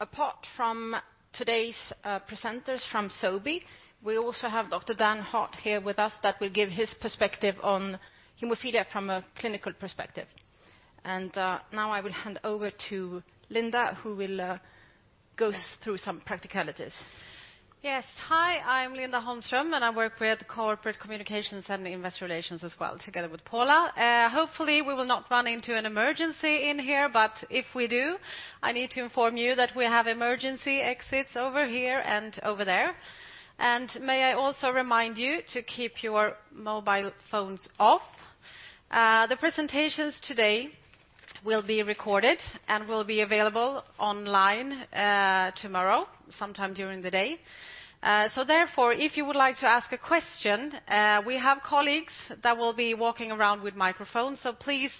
Apart from today's presenters from Sobi, we also have Dr. Dan Hart here with us that will give his perspective on hemophilia from a clinical perspective, and now I will hand over to Linda, who will go through some practicalities. Yes, hi, I'm Linda Holmström, and I work with Corporate Communications and Investor Relations as well, together with Paula. Hopefully, we will not run into an emergency in here, but if we do, I need to inform you that we have emergency exits over here and over there, and may I also remind you to keep your mobile phones off? The presentations today will be recorded and will be available online tomorrow, sometime during the day, so therefore, if you would like to ask a question, we have colleagues that will be walking around with microphones, so please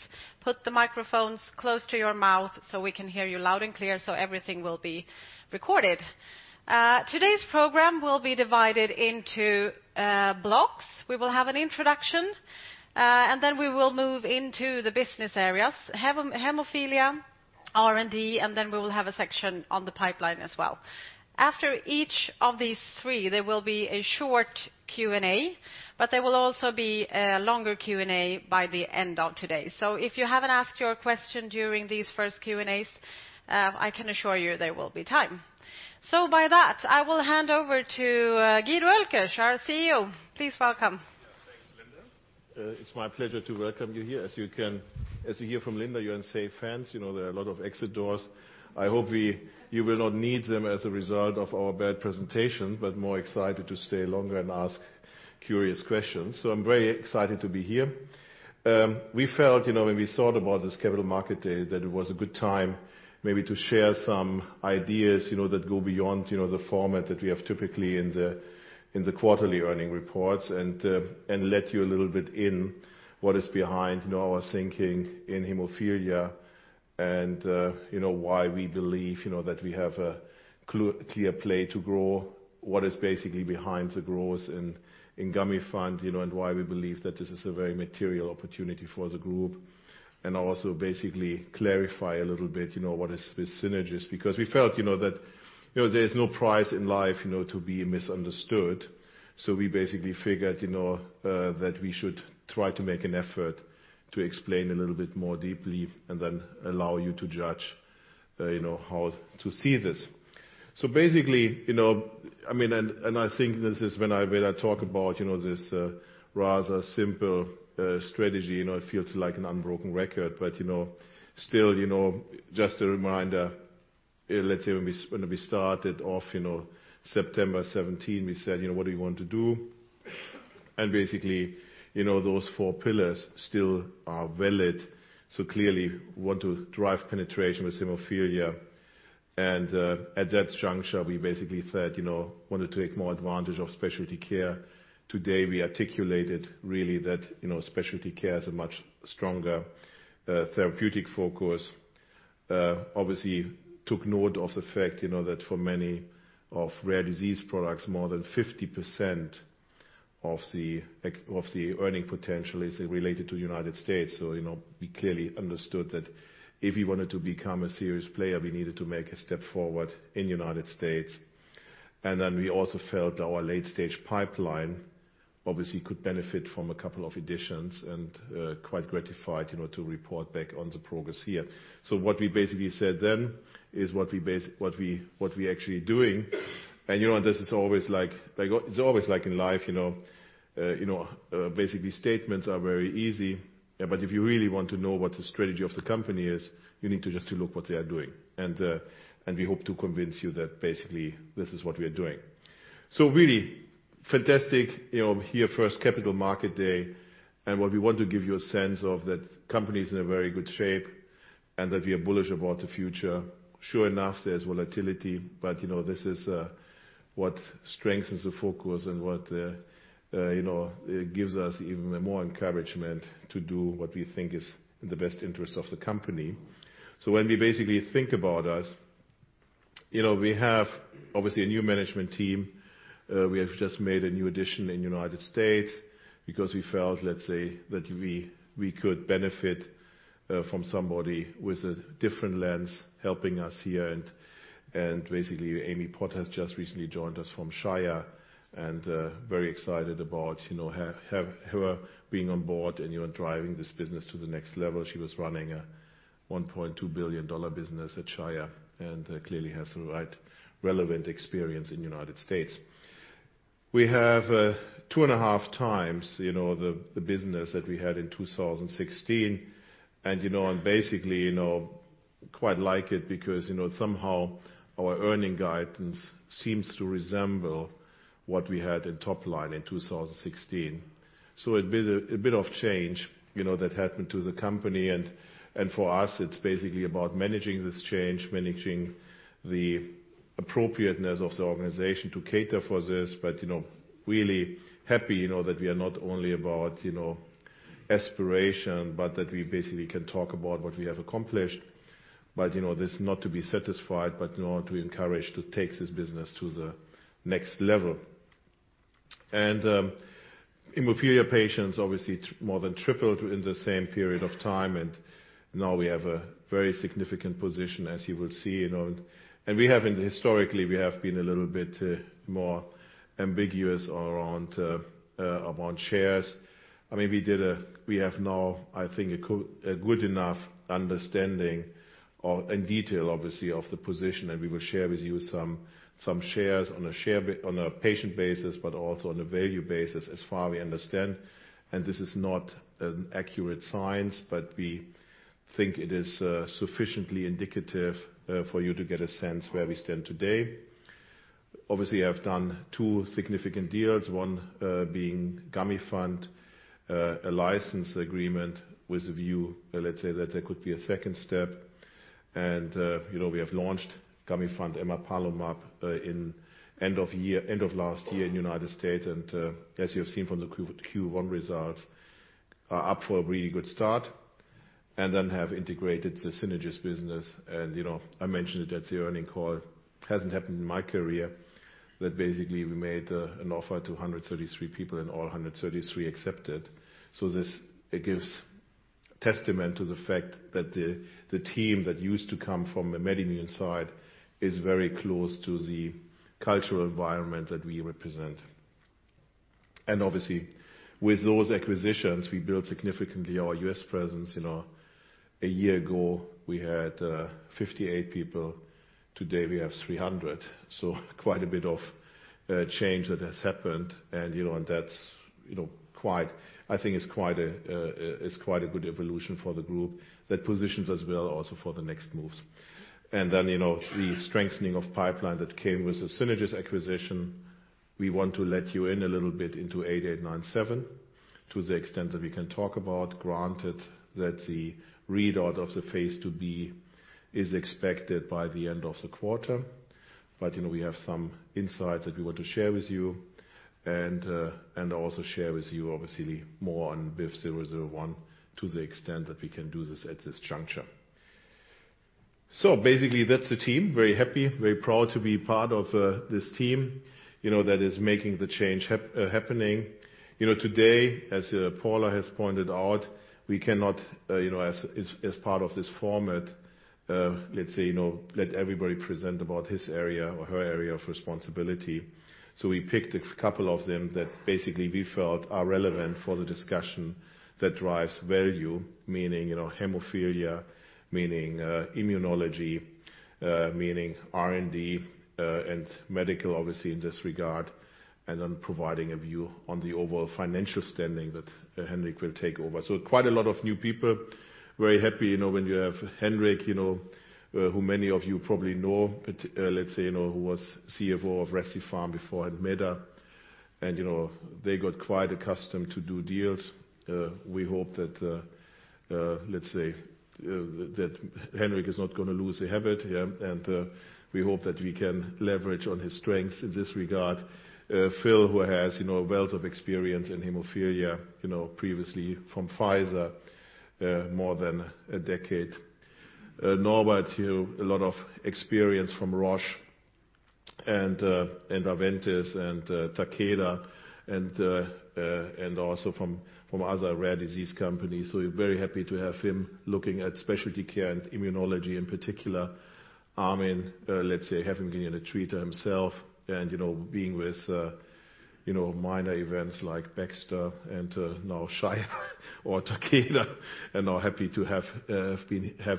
put the microphones close to your mouth so we can hear you loud and clear so everything will be recorded. Today's program will be divided into blocks. We will have an introduction, and then we will move into the business areas: Hemophilia, R&D, and then we will have a section on the pipeline as well. After each of these three, there will be a short Q&A, but there will also be a longer Q&A by the end of today. So if you haven't asked your question during these first Q&As, I can assure you there will be time. So by that, I will hand over to Guido Oelkers, our CEO. Please welcome. Thanks, Linda. It's my pleasure to welcome you here. As you hear from Linda, you're in safe hands. There are a lot of exit doors. I hope you will not need them as a result of our bad presentation, but more excited to stay longer and ask curious questions. So I'm very excited to be here. We felt, when we thought about this Capital Market Day, that it was a good time maybe to share some ideas that go beyond the format that we have typically in the quarterly earnings reports and let you a little bit in what is behind our thinking in hemophilia and why we believe that we have a clear play to grow what is basically behind the growth in Gamifant and why we believe that this is a very material opportunity for the group. Also basically clarify a little bit what is this Synagis because we felt that there is no prize in life to be misunderstood. So we basically figured that we should try to make an effort to explain a little bit more deeply and then allow you to judge how to see this. So basically, I mean, and I think this is when I talk about this rather simple strategy, it feels like a broken record, but still, just a reminder. Let's say when we started off September 17, we said, "What do you want to do?" And basically, those four pillars still are valid. So clearly, we want to drive penetration with hemophilia. And at that juncture, we basically said, "Want to take more advantage of Specialty Care." Today, we articulated really that Specialty Care has a much stronger therapeutic focus. Obviously, took note of the fact that for many of rare disease products, more than 50% of the earning potential is related to the United States, so we clearly understood that if we wanted to become a serious player, we needed to make a step forward in the United States, and then we also felt our late-stage pipeline obviously could benefit from a couple of additions and quite gratified to report back on the progress here, so what we basically said then is what we actually are doing, and this is always like in life, basically statements are very easy, but if you really want to know what the strategy of the company is, you need to just look at what they are doing, and we hope to convince you that basically this is what we are doing. So really fantastic here, first Capital Markets Day, and what we want to give you a sense of that the company is in very good shape and that we are bullish about the future. Sure enough, there's volatility, but this is what strengthens the focus and what gives us even more encouragement to do what we think is in the best interest of the company. When we basically think about us, we have obviously a new management team. We have just made a new addition in the United States because we felt, let's say, that we could benefit from somebody with a different lens helping us here. Basically, Amy Pott has just recently joined us from Shire and very excited about her being on board and driving this business to the next level. She was running a $1.2 billion business at Shire and clearly has the right relevant experience in the United States. We have two and a half times the business that we had in 2016, and basically quite like it because somehow our earnings guidance seems to resemble what we had in top line in 2016, so a bit of change that happened to the company, and for us, it's basically about managing this change, managing the appropriateness of the organization to cater for this, but really happy that we are not only about aspiration, but that we basically can talk about what we have accomplished, but this not to be satisfied, but to encourage to take this business to the next level, and hemophilia patients obviously more than tripled in the same period of time, and now we have a very significant position, as you will see. And we have historically been a little bit more ambiguous around shares. I mean, we have now, I think, a good enough understanding in detail, obviously, of the position, and we will share with you some shares on a patient basis, but also on a value basis as far as we understand. And this is not an accurate science, but we think it is sufficiently indicative for you to get a sense where we stand today. Obviously, I have done two significant deals, one being Gamifant, a license agreement with a view, let's say, that there could be a second step. And we have launched Gamifant emapalumab at the end of last year in the United States. And as you have seen from the Q1 results, it is off to a really good start. And we have then integrated the Synagis business. I mentioned it at the earnings call that hasn't happened in my career, that basically we made an offer to 133 people and all 133 accepted. So this gives testament to the fact that the team that used to come from the MedImmune side is very close to the cultural environment that we represent. And obviously, with those acquisitions, we built significantly our U.S. presence. A year ago, we had 58 people. Today, we have 300. So quite a bit of change that has happened. And that's, I think, is quite a good evolution for the group that positions us well also for the next moves. And then the strengthening of pipeline that came with the Synagis acquisition, we want to let you in a little bit into 8897 to the extent that we can talk about, granted that the readout of the phase II-B is expected by the end of the quarter. But we have some insights that we want to share with you and also share with you, obviously, more on BIVV001 to the extent that we can do this at this juncture. So basically, that's the team. Very happy, very proud to be part of this team that is making the change happening. Today, as Paula has pointed out, we cannot, as part of this format, let's say, let everybody present about his area or her area of responsibility. So we picked a couple of them that basically we felt are relevant for the discussion that drives value, meaning hemophilia, meaning immunology, meaning R&D and medical, obviously, in this regard, and then providing a view on the overall financial standing that Henrik will take over. So quite a lot of new people. Very happy when you have Henrik, who many of you probably know, let's say, who was CFO of Recipharm before and Meda. And they got quite accustomed to do deals. We hope that, let's say, that Henrik is not going to lose the habit. And we hope that we can leverage on his strengths in this regard. Phil, who has wealth of experience in hemophilia previously from Pfizer, more than a decade. Norbert, a lot of experience from Roche and Aventis and Takeda and also from other rare disease companies. We're very happy to have him looking at Specialty Care and immunology in particular. Armin, having been a treater himself and being with companies like Baxter and now Shire or Takeda, and now happy to have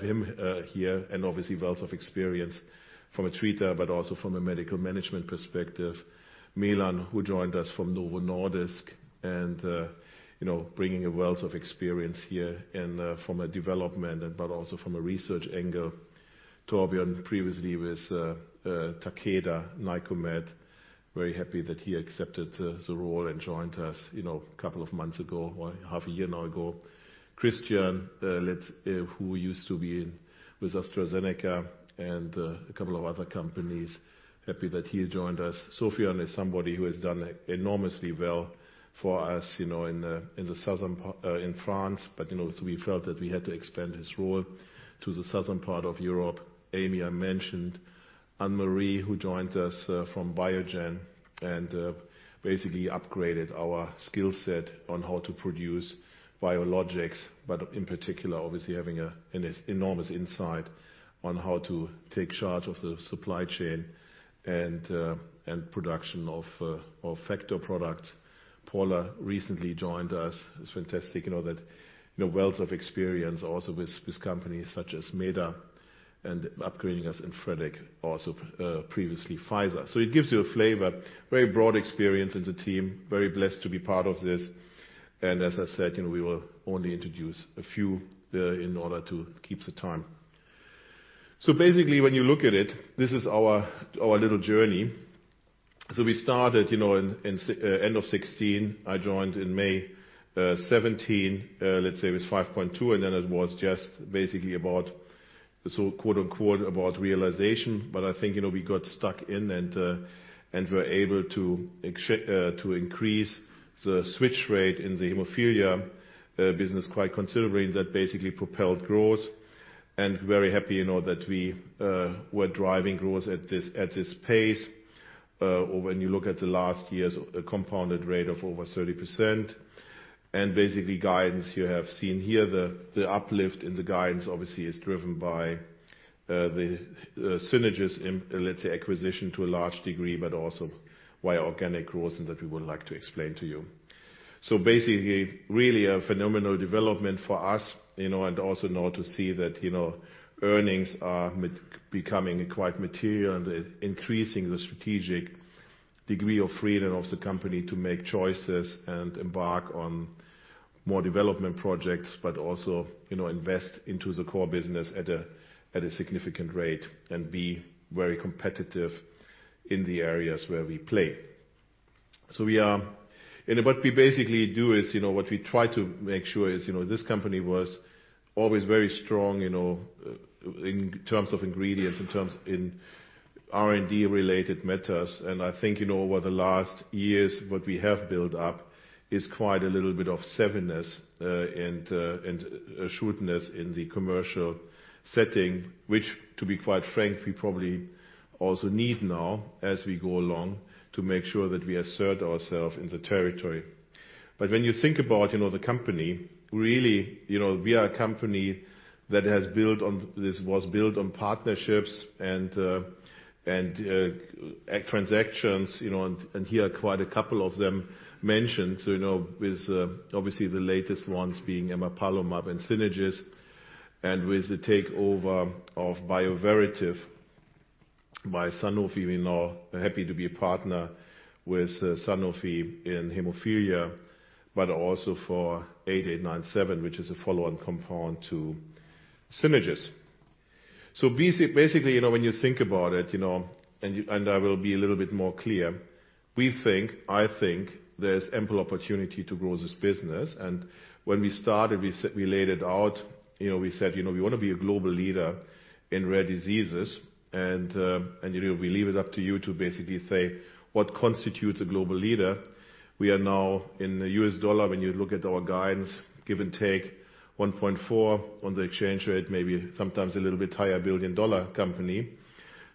him here and obviously wealth of experience from a treater, but also from a medical management perspective. Milan, who joined us from Novo Nordisk and bringing a wealth of experience here from a development, but also from a research angle. Torbjörn, previously with Takeda, Nycomed. Very happy that he accepted the role and joined us a couple of months ago or half a year now ago. Christian, who used to be with AstraZeneca and a couple of other companies, happy that he joined us. Sofiane is somebody who has done enormously well for us in the southern part in France, but we felt that we had to expand his role to the southern part of Europe. Amy I mentioned. Anne-Marie, who joined us from Biogen and basically upgraded our skill set on how to produce biologics, but in particular, obviously having an enormous insight on how to take charge of the supply chain and production of factor products. Paula recently joined us. It's fantastic that wealth of experience also with companies such as Meda and upgrading us in Fredrik, also previously Pfizer. So it gives you a flavor. Very broad experience in the team. Very blessed to be part of this. And as I said, we will only introduce a few in order to keep the time. So basically, when you look at it, this is our little journey. We started at the end of 2016. I joined in May 2017, let's say, with 5.2, and then it was just basically about the so-called "realization," but I think we got stuck in and were able to increase the switch rate in the hemophilia business quite considerably, and that basically propelled growth, and we were very happy that we were driving growth at this pace. When you look at last year's compounded rate of over 30%. The guidance you have seen here, the uplift in the guidance obviously is driven by the Synagis acquisition to a large degree, but also with organic growth, and that we would like to explain to you. So basically, really a phenomenal development for us and also now to see that earnings are becoming quite material and increasing the strategic degree of freedom of the company to make choices and embark on more development projects, but also invest into the core business at a significant rate and be very competitive in the areas where we play. So what we basically do is what we try to make sure is this company was always very strong in terms of intelligence, in terms of R&D related matters. And I think over the last years, what we have built up is quite a bit of savviness and assuredness in the commercial setting, which to be quite frank, we probably also need now as we go along to make sure that we assert ourselves in the territory. But when you think about the company, really, we are a company that was built on partnerships and transactions, and here quite a couple of them mentioned, with obviously the latest ones being emapalumab and Synagis and with the takeover of Bioverativ by Sanofi. We're now happy to be a partner with Sanofi in hemophilia, but also for 8897, which is a follow-on compound to Synagis. So basically, when you think about it, and I will be a little bit more clear, we think, I think there's ample opportunity to grow this business. And when we started, we laid it out, we said, "We want to be a global leader in rare diseases." And we leave it up to you to basically say what constitutes a global leader. We are now in the U.S. dollar, when you look at our guidance, give or take $1.4 on the exchange rate, maybe sometimes a little bit higher billion dollar company,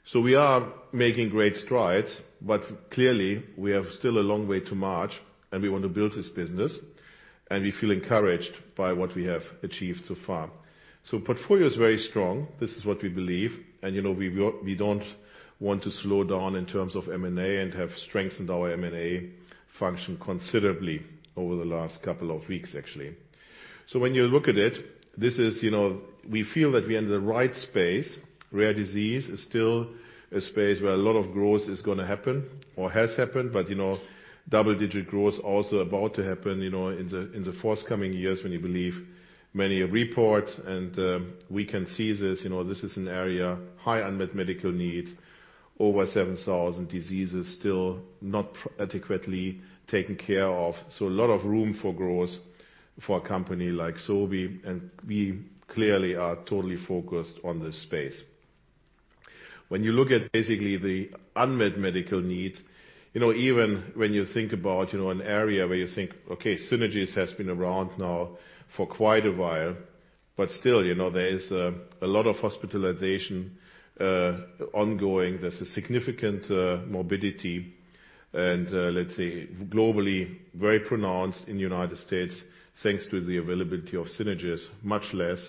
so we are making great strides, but clearly, we have still a long way to go, and we want to build this business, and we feel encouraged by what we have achieved so far. So portfolio is very strong. This is what we believe and we don't want to slow down in terms of M&A and have strengthened our M&A function considerably over the last couple of weeks, actually, so when you look at it, we feel that we are in the right space. Rare disease is still a space where a lot of growth is going to happen or has happened, but double-digit growth also about to happen in the forthcoming years when you believe many reports, and we can see this. This is an area high unmet medical needs, over 7,000 diseases still not adequately taken care of. So a lot of room for growth for a company like Sobi, and we clearly are totally focused on this space. When you look at basically the unmet medical need, even when you think about an area where you think, "Okay, Synagis has been around now for quite a while," but still, there is a lot of hospitalization ongoing. There's a significant morbidity, and let's say, globally, very pronounced in the United States thanks to the availability of Synagis, much less,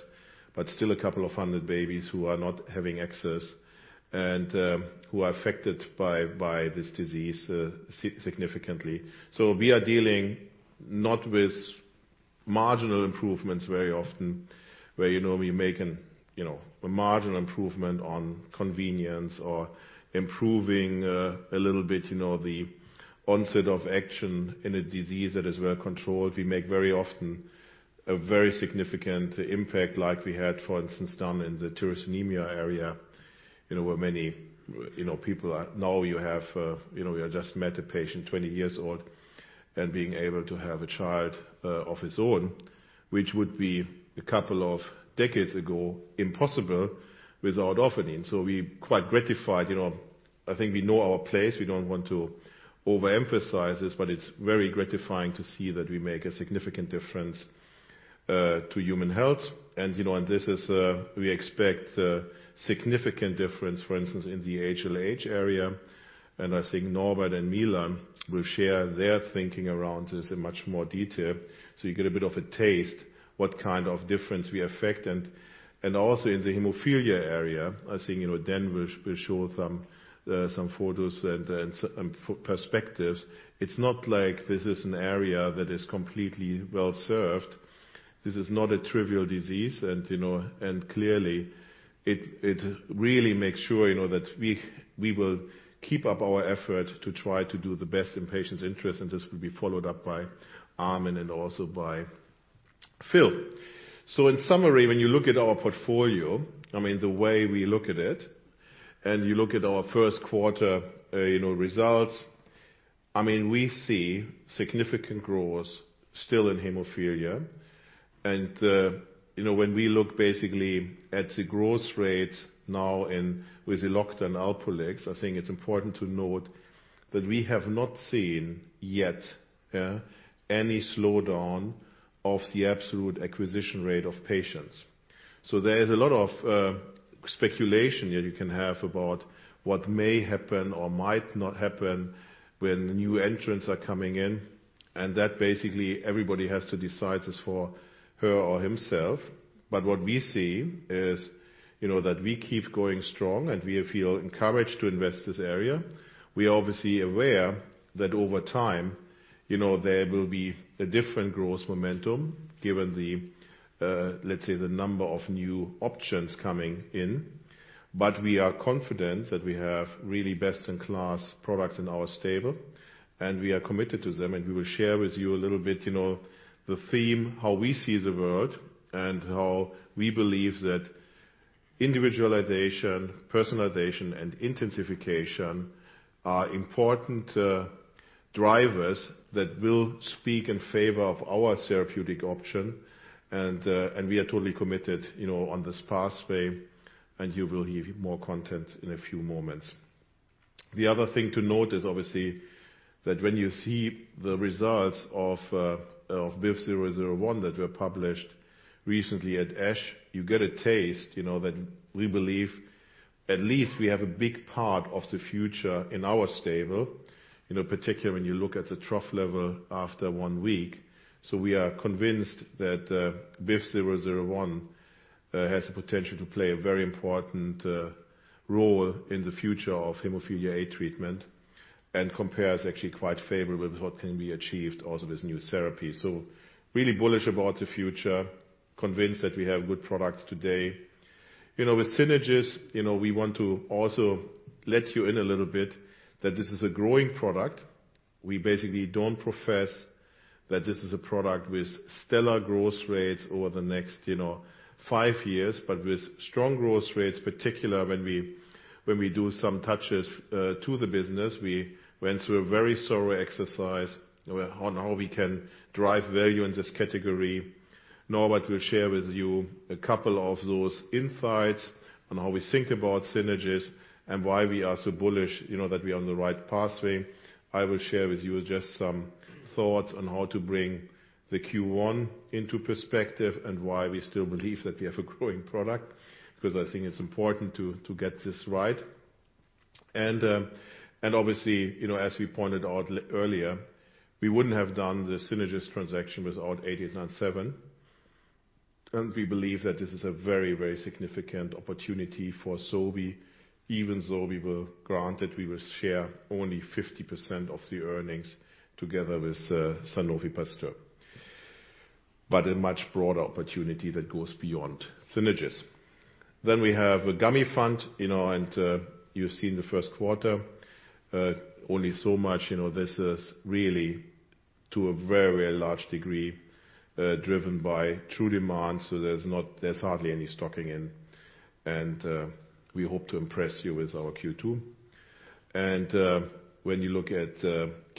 but still a couple of hundred babies who are not having access and who are affected by this disease significantly. So we are dealing not with marginal improvements very often, where we make a marginal improvement on convenience or improving a little bit the onset of action in a disease that is well controlled. We make very often a very significant impact, like we had, for instance, done in the tyrosinemia area, where many people now you have just met a patient 20 years old and being able to have a child of his own, which would be a couple of decades ago impossible without offering. So we quite gratified. I think we know our place. We don't want to overemphasize this, but it's very gratifying to see that we make a significant difference to human health. This is what we expect: significant difference, for instance, in the HLH area. I think Norbert and Milan will share their thinking around this in much more detail. You get a bit of a taste of what kind of difference we affect. Also in the hemophilia area, I think Dan will show some photos and perspectives. It's not like this is an area that is completely well served. This is not a trivial disease. Clearly, it really makes sure that we will keep up our effort to try to do the best in patients' interest. This will be followed up by Armin and also by Phil. So in summary, when you look at our portfolio, I mean, the way we look at it, and you look at our first quarter results, I mean, we see significant growth still in hemophilia. And when we look basically at the growth rates now with the long-acting Alprolix, I think it's important to note that we have not seen yet any slowdown of the absolute acquisition rate of patients. So there is a lot of speculation that you can have about what may happen or might not happen when new entrants are coming in. And that basically everybody has to decide this for her or himself. But what we see is that we keep going strong, and we feel encouraged to invest this area. We are obviously aware that over time, there will be a different growth momentum given the, let's say, the number of new options coming in. But we are confident that we have really best-in-class products in our stable, and we are committed to them. We will share with you a little bit the theme, how we see the world, and how we believe that individualization, personalization, and intensification are important drivers that will speak in favor of our therapeutic option. We are totally committed on this pathway, and you will hear more content in a few moments. The other thing to note is obviously that when you see the results of BIVV001 that were published recently at ASH, you get a taste that we believe at least we have a big part of the future in our stable, particularly when you look at the trough level after one week. We are convinced that BIVV001 has the potential to play a very important role in the future of hemophilia A treatment and compares actually quite favorably with what can be achieved also with new therapy. We are really bullish about the future, convinced that we have good products today. With Synagis, we want to also let you in a little bit that this is a growing product. We basically don't profess that this is a product with stellar growth rates over the next five years, but with strong growth rates, particularly when we do some touches to the business. We went through a very thorough exercise on how we can drive value in this category. Norbert will share with you a couple of those insights on how we think about Synagis and why we are so bullish that we are on the right pathway. I will share with you just some thoughts on how to bring the Q1 into perspective and why we still believe that we have a growing product because I think it's important to get this right. And obviously, as we pointed out earlier, we wouldn't have done the Synagis transaction without 8897. And we believe that this is a very, very significant opportunity for Sobi, even though we were granted we will share only 50% of the earnings together with Sanofi Pasteur, but a much broader opportunity that goes beyond Synagis. Then we have a Gamifant, and you've seen the first quarter, only so much. This is really to a very, very large degree driven by true demand. So there's hardly any stocking in, and we hope to impress you with our Q2. And when you look at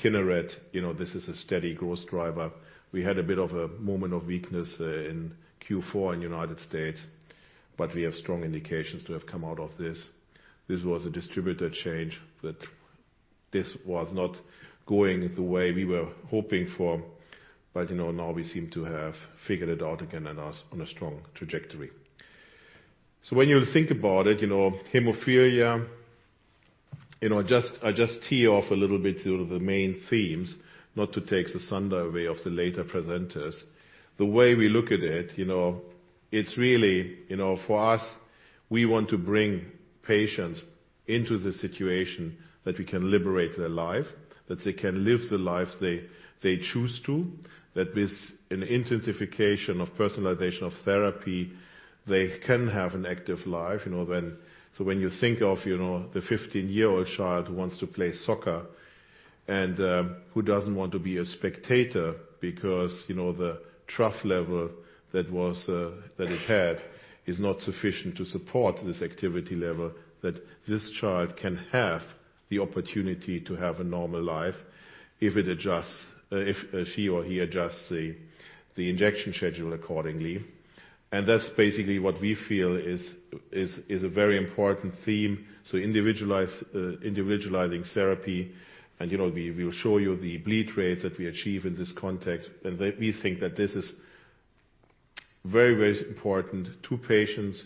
Kineret, this is a steady growth driver. We had a bit of a moment of weakness in Q4 in the United States, but we have strong indications to have come out of this. This was a distributor change that this was not going the way we were hoping for, but now we seem to have figured it out again and are on a strong trajectory. So when you think about it, hemophilia, I just tee off a little bit to the main themes, not to take the sun away of the later presenters. The way we look at it, it's really for us, we want to bring patients into the situation that we can liberate their life, that they can live the lives they choose to, that with an intensification of personalization of therapy, they can have an active life. So when you think of the 15-year-old child who wants to play soccer and who doesn't want to be a spectator because the trough level that it had is not sufficient to support this activity level, that this child can have the opportunity to have a normal life if she or he adjusts the injection schedule accordingly. And that's basically what we feel is a very important theme. So individualizing therapy, and we will show you the bleed rates that we achieve in this context. And we think that this is very, very important to patients.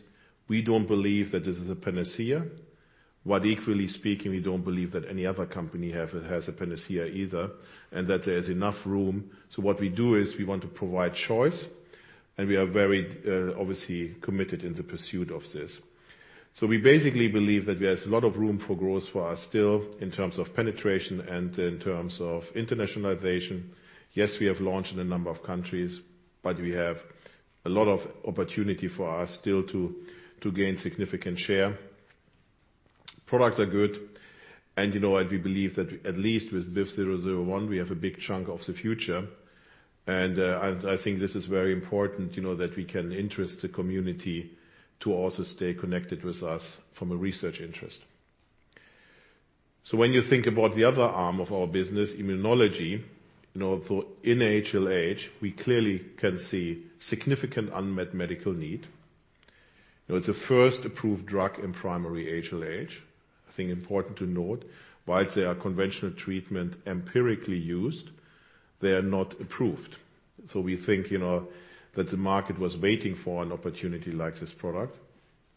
We don't believe that this is a panacea, but equally speaking, we don't believe that any other company has a panacea either, and that there is enough room. So what we do is we want to provide choice, and we are very obviously committed in the pursuit of this. We basically believe that there's a lot of room for growth for us still in terms of penetration and in terms of internationalization. Yes, we have launched in a number of countries, but we have a lot of opportunity for us still to gain significant share. Products are good, and we believe that at least with BIVV001, we have a big chunk of the future. I think this is very important that we can interest the community to also stay connected with us from a research interest. When you think about the other arm of our business, immunology, in HLH, we clearly can see significant unmet medical need. It's a first-approved drug in primary HLH. I think important to note, while they are conventional treatment empirically used, they are not approved. We think that the market was waiting for an opportunity like this product.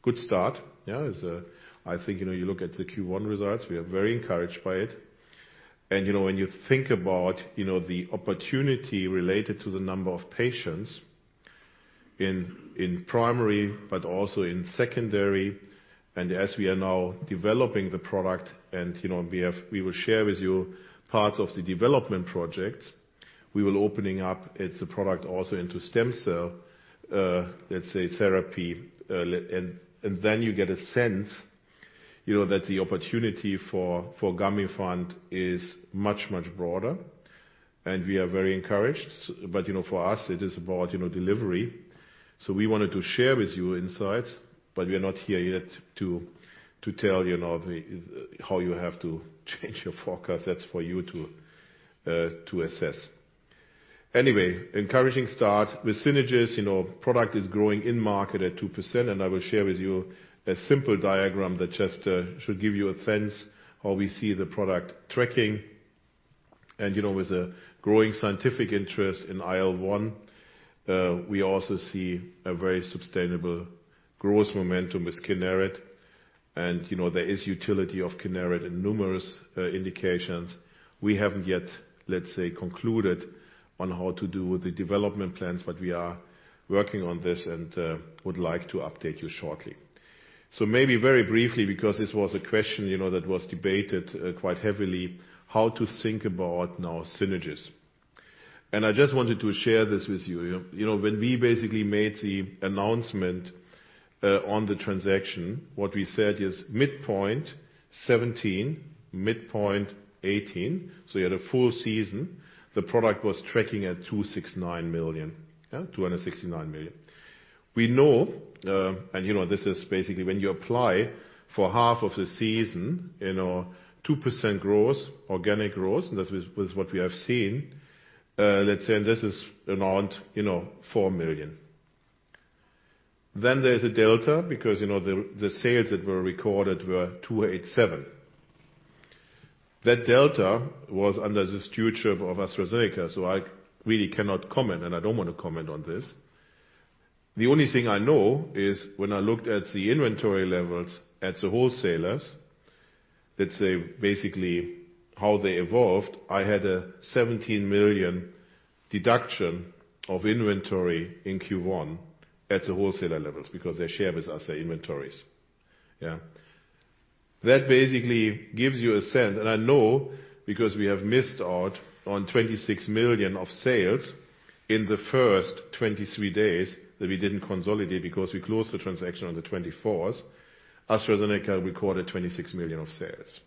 Good start. I think you look at the Q1 results, we are very encouraged by it. And when you think about the opportunity related to the number of patients in primary, but also in secondary, and as we are now developing the product, and we will opening up the product also into stem cell, let's say, therapy. And then you get a sense that the opportunity for Gamifant is much, much broader. And we are very encouraged. But for us, it is about delivery. So we wanted to share with you insights, but we are not here yet to tell how you have to change your forecast. That's for you to assess. Anyway, encouraging start with Synagis. Product is growing in market at 2%, and I will share with you a simple diagram that just should give you a sense how we see the product tracking. And with a growing scientific interest in IL-1, we also see a very sustainable growth momentum with Kineret. And there is utility of Kineret in numerous indications. We haven't yet, let's say, concluded on how to do the development plans, but we are working on this and would like to update you shortly. So maybe very briefly, because this was a question that was debated quite heavily, how to think about now Synagis. And I just wanted to share this with you. When we basically made the announcement on the transaction, what we said is midpoint 17, midpoint 18. So you had a full season. The product was tracking at $269 million, $269 million. We know, and this is basically when you apply for half of the season, 2% growth, organic growth, and that's what we have seen, let's say, and this is around $4 million. Then there's a delta because the sales that were recorded were $287 million. That delta was under the stewardship of AstraZeneca. So I really cannot comment, and I don't want to comment on this. The only thing I know is when I looked at the inventory levels at the wholesalers, let's say, basically how they evolved, I had a $17 million deduction of inventory in Q1 at the wholesaler levels because they share with us their inventories. Yeah. That basically gives you a sense, and I know because we have missed out on $26 million of sales in the first 23 days that we didn't consolidate because we closed the transaction on the 24th. AstraZeneca recorded $26 million of sales.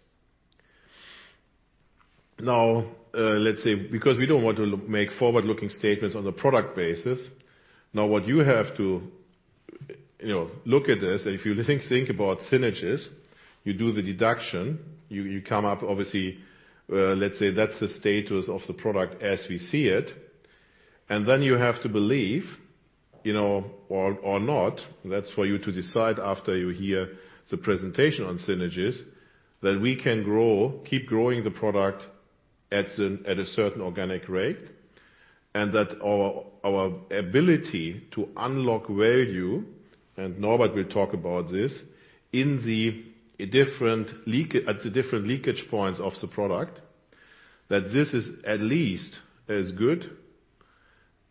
Now, let's say, because we don't want to make forward-looking statements on the product basis, now what you have to look at this, and if you think about Synagis, you do the deduction, you come up, obviously, let's say that's the status of the product as we see it. And then you have to believe or not, that's for you to decide after you hear the presentation on Synagis, that we can keep growing the product at a certain organic rate and that our ability to unlock value, and Norbert will talk about this, in the different leakage points of the product, that this is at least as good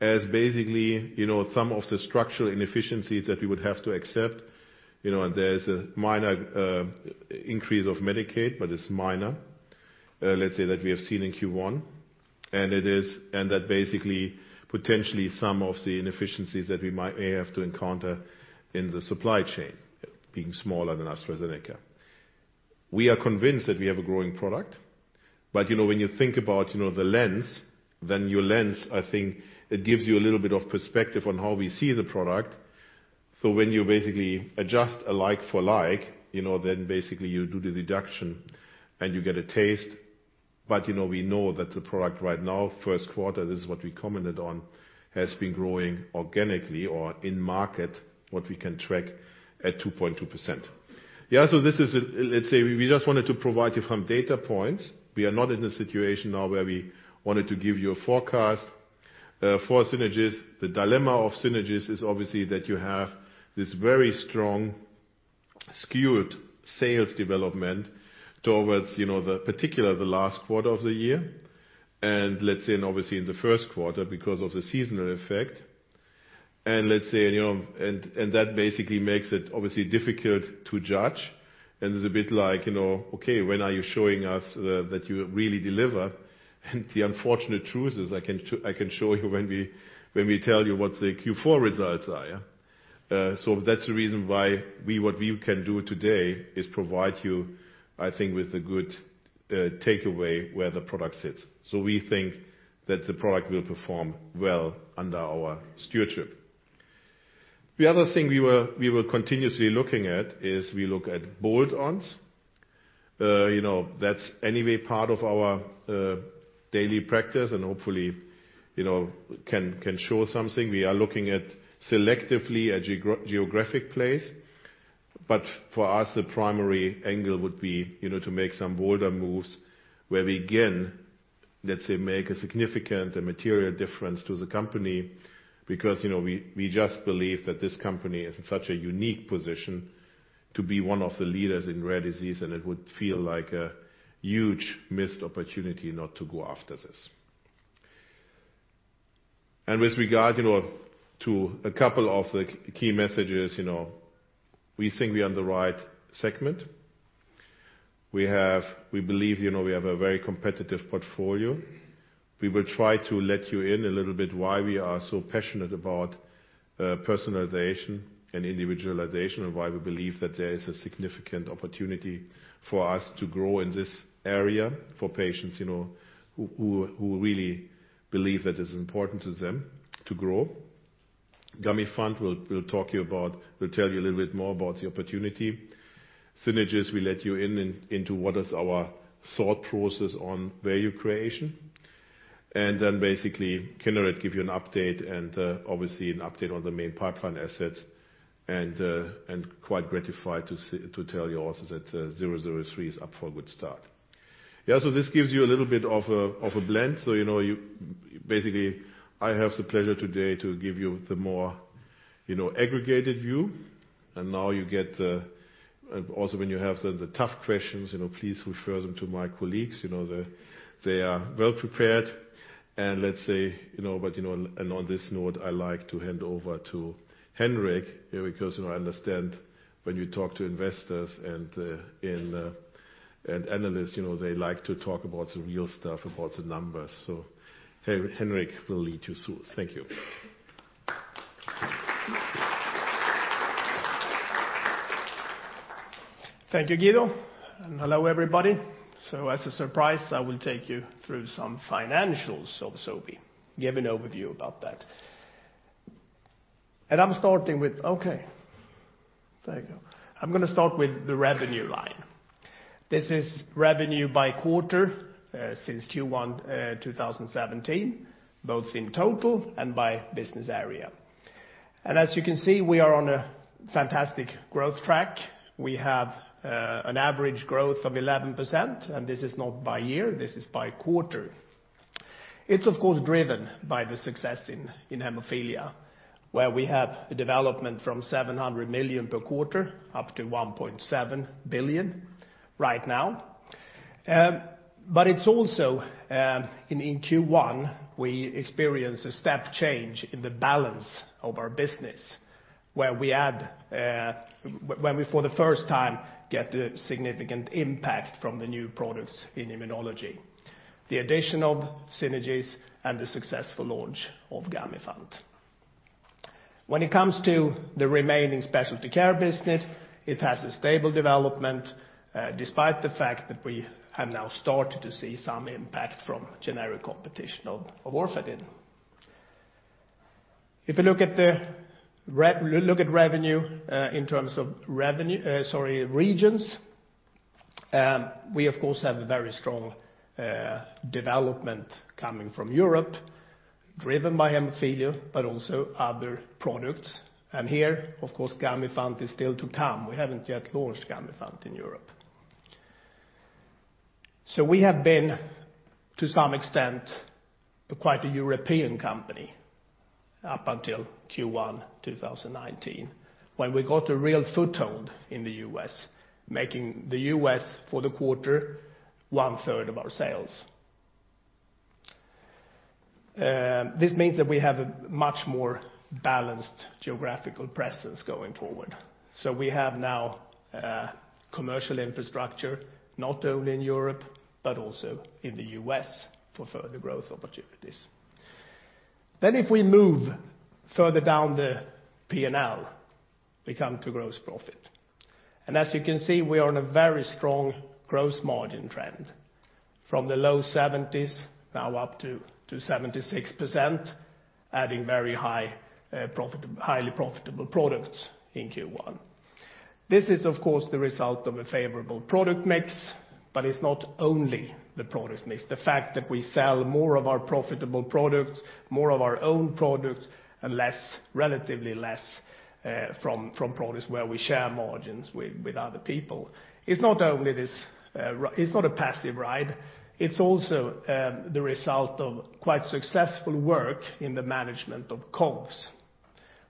as basically some of the structural inefficiencies that we would have to accept. And there's a minor increase of Medicaid, but it's minor, let's say, that we have seen in Q1. And that basically potentially some of the inefficiencies that we may have to encounter in the supply chain, being smaller than AstraZeneca. We are convinced that we have a growing product, but when you think about the lens, then your lens, I think, it gives you a little bit of perspective on how we see the product. So when you basically adjust a like for like, then basically you do the deduction and you get a taste. But we know that the product right now, first quarter, this is what we commented on, has been growing organically or in market, what we can track at 2.2%. Yeah. So this is, let's say, we just wanted to provide you some data points. We are not in a situation now where we wanted to give you a forecast for Synagis. The dilemma of Synagis is obviously that you have this very strong skewed sales development towards particularly the last quarter of the year, and obviously in the first quarter because of the seasonal effect. That basically makes it obviously difficult to judge. It's a bit like, okay, when are you showing us that you really deliver? The unfortunate truth is I can show you when we tell you what the Q4 results are. So that's the reason why what we can do today is provide you, I think, with a good takeaway where the product sits. So we think that the product will perform well under our stewardship. The other thing we were continuously looking at is we look at bolt-ons. That's anyway part of our daily practice and hopefully can show something. We are looking at selectively a geographic place. But for us, the primary angle would be to make some bolder moves where we can, let's say, make a significant and material difference to the company because we just believe that this company is in such a unique position to be one of the leaders in rare disease, and it would feel like a huge missed opportunity not to go after this. And with regard to a couple of the key messages, we think we are in the right segment. We believe we have a very competitive portfolio. We will try to let you in a little bit why we are so passionate about personalization and individualization and why we believe that there is a significant opportunity for us to grow in this area for patients who really believe that it's important to them to grow. Gamifant will talk to you about, will tell you a little bit more about the opportunity. Synagis, we let you in into what is our thought process on value creation. And then basically, Kineret give you an update and obviously an update on the main pipeline assets and quite gratified to tell you also that 003 is up for a good start. Yeah. So this gives you a little bit of a blend. So basically, I have the pleasure today to give you the more aggregated view. And now you get also when you have the tough questions, please refer them to my colleagues. They are well prepared. And let's say, but on this note, I like to hand over to Henrik because I understand when you talk to investors and analysts, they like to talk about the real stuff, about the numbers. So Henrik will lead you through. Thank you. Thank you, Guido, and hello, everybody. As a surprise, I will take you through some financials of Sobi, give an overview about that. I'm starting with, okay, there you go. I'm going to start with the revenue line. This is revenue by quarter since Q1 2017, both in total and by business area. As you can see, we are on a fantastic growth track. We have an average growth of 11%, and this is not by year, this is by quarter. It's, of course, driven by the success in hemophilia, where we have a development from 700 million per quarter up to 1.7 billion right now. But it's also in Q1, we experienced a step change in the balance of our business, where we add, when we for the first time get a significant impact from the new products in immunology, the addition of Synagis and the successful launch of Gamifant. When it comes to the remaining Specialty Care business, it has a stable development despite the fact that we have now started to see some impact from generic competition of Orfadin. If you look at revenue in terms of regions, we, of course, have a very strong development coming from Europe, driven by hemophilia, but also other products. And here, of course, Gamifant is still to come. We haven't yet launched Gamifant in Europe. So we have been, to some extent, quite a European company up until Q1 2019, when we got a real foothold in the U.S., making the U.S. for the quarter 1/3 of our sales. This means that we have a much more balanced geographical presence going forward. So we have now commercial infrastructure, not only in Europe, but also in the U.S. for further growth opportunities. Then if we move further down the P&L, we come to gross profit. And as you can see, we are on a very strong gross margin trend from the low 70s, now up to 76%, adding very highly profitable products in Q1. This is, of course, the result of a favorable product mix, but it's not only the product mix. The fact that we sell more of our profitable products, more of our own products, and relatively less from products where we share margins with other people. It's not only this. It's not a passive ride. It's also the result of quite successful work in the management of COGS,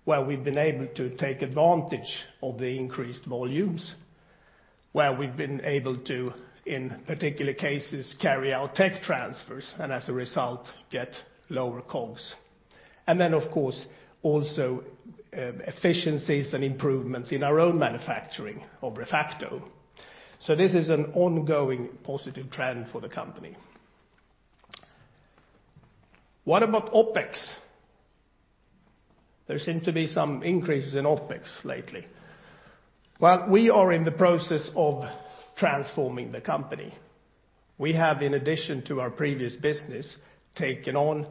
where we've been able to take advantage of the increased volumes, where we've been able to, in particular cases, carry out tech transfers and as a result, get lower COGS. And then, of course, also efficiencies and improvements in our own manufacturing of ReFacto. So this is an ongoing positive trend for the company. What about OpEx? There seem to be some increases in OpEx lately. Well, we are in the process of transforming the company. We have, in addition to our previous business, taken on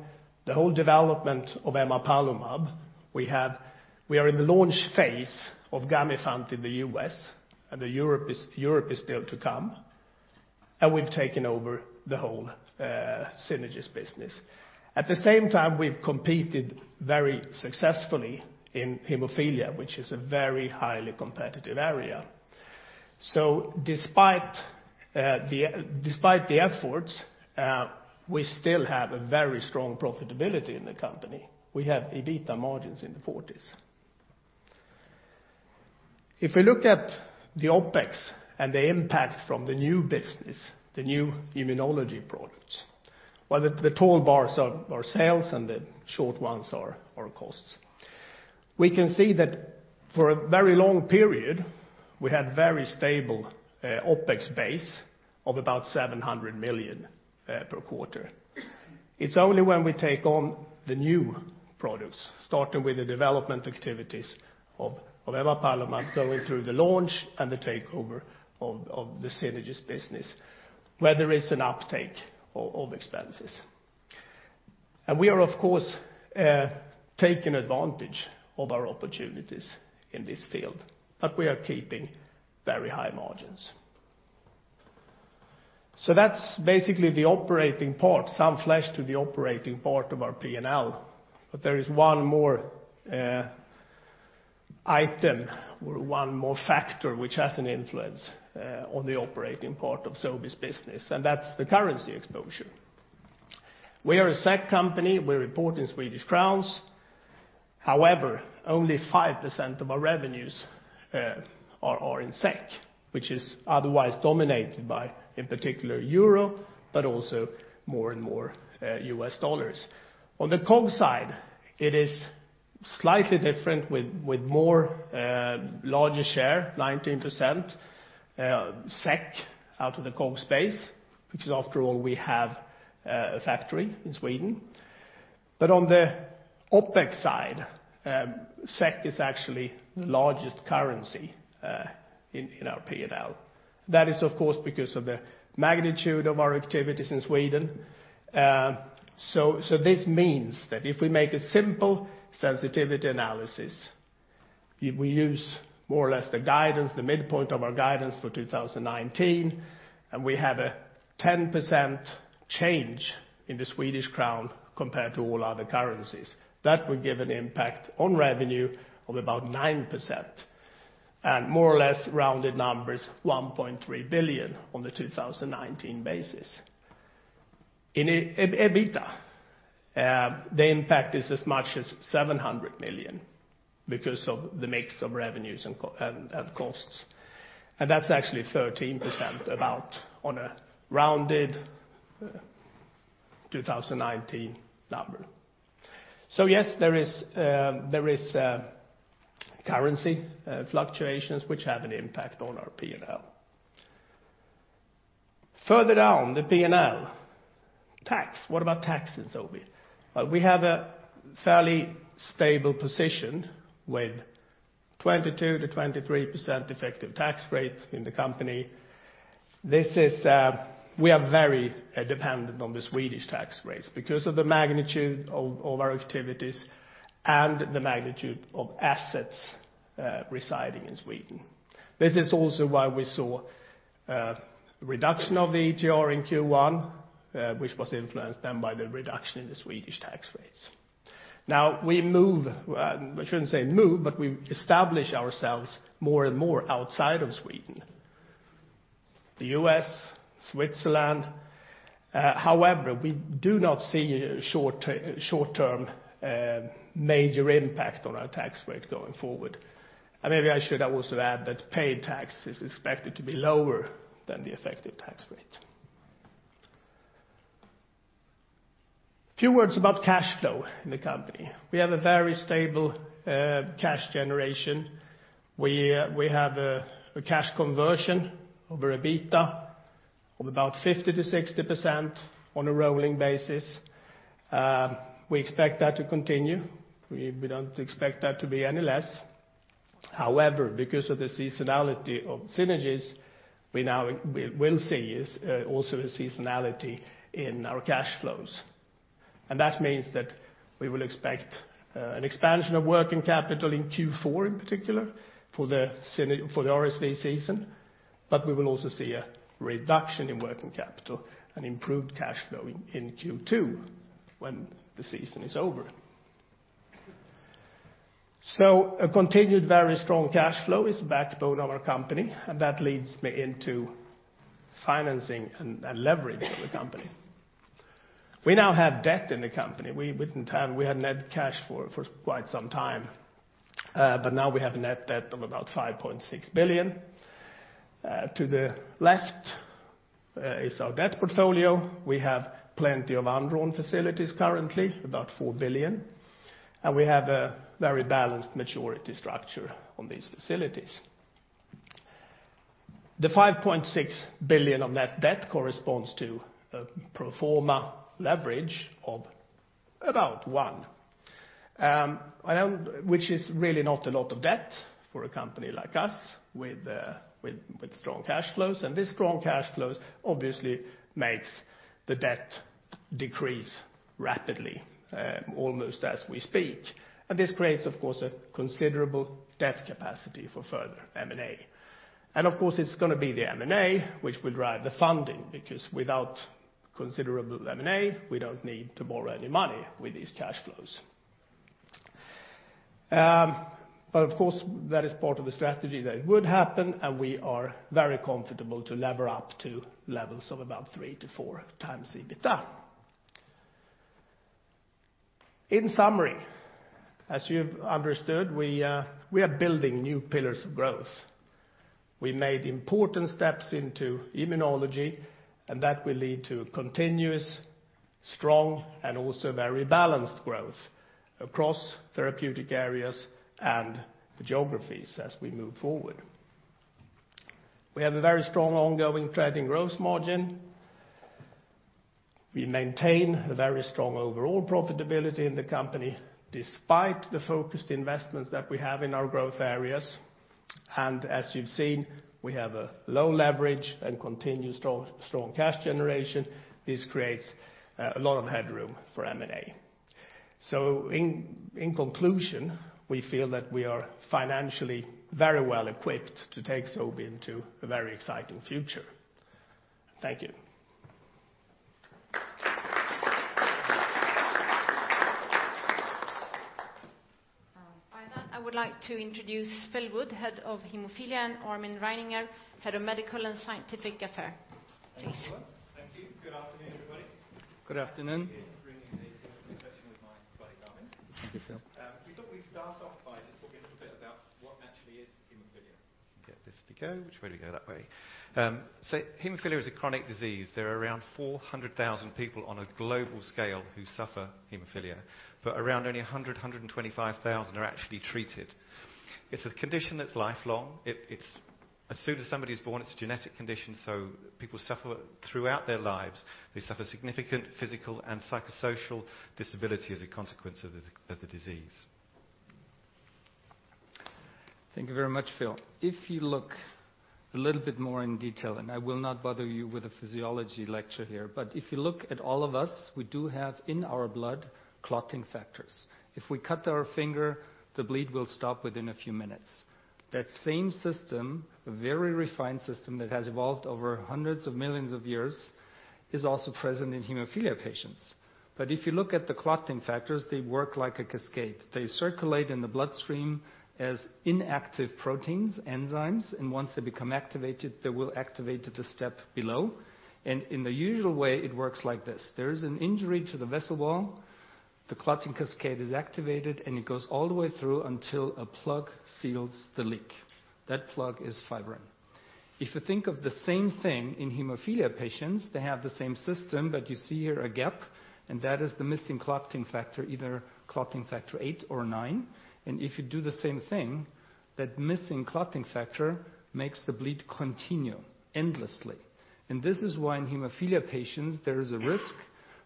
the whole development of emapalumab. We are in the launch phase of Gamifant in the U.S., and Europe is still to come, and we've taken over the whole Synagis business. At the same time, we've competed very successfully in hemophilia, which is a very highly competitive area, so despite the efforts, we still have a very strong profitability in the company. We have EBITDA margins in the 40s. If we look at the OpEx and the impact from the new business, the new immunology products, well, the tall bars are sales and the short ones are costs. We can see that for a very long period, we had a very stable OpEx base of about 700 million per quarter. It's only when we take on the new products, starting with the development activities of emapalumab, going through the launch and the takeover of the Synagis business, where there is an uptake of expenses. We are, of course, taking advantage of our opportunities in this field, but we are keeping very high margins. So that's basically the operating part, some flesh to the operating part of our P&L, but there is one more item or one more factor which has an influence on the operating part of Sobi's business, and that's the currency exposure. We are a SEK company. We report in Swedish crowns. However, only 5% of our revenues are in SEK, which is otherwise dominated by, in particular, euro, but also more and more U.S. dollars. On the COGS side, it is slightly different with more larger share, 19% SEK out of the COGS space, because after all, we have a factory in Sweden. But on the OpEx side, SEK is actually the largest currency in our P&L. That is, of course, because of the magnitude of our activities in Sweden. This means that if we make a simple sensitivity analysis, we use more or less the guidance, the midpoint of our guidance for 2019, and we have a 10% change in the Swedish crown compared to all other currencies. That would give an impact on revenue of about 9%. And more or less rounded numbers, 1.3 billion on the 2019 basis. In EBITDA, the impact is as much as 700 million because of the mix of revenues and costs. And that's actually 13% about on a rounded 2019 number. Yes, there is currency fluctuations which have an impact on our P&L. Further down the P&L, tax. What about taxes, Sobi? Well, we have a fairly stable position with 22%-23% effective tax rate in the company. We are very dependent on the Swedish tax rates because of the magnitude of our activities and the magnitude of assets residing in Sweden. This is also why we saw a reduction of the ETR in Q1, which was influenced then by the reduction in the Swedish tax rates. Now, we move, I shouldn't say move, but we establish ourselves more and more outside of Sweden, the U.S., Switzerland. However, we do not see a short-term major impact on our tax rate going forward, and maybe I should also add that paid tax is expected to be lower than the effective tax rate. A few words about cash flow in the company. We have a very stable cash generation. We have a cash conversion over EBITDA of about 50%-60% on a rolling basis. We expect that to continue. We don't expect that to be any less. However, because of the seasonality of Synagis, we now will see also a seasonality in our cash flows, and that means that we will expect an expansion of working capital in Q4 in particular for the RSV season, but we will also see a reduction in working capital and improved cash flow in Q2 when the season is over, so a continued very strong cash flow is the backbone of our company, and that leads me into financing and leverage of the company. We now have debt in the company. We had net cash for quite some time, but now we have a net debt of about 5.6 billion. To the left is our debt portfolio. We have plenty of undrawn facilities currently, about 4 billion, and we have a very balanced maturity structure on these facilities. The 5.6 billion of net debt corresponds to a pro forma leverage of about one, which is really not a lot of debt for a company like us with strong cash flows, and this strong cash flows obviously makes the debt decrease rapidly, almost as we speak. This creates, of course, a considerable debt capacity for further M&A, and of course, it's going to be the M&A which will drive the funding because without considerable M&A, we don't need to borrow any money with these cash flows. But of course, that is part of the strategy that it would happen, and we are very comfortable to lever up to levels of about 3-4 times EBITDA. In summary, as you've understood, we are building new pillars of growth. We made important steps into immunology, and that will lead to continuous, strong, and also very balanced growth across therapeutic areas and geographies as we move forward. We have a very strong ongoing trading gross margin. We maintain a very strong overall profitability in the company despite the focused investments that we have in our growth areas. And as you've seen, we have a low leverage and continued strong cash generation. This creates a lot of headroom for M&A. So in conclusion, we feel that we are financially very well equipped to take Sobi into a very exciting future. Thank you. I would like to introduce Phil Wood, Head of Hemophilia, and Armin Reininger, Head of Medical and Scientific Affairs. Thank you. Good afternoon, everybody. Good afternoon. Thank you for joining the session with my colleague, Armin. Thank you, Phil. We thought we'd start off by just talking a little bit about what actually is hemophilia. Get this to go. Which way do we go? That way. Hemophilia is a chronic disease. There are around 400,000 people on a global scale who suffer hemophilia, but around only 100,000 to 125,000 are actually treated. It's a condition that's lifelong. As soon as somebody is born, it's a genetic condition, so people suffer throughout their lives. They suffer significant physical and psychosocial disability as a consequence of the disease. Thank you very much, Phil. If you look a little bit more in detail, and I will not bother you with a physiology lecture here, but if you look at all of us, we do have in our blood clotting factors. If we cut our finger, the bleed will stop within a few minutes. That same system, a very refined system that has evolved over hundreds of millions of years, is also present in hemophilia patients. But if you look at the clotting factors, they work like a cascade. They circulate in the bloodstream as inactive proteins, enzymes, and once they become activated, they will activate at the step below. And in the usual way, it works like this. There is an injury to the vessel wall, the clotting cascade is activated, and it goes all the way through until a plug seals the leak. That plug is fibrin. If you think of the same thing in hemophilia patients, they have the same system, but you see here a gap, and that is the missing clotting factor, either clotting Factor VIII or IX. And if you do the same thing, that missing clotting factor makes the bleed continue endlessly. This is why in hemophilia patients, there is a risk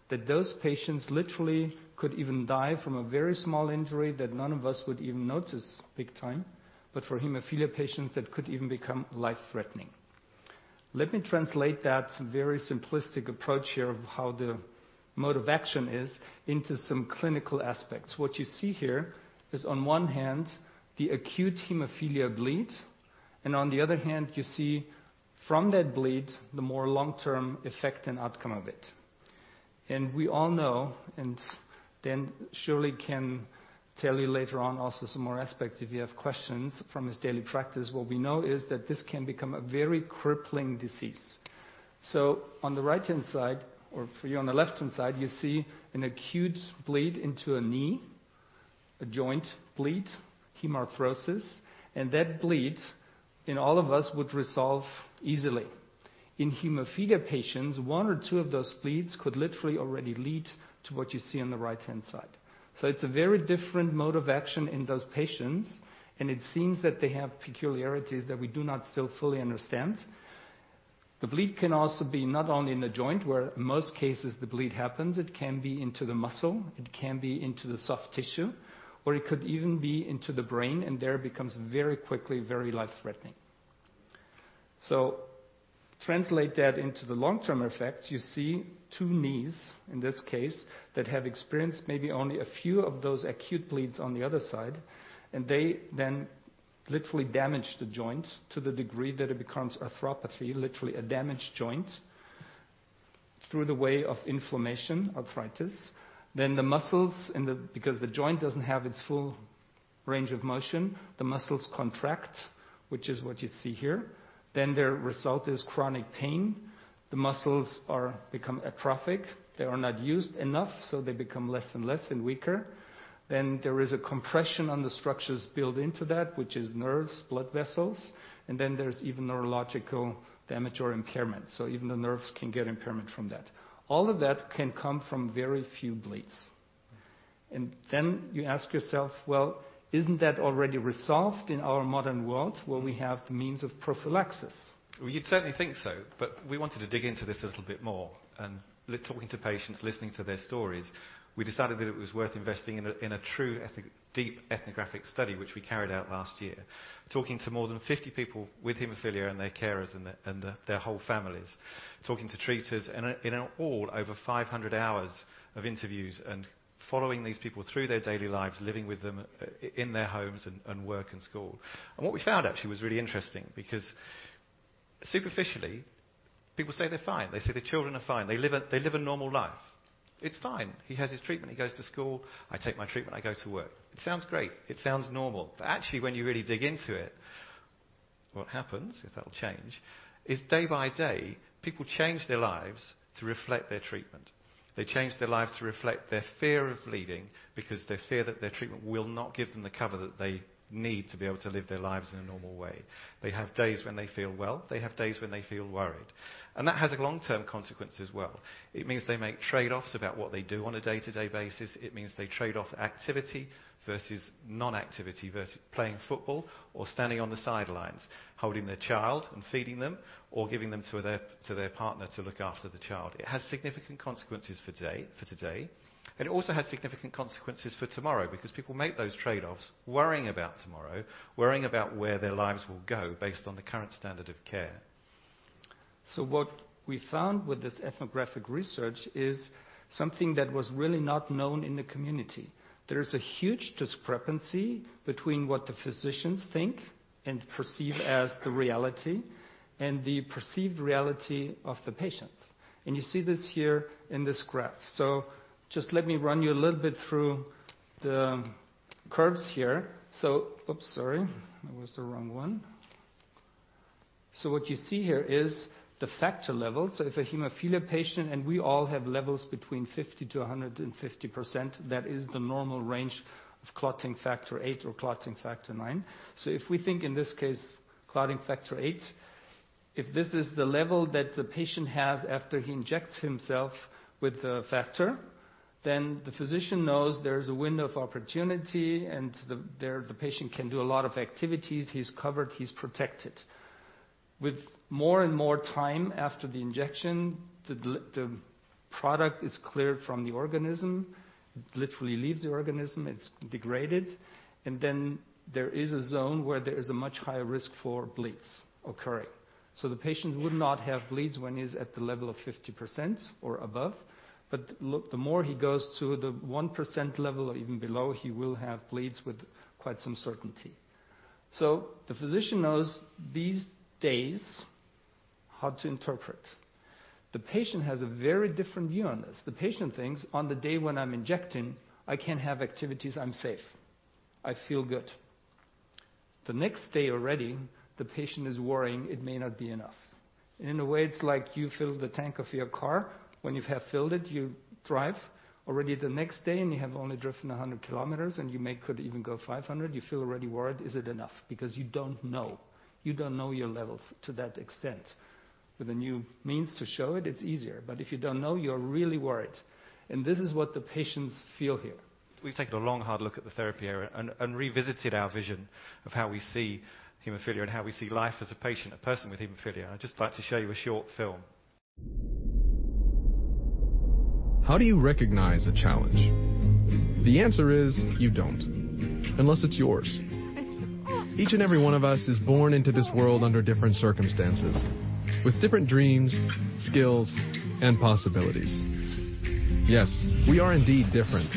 that those patients literally could even die from a very small injury that none of us would even notice big time, but for hemophilia patients, that could even become life-threatening. Let me translate that very simplistic approach here of how the mode of action is into some clinical aspects. What you see here is, on one hand, the acute hemophilia bleed, and on the other hand, you see from that bleed the more long-term effect and outcome of it. We all know, and Dan surely can tell you later on also some more aspects if you have questions from his daily practice, what we know is that this can become a very crippling disease. So on the right-hand side, or for you on the left-hand side, you see an acute bleed into a knee, a joint bleed, hemarthrosis, and that bleed in all of us would resolve easily. In hemophilia patients, one or two of those bleeds could literally already lead to what you see on the right-hand side. So it's a very different mode of action in those patients, and it seems that they have peculiarities that we do not still fully understand. The bleed can also be not only in the joint, where in most cases the bleed happens, it can be into the muscle, it can be into the soft tissue, or it could even be into the brain, and there it becomes very quickly very life-threatening. So translate that into the long-term effects. You see two knees in this case that have experienced maybe only a few of those acute bleeds on the other side, and they then literally damage the joint to the degree that it becomes arthropathy, literally a damaged joint through the way of inflammation, arthritis. Then the muscles, because the joint doesn't have its full range of motion, the muscles contract, which is what you see here. Then the result is chronic pain. The muscles become atrophic. They are not used enough, so they become less and less and weaker. Then there is a compression on the structures built into that, which is nerves, blood vessels, and then there's even neurological damage or impairment. So even the nerves can get impairment from that. All of that can come from very few bleeds. Then you ask yourself, well, isn't that already resolved in our modern world where we have the means of prophylaxis? We certainly think so, but we wanted to dig into this a little bit more. Talking to patients, listening to their stories, we decided that it was worth investing in a true deep ethnographic study, which we carried out last year, talking to more than 50 people with hemophilia and their carers and their whole families, talking to treaters, in all, over 500 hours of interviews and following these people through their daily lives, living with them in their homes and work and school. What we found actually was really interesting because superficially, people say they're fine. They say their children are fine. They live a normal life. It's fine. He has his treatment. He goes to school. I take my treatment. I go to work. It sounds great. It sounds normal. But actually, when you really dig into it, what happens, if that'll change, is day by day, people change their lives to reflect their treatment. They change their lives to reflect their fear of bleeding because they fear that their treatment will not give them the cover that they need to be able to live their lives in a normal way. They have days when they feel well. They have days when they feel worried, and that has a long-term consequence as well. It means they make trade-offs about what they do on a day-to-day basis. It means they trade off activity versus non-activity versus playing football or standing on the sidelines, holding their child and feeding them or giving them to their partner to look after the child. It has significant consequences for today. It also has significant consequences for tomorrow because people make those trade-offs worrying about tomorrow, worrying about where their lives will go based on the current standard of care. What we found with this ethnographic research is something that was really not known in the community. There is a huge discrepancy between what the physicians think and perceive as the reality and the perceived reality of the patient. You see this here in this graph. Just let me run you a little bit through the curves here. Oops, sorry. That was the wrong one. What you see here is the factor level. If a hemophilia patient and we all have levels between 50%-150%, that is the normal range of clotting Factor VIII or clotting Factor IX. So if we think in this case, clotting Factor VIII, if this is the level that the patient has after he injects himself with the factor, then the physician knows there is a window of opportunity and the patient can do a lot of activities. He's covered. He's protected. With more and more time after the injection, the product is cleared from the organism, literally leaves the organism. It's degraded. And then there is a zone where there is a much higher risk for bleeds occurring. So the patient would not have bleeds when he is at the level of 50% or above, but the more he goes to the 1% level or even below, he will have bleeds with quite some certainty. So the physician knows these days how to interpret. The patient has a very different view on this. The patient thinks, "On the day when I'm injecting, I can have activities. I'm safe. I feel good." The next day already, the patient is worrying it may not be enough, and in a way, it's like you fill the tank of your car. When you have filled it, you drive. Already the next day, and you have only driven 100 km, and you could even go 500 km, you feel already worried, "Is it enough?" Because you don't know. You don't know your levels to that extent. With a new means to show it, it's easier. But if you don't know, you're really worried, and this is what the patients feel here. We've taken a long, hard look at the therapy area and revisited our vision of how we see hemophilia and how we see life as a patient, a person with hemophilia. I'd just like to show you a short film. How do you recognize a challenge? The answer is you don't, unless it's yours. Each and every one of us is born into this world under different circumstances with different dreams, skills, and possibilities. Yes, we are indeed different.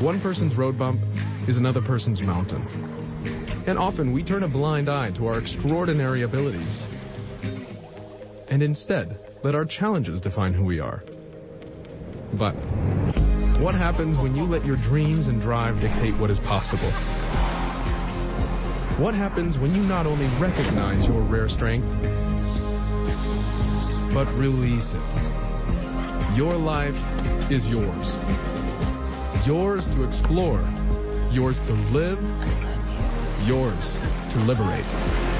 One person's road bump is another person's mountain. And often, we turn a blind eye to our extraordinary abilities and instead let our challenges define who we are. But what happens when you let your dreams and drive dictate what is possible? What happens when you not only recognize your rare strength, but release it? Your life is yours. Yours to explore, yours to live, yours to liberate.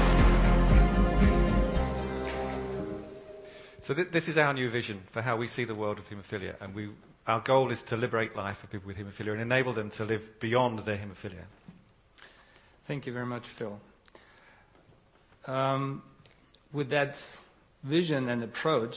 So this is our new vision for how we see the world of hemophilia. And our goal is to liberate life for people with hemophilia and enable them to live beyond their hemophilia. Thank you very much, Phil. With that vision and approach,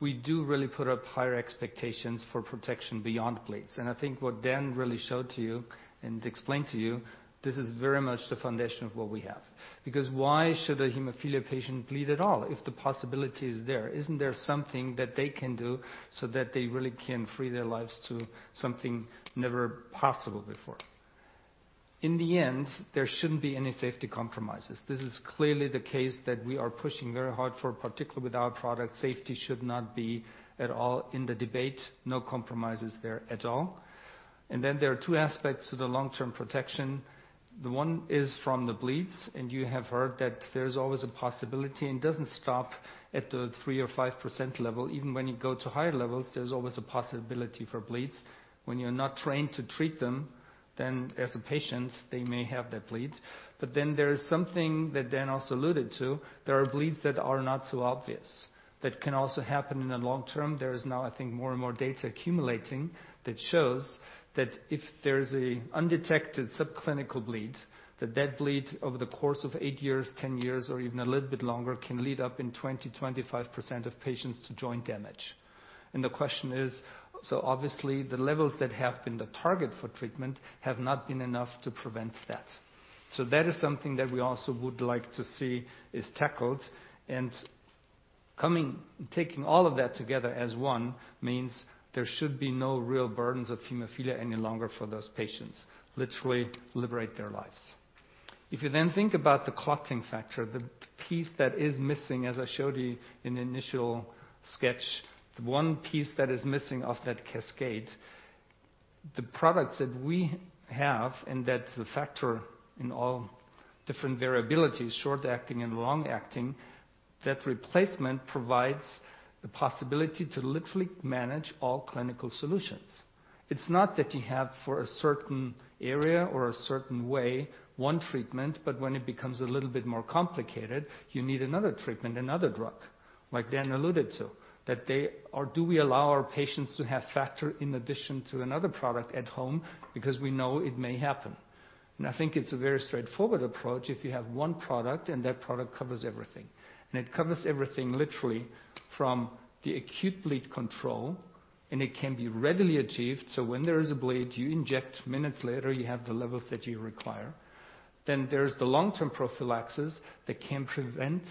we do really put up higher expectations for protection beyond bleeds, and I think what Dan really showed to you and explained to you, this is very much the foundation of what we have. Because why should a hemophilia patient bleed at all if the possibility is there? Isn't there something that they can do so that they really can free their lives to something never possible before? In the end, there shouldn't be any safety compromises. This is clearly the case that we are pushing very hard for, particularly with our product. Safety should not be at all in the debate. No compromises there at all, and then there are two aspects to the long-term protection. The one is from the bleeds, and you have heard that there is always a possibility. It doesn't stop at the 3% or 5% level. Even when you go to higher levels, there's always a possibility for bleeds. When you're not trained to treat them, then as a patient, they may have that bleed. But then there is something that Dan also alluded to. There are bleeds that are not so obvious that can also happen in the long term. There is now, I think, more and more data accumulating that shows that if there is an undetected subclinical bleed, that that bleed over the course of eight years, 10 years, or even a little bit longer can lead up in 20%-25% of patients to joint damage. And the question is, so obviously, the levels that have been the target for treatment have not been enough to prevent that. So that is something that we also would like to see is tackled. Taking all of that together as one means there should be no real burdens of hemophilia any longer for those patients, literally liberate their lives. If you then think about the clotting factor, the piece that is missing, as I showed you in the initial sketch, the one piece that is missing of that cascade, the products that we have and that's the factor in all different variabilities, short-acting and long-acting, that replacement provides the possibility to literally manage all clinical solutions. It's not that you have for a certain area or a certain way one treatment, but when it becomes a little bit more complicated, you need another treatment, another drug, like Dan alluded to, that they or do we allow our patients to have factor in addition to another product at home because we know it may happen. I think it's a very straightforward approach if you have one product and that product covers everything. It covers everything literally from the acute bleed control, and it can be readily achieved. So when there is a bleed, you inject minutes later, you have the levels that you require. Then there's the long-term prophylaxis that can prevent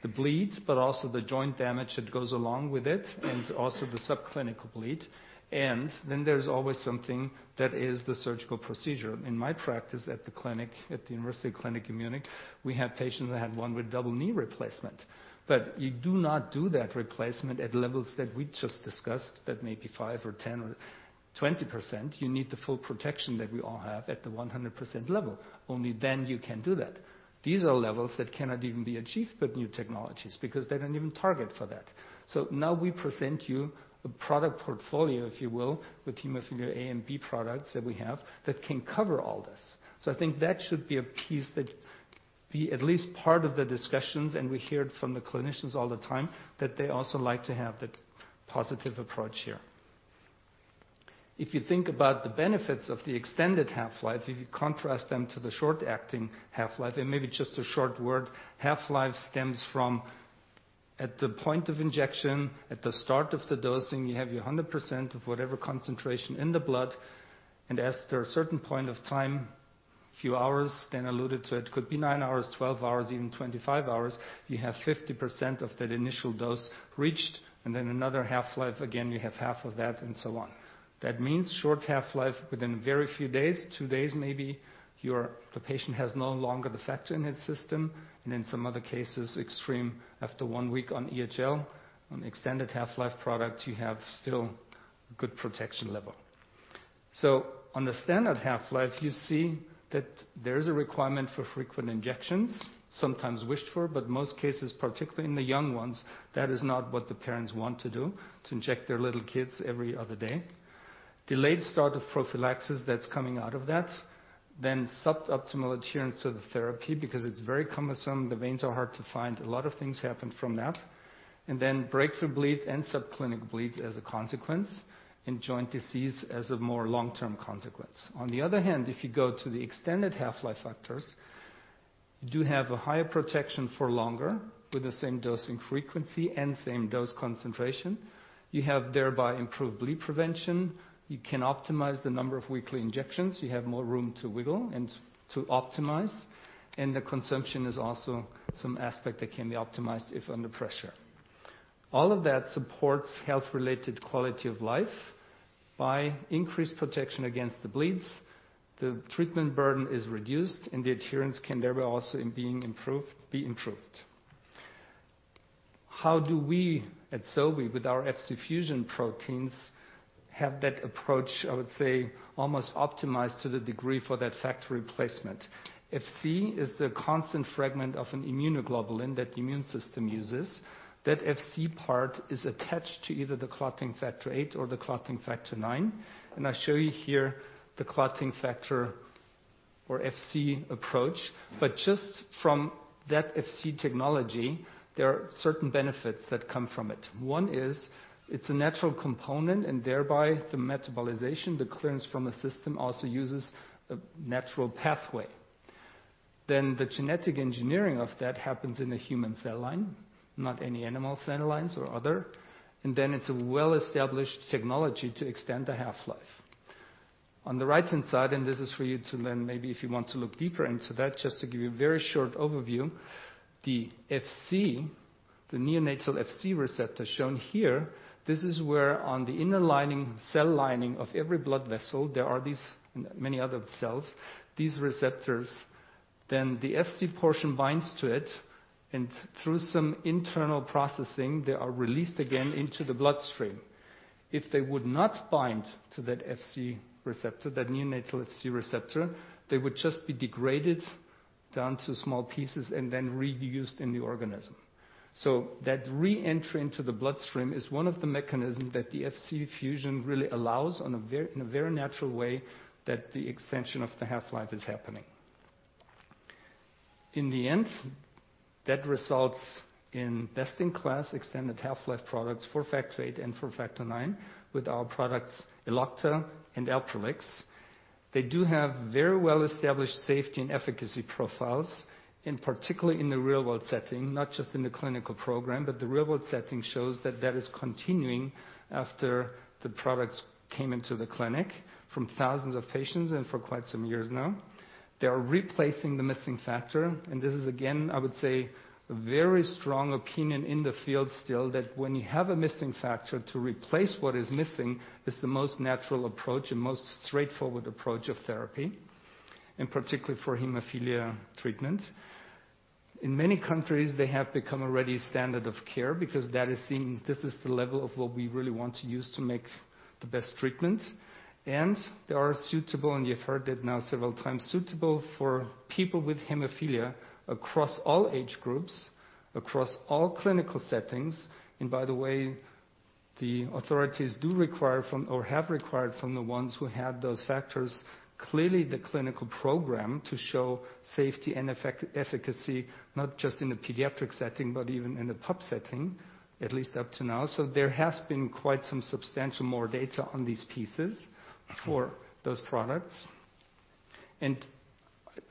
the bleeds, but also the joint damage that goes along with it and also the subclinical bleed. Then there's always something that is the surgical procedure. In my practice at the clinic at the University Clinic in Munich, we have patients that had one with double knee replacement. But you do not do that replacement at levels that we just discussed that may be 5% or 10% or 20%. You need the full protection that we all have at the 100% level. Only then you can do that. These are levels that cannot even be achieved with new technologies because they don't even target for that. So now we present you a product portfolio, if you will, with Hemophilia A and B products that we have that can cover all this. So I think that should be a piece that be at least part of the discussions. And we hear it from the clinicians all the time that they also like to have that positive approach here. If you think about the benefits of the extended half-life, if you contrast them to the short-acting half-life, and maybe just a short word, half-life stems from the point of injection, at the start of the dosing, you have your 100% of whatever concentration in the blood. After a certain point of time, a few hours, Dan alluded to it, could be nine hours, 12 hours, even 25 hours, you have 50% of that initial dose reached. Then another half-life, again, you have half of that and so on. That means short half-life within very few days, two days maybe, the patient has no longer the factor in his system. In some other cases, extreme, after one week on EHL, on extended half-life product, you have still good protection level. On the standard half-life, you see that there is a requirement for frequent injections, sometimes wished for, but most cases, particularly in the young ones, that is not what the parents want to do, to inject their little kids every other day. Delayed start of prophylaxis that's coming out of that, then suboptimal adherence to the therapy because it's very cumbersome. The veins are hard to find. A lot of things happen from that. And then breakthrough bleeds and subclinical bleeds as a consequence and joint disease as a more long-term consequence. On the other hand, if you go to the extended half-life factors, you do have a higher protection for longer with the same dosing frequency and same dose concentration. You have thereby improved bleed prevention. You can optimize the number of weekly injections. You have more room to wiggle and to optimize. And the consumption is also some aspect that can be optimized if under pressure. All of that supports health-related quality of life by increased protection against the bleeds. The treatment burden is reduced, and the adherence can therefore also be improved. How do we at Sobi, with our Fc fusion proteins, have that approach, I would say, almost optimized to the degree for that factor replacement? Fc is the constant fragment of an immunoglobulin that the immune system uses. That Fc part is attached to either the clotting Factor VIII or the clotting Factor IX, and I show you here the clotting factor or Fc approach, but just from that Fc technology, there are certain benefits that come from it. One is it's a natural component, and thereby the metabolization, the clearance from the system also uses a natural pathway, then the genetic engineering of that happens in a human cell line, not any animal cell lines or other, and then it's a well-established technology to extend the half-life. On the right-hand side, and this is for you to learn maybe if you want to look deeper into that, just to give you a very short overview, the Fc, the neonatal Fc receptor shown here, this is where on the inner lining, cell lining of every blood vessel, there are these and many other cells, these receptors, then the Fc portion binds to it. And through some internal processing, they are released again into the bloodstream. If they would not bind to that Fc receptor, that neonatal Fc receptor, they would just be degraded down to small pieces and then reused in the organism. So that re-entry into the bloodstream is one of the mechanisms that the Fc fusion really allows in a very natural way that the extension of the half-life is happening. In the end, that results in best-in-class extended half-life products for factor VIII and for factor IX with our products Elocta and Alprolix. They do have very well-established safety and efficacy profiles, and particularly in the real-world setting, not just in the clinical program, but the real-world setting shows that that is continuing after the products came into the clinic from thousands of patients and for quite some years now. They are replacing the missing factor. And this is, again, I would say, a very strong opinion in the field still that when you have a missing factor to replace what is missing, it's the most natural approach and most straightforward approach of therapy, and particularly for hemophilia treatment. In many countries, they have become already standard of care because that is seen this is the level of what we really want to use to make the best treatment. They are suitable, and you've heard it now several times, suitable for people with hemophilia across all age groups, across all clinical settings. By the way, the authorities do require from or have required from the ones who had those factors clearly the clinical program to show safety and efficacy, not just in the pediatric setting, but even in the adult setting, at least up to now. So there has been quite some substantially more data on these patients for those products.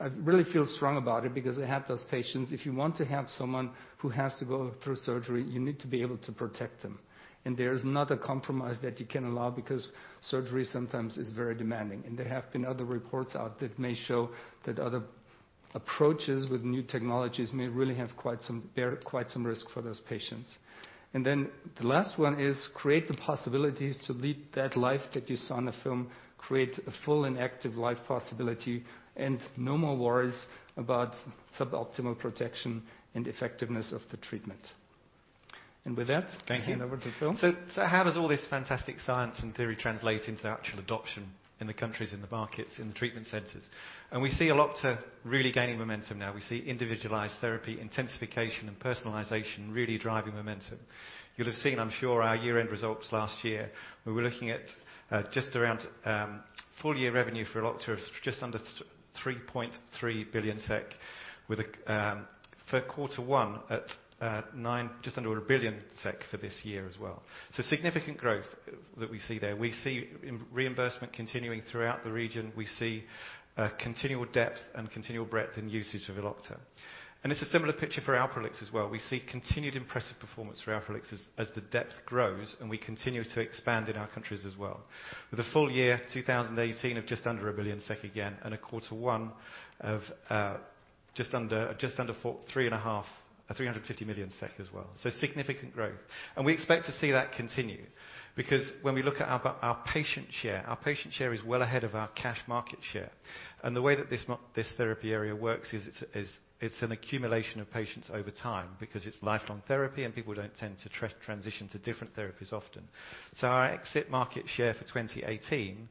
I really feel strongly about it because I had those patients. If you want to have someone who has to go through surgery, you need to be able to protect them. There is not a compromise that you can allow because surgery sometimes is very demanding. And there have been other reports out that may show that other approaches with new technologies may really have quite some risk for those patients. And then the last one is create the possibilities to lead that life that you saw in the film, create a full and active life possibility, and no more worries about suboptimal protection and effectiveness of the treatment. And with that, I hand over to Phil. So how does all this fantastic science and theory translate into actual adoption in the countries, in the markets, in the treatment centers? And we see Elocta really gaining momentum now. We see individualized therapy, intensification, and personalization really driving momentum. You'll have seen, I'm sure, our year-end results last year. We were looking at just around full-year revenue for Elocta of just under 3.3 billion SEK, with a quarter one at just under 1 billion SEK for this year as well. So significant growth that we see there. We see reimbursement continuing throughout the region. We see continual depth and continual breadth in usage of Elocta. And it's a similar picture for Alprolix as well. We see continued impressive performance for Alprolix as the depth grows and we continue to expand in our countries as well. With a full year, 2018, of just under 1 billion SEK again, and a quarter one of just under 350 million SEK as well. So significant growth. And we expect to see that continue because when we look at our patient share, our patient share is well ahead of our cash market share. And the way that this therapy area works is it's an accumulation of patients over time because it's lifelong therapy and people don't tend to transition to different therapies often. So our exit market share for 2018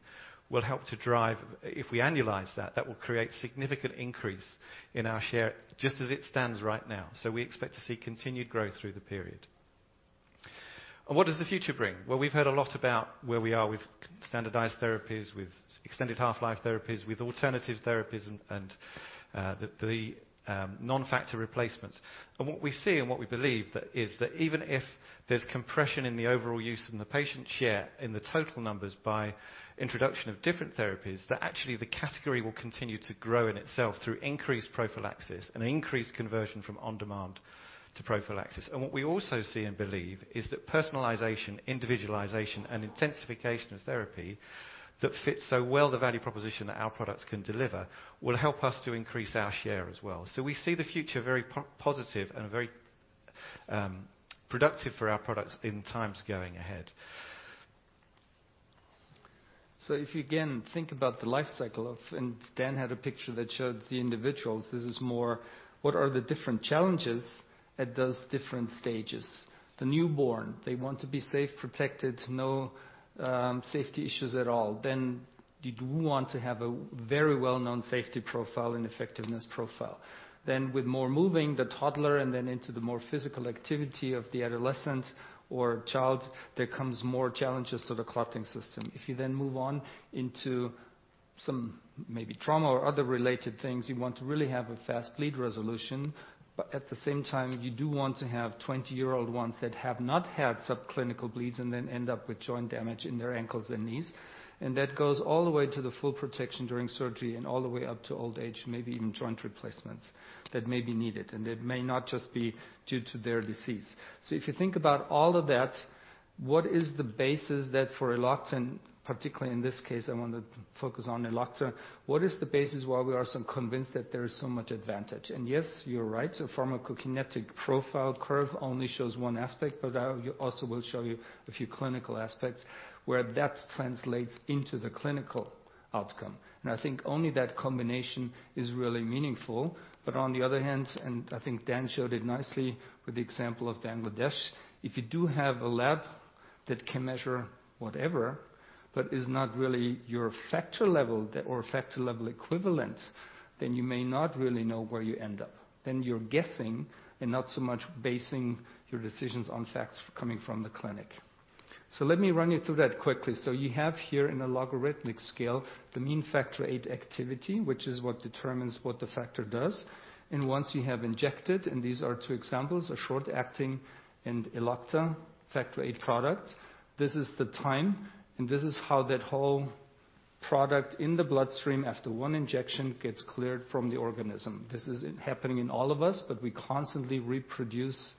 will help to drive if we annualize that, that will create a significant increase in our share just as it stands right now. So we expect to see continued growth through the period. And what does the future bring? Well, we've heard a lot about where we are with standardized therapies, with extended half-life therapies, with alternative therapies, and the non-factor replacements. And what we see and what we believe is that even if there's compression in the overall use and the patient share in the total numbers by introduction of different therapies, that actually the category will continue to grow in itself through increased prophylaxis and increased conversion from on-demand to prophylaxis. And what we also see and believe is that personalization, individualization, and intensification of therapy that fits so well the value proposition that our products can deliver will help us to increase our share as well. So we see the future very positive and very productive for our products in times going ahead. So if you again think about the life cycle of, and Dan had a picture that showed the individuals, this is more what are the different challenges at those different stages. The newborn, they want to be safe, protected, no safety issues at all. Then you do want to have a very well-known safety profile and effectiveness profile. Then with more moving, the toddler, and then into the more physical activity of the adolescent or child, there comes more challenges to the clotting system. If you then move on into some maybe trauma or other related things, you want to really have a fast bleed resolution. But at the same time, you do want to have 20-year-old ones that have not had subclinical bleeds and then end up with joint damage in their ankles and knees and that goes all the way to the full protection during surgery and all the way up to old age, maybe even joint replacements that may be needed and it may not just be due to their disease. So if you think about all of that, what is the basis for Elocta, and particularly in this case, I want to focus on Elocta, what is the basis why we are so convinced that there is so much advantage and yes, you're right. A pharmacokinetic profile curve only shows one aspect, but I also will show you a few clinical aspects where that translates into the clinical outcome. And I think only that combination is really meaningful. But on the other hand, and I think Dan showed it nicely with the example of Bangladesh, if you do have a lab that can measure whatever, but is not really your factor level or factor level equivalent, then you may not really know where you end up. Then you're guessing and not so much basing your decisions on facts coming from the clinic. So let me run you through that quickly. So you have here in a logarithmic scale, the mean factor VIII activity, which is what determines what the factor does. And once you have injected, and these are two examples, a short-acting and Elocta factor VIII product, this is the time, and this is how that whole product in the bloodstream after one injection gets cleared from the organism. This is happening in all of us, but we constantly reproduce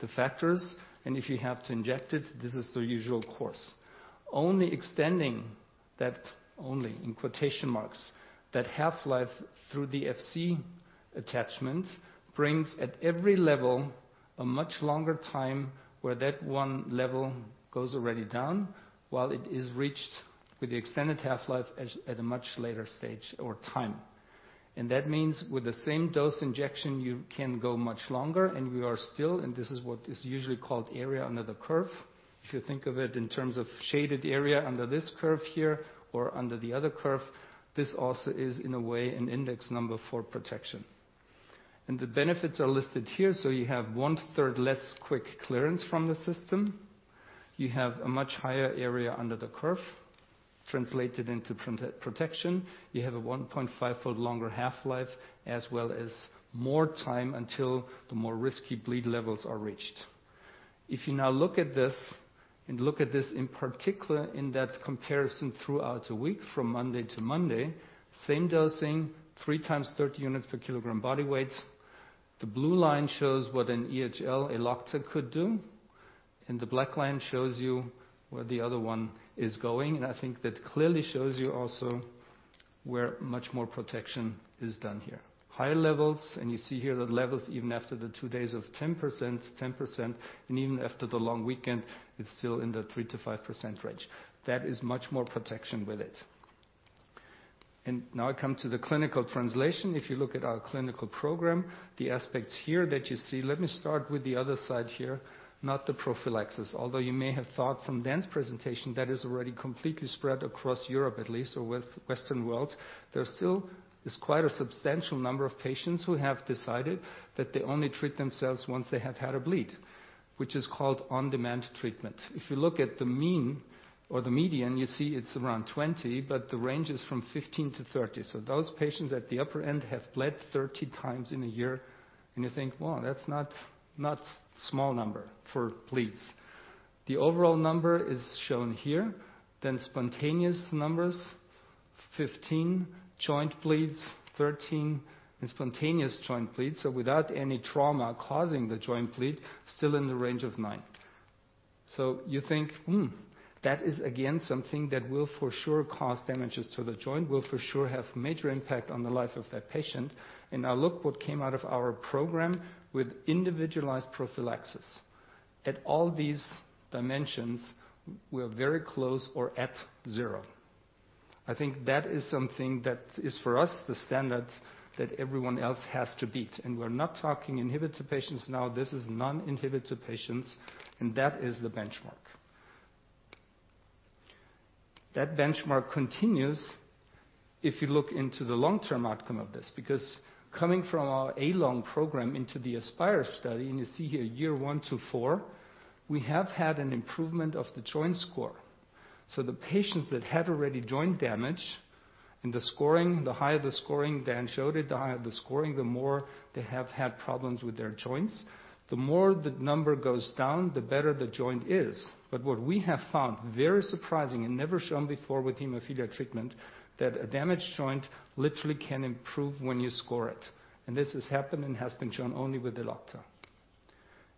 the factors. And if you have to inject it, this is the usual course. Only extending that, only in quotation marks, that half-life through the Fc attachment brings at every level a much longer time where that one level goes already down while it is reached with the extended half-life at a much later stage or time. And that means with the same dose injection, you can go much longer, and you are still, and this is what is usually called area under the curve. If you think of it in terms of shaded area under this curve here or under the other curve, this also is in a way an index number for protection. And the benefits are listed here. So you have one-third less quick clearance from the system. You have a much higher area under the curve translated into protection. You have a 1.5-fold longer half-life as well as more time until the more risky bleed levels are reached. If you now look at this and look at this in particular in that comparison throughout a week from Monday to Monday, same dosing, three times 30 units per kg body weight. The blue line shows what an EHL, Elocta, could do. And the black line shows you where the other one is going. And I think that clearly shows you also where much more protection is done here. Higher levels, and you see here the levels even after the two days of 10%, 10%, and even after the long weekend, it's still in the 3%-5% range. That is much more protection with it, and now I come to the clinical translation. If you look at our clinical program, the aspects here that you see, let me start with the other side here, not the prophylaxis. Although you may have thought from Dan's presentation that is already completely spread across Europe, at least, or Western world, there still is quite a substantial number of patients who have decided that they only treat themselves once they have had a bleed, which is called on-demand treatment. If you look at the mean or the median, you see it's around 20, but the range is from 15-30. Those patients at the upper end have bled 30 times in a year. And you think, "Well, that's not a small number for bleeds." The overall number is shown here. Then spontaneous numbers, 15, joint bleeds, 13, and spontaneous joint bleeds. Without any trauma causing the joint bleed, still in the range of nine. You think, that is again something that will for sure cause damages to the joint, will for sure have a major impact on the life of that patient. Now look what came out of our program with individualized prophylaxis. At all these dimensions, we're very close or at zero. I think that is something that is for us the standard that everyone else has to beat. We're not talking inhibitor patients now. This is non-inhibitor patients, and that is the benchmark. That benchmark continues if you look into the long-term outcome of this because coming from our A-LONG program into the ASPIRE study, and you see here year one to four, we have had an improvement of the joint score, so the patients that had already joint damage and the scoring, the higher the scoring Dan showed it, the higher the scoring, the more they have had problems with their joints. The more the number goes down, the better the joint is, but what we have found, very surprising and never shown before with hemophilia treatment, that a damaged joint literally can improve when you score it, and this has happened and has been shown only with Elocta,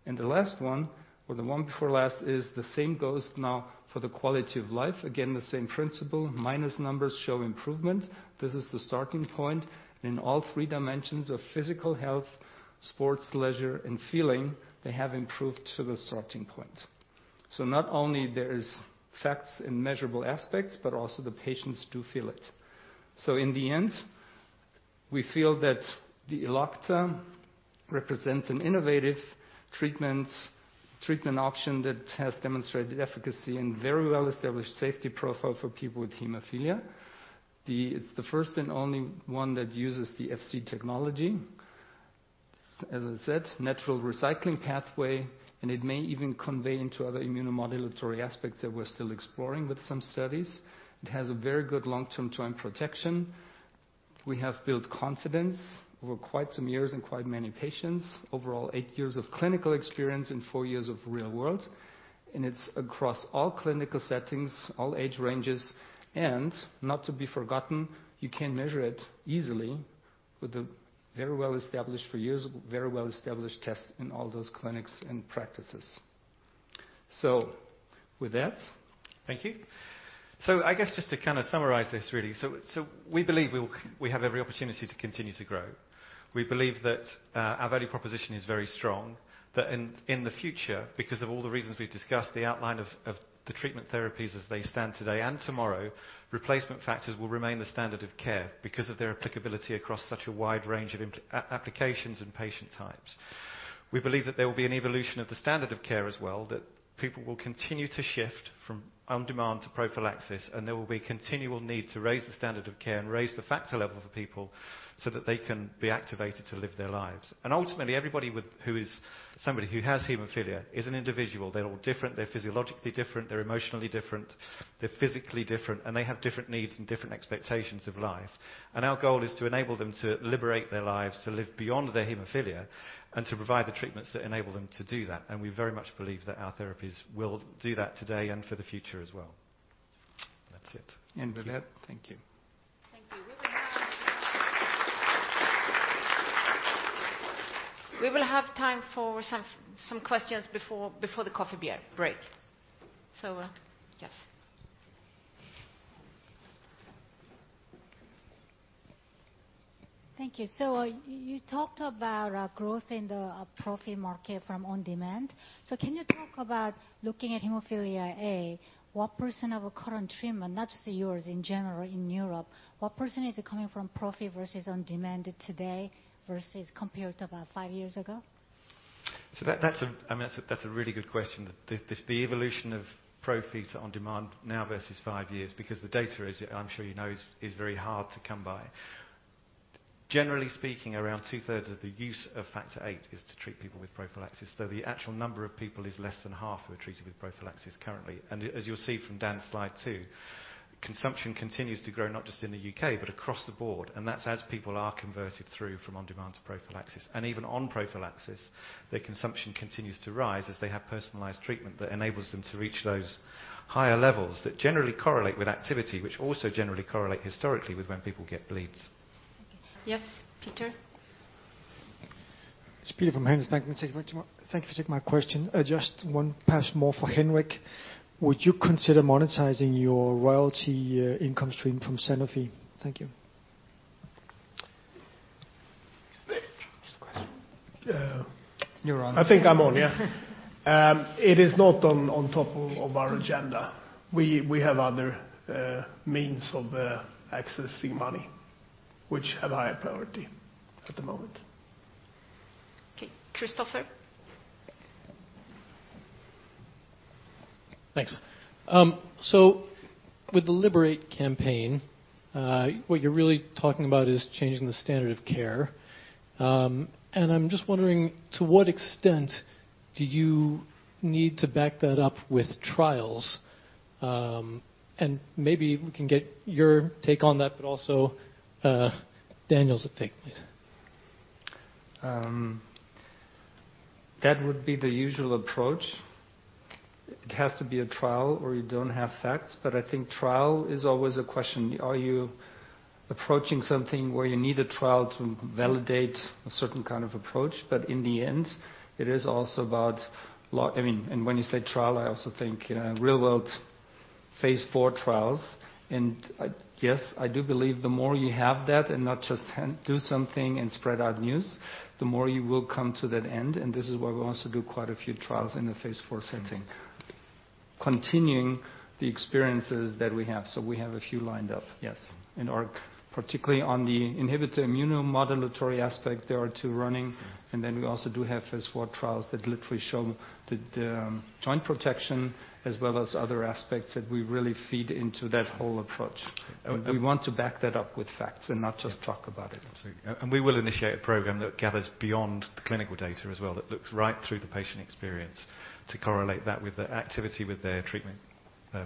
and the last one, or the one before last, is the same goes now for the quality of life. Again, the same principle, minus numbers show improvement. This is the starting point. And in all three dimensions of physical health, sports, leisure, and feeling, they have improved to the starting point. So not only there are facts and measurable aspects, but also the patients do feel it. So in the end, we feel that the Elocta represents an innovative treatment option that has demonstrated efficacy and very well-established safety profile for people with hemophilia. It's the first and only one that uses the Fc technology, as I said, natural recycling pathway, and it may even convey into other immunomodulatory aspects that we're still exploring with some studies. It has a very good long-term joint protection. We have built confidence over quite some years and quite many patients, overall eight years of clinical experience and four years of real world. And it's across all clinical settings, all age ranges. And not to be forgotten, you can measure it easily with a very well-established, for years, very well-established test in all those clinics and practices. So with that. Thank you. So I guess just to kind of summarize this, really. So we believe we have every opportunity to continue to grow. We believe that our value proposition is very strong. That in the future, because of all the reasons we've discussed, the outline of the treatment therapies as they stand today and tomorrow, replacement factors will remain the standard of care because of their applicability across such a wide range of applications and patient types. We believe that there will be an evolution of the standard of care as well, that people will continue to shift from on-demand to prophylaxis, and there will be a continual need to raise the standard of care and raise the factor level for people so that they can be activated to live their lives. And ultimately, everybody who is somebody who has hemophilia is an individual. They're all different. They're physiologically different. They're emotionally different. They're physically different. And they have different needs and different expectations of life. And our goal is to enable them to liberate their lives, to live beyond their hemophilia, and to provide the treatments that enable them to do that. And we very much believe that our therapies will do that today and for the future as well. That's it. End of that. Thank you. Thank you. We will have time for some questions before the coffee break. So yes. Thank you. So you talked about growth in the prophy market from on-demand. So can you talk about looking at hemophilia A, what percent of current treatment, not just yours in general in Europe, what percent is coming from prophy versus on-demand today versus compared to about five years ago? So I mean, that's a really good question. The evolution of prophy to on-demand now versus five years because the data is, I'm sure you know, is very hard to come by. Generally speaking, around 2/3 of the use of factor VIII is to treat people with prophylaxis. So the actual number of people is less than half who are treated with prophylaxis currently. And as you'll see from Dan's slide too, consumption continues to grow not just in the U.K., but across the board. And that's as people are converted through from on-demand to prophylaxis. And even on prophylaxis, their consumption continues to rise as they have personalized treatment that enables them to reach those higher levels that generally correlate with activity, which also generally correlate historically with when people get bleeds. Thank you. Yes, Peter. It's Peter from Handelsbanken. Thank you for taking my question. Just one pass more for Henrik. Would you consider monetizing your royalty income stream from Sanofi? Thank you. Just a question. You're on. I think I'm on, yeah. It is not on top of our agenda. We have other means of accessing money, which have higher priority at the moment. Okay. Christopher. Thanks. So with the Liberate campaign, what you're really talking about is changing the standard of care. And I'm just wondering, to what extent do you need to back that up with trials? And maybe we can get your take on that, but also Daniel's take, please. That would be the usual approach. It has to be a trial or you don't have facts. But I think trial is always a question. Are you approaching something where you need a trial to validate a certain kind of approach? But in the end, it is also about, I mean, and when you say trial, I also think real-world phase four trials. And yes, I do believe the more you have that and not just do something and spread out news, the more you will come to that end. And this is why we also do quite a few trials in the phase four setting, continuing the experiences that we have. So we have a few lined up, yes. And particularly on the inhibitor immunomodulatory aspect, there are two running. We also have phase IV trials that literally show the joint protection as well as other aspects that we really feed into that whole approach. We want to back that up with facts and not just talk about it. Absolutely. We will initiate a program that gathers beyond the clinical data as well that looks right through the patient experience to correlate that with the activity with their treatment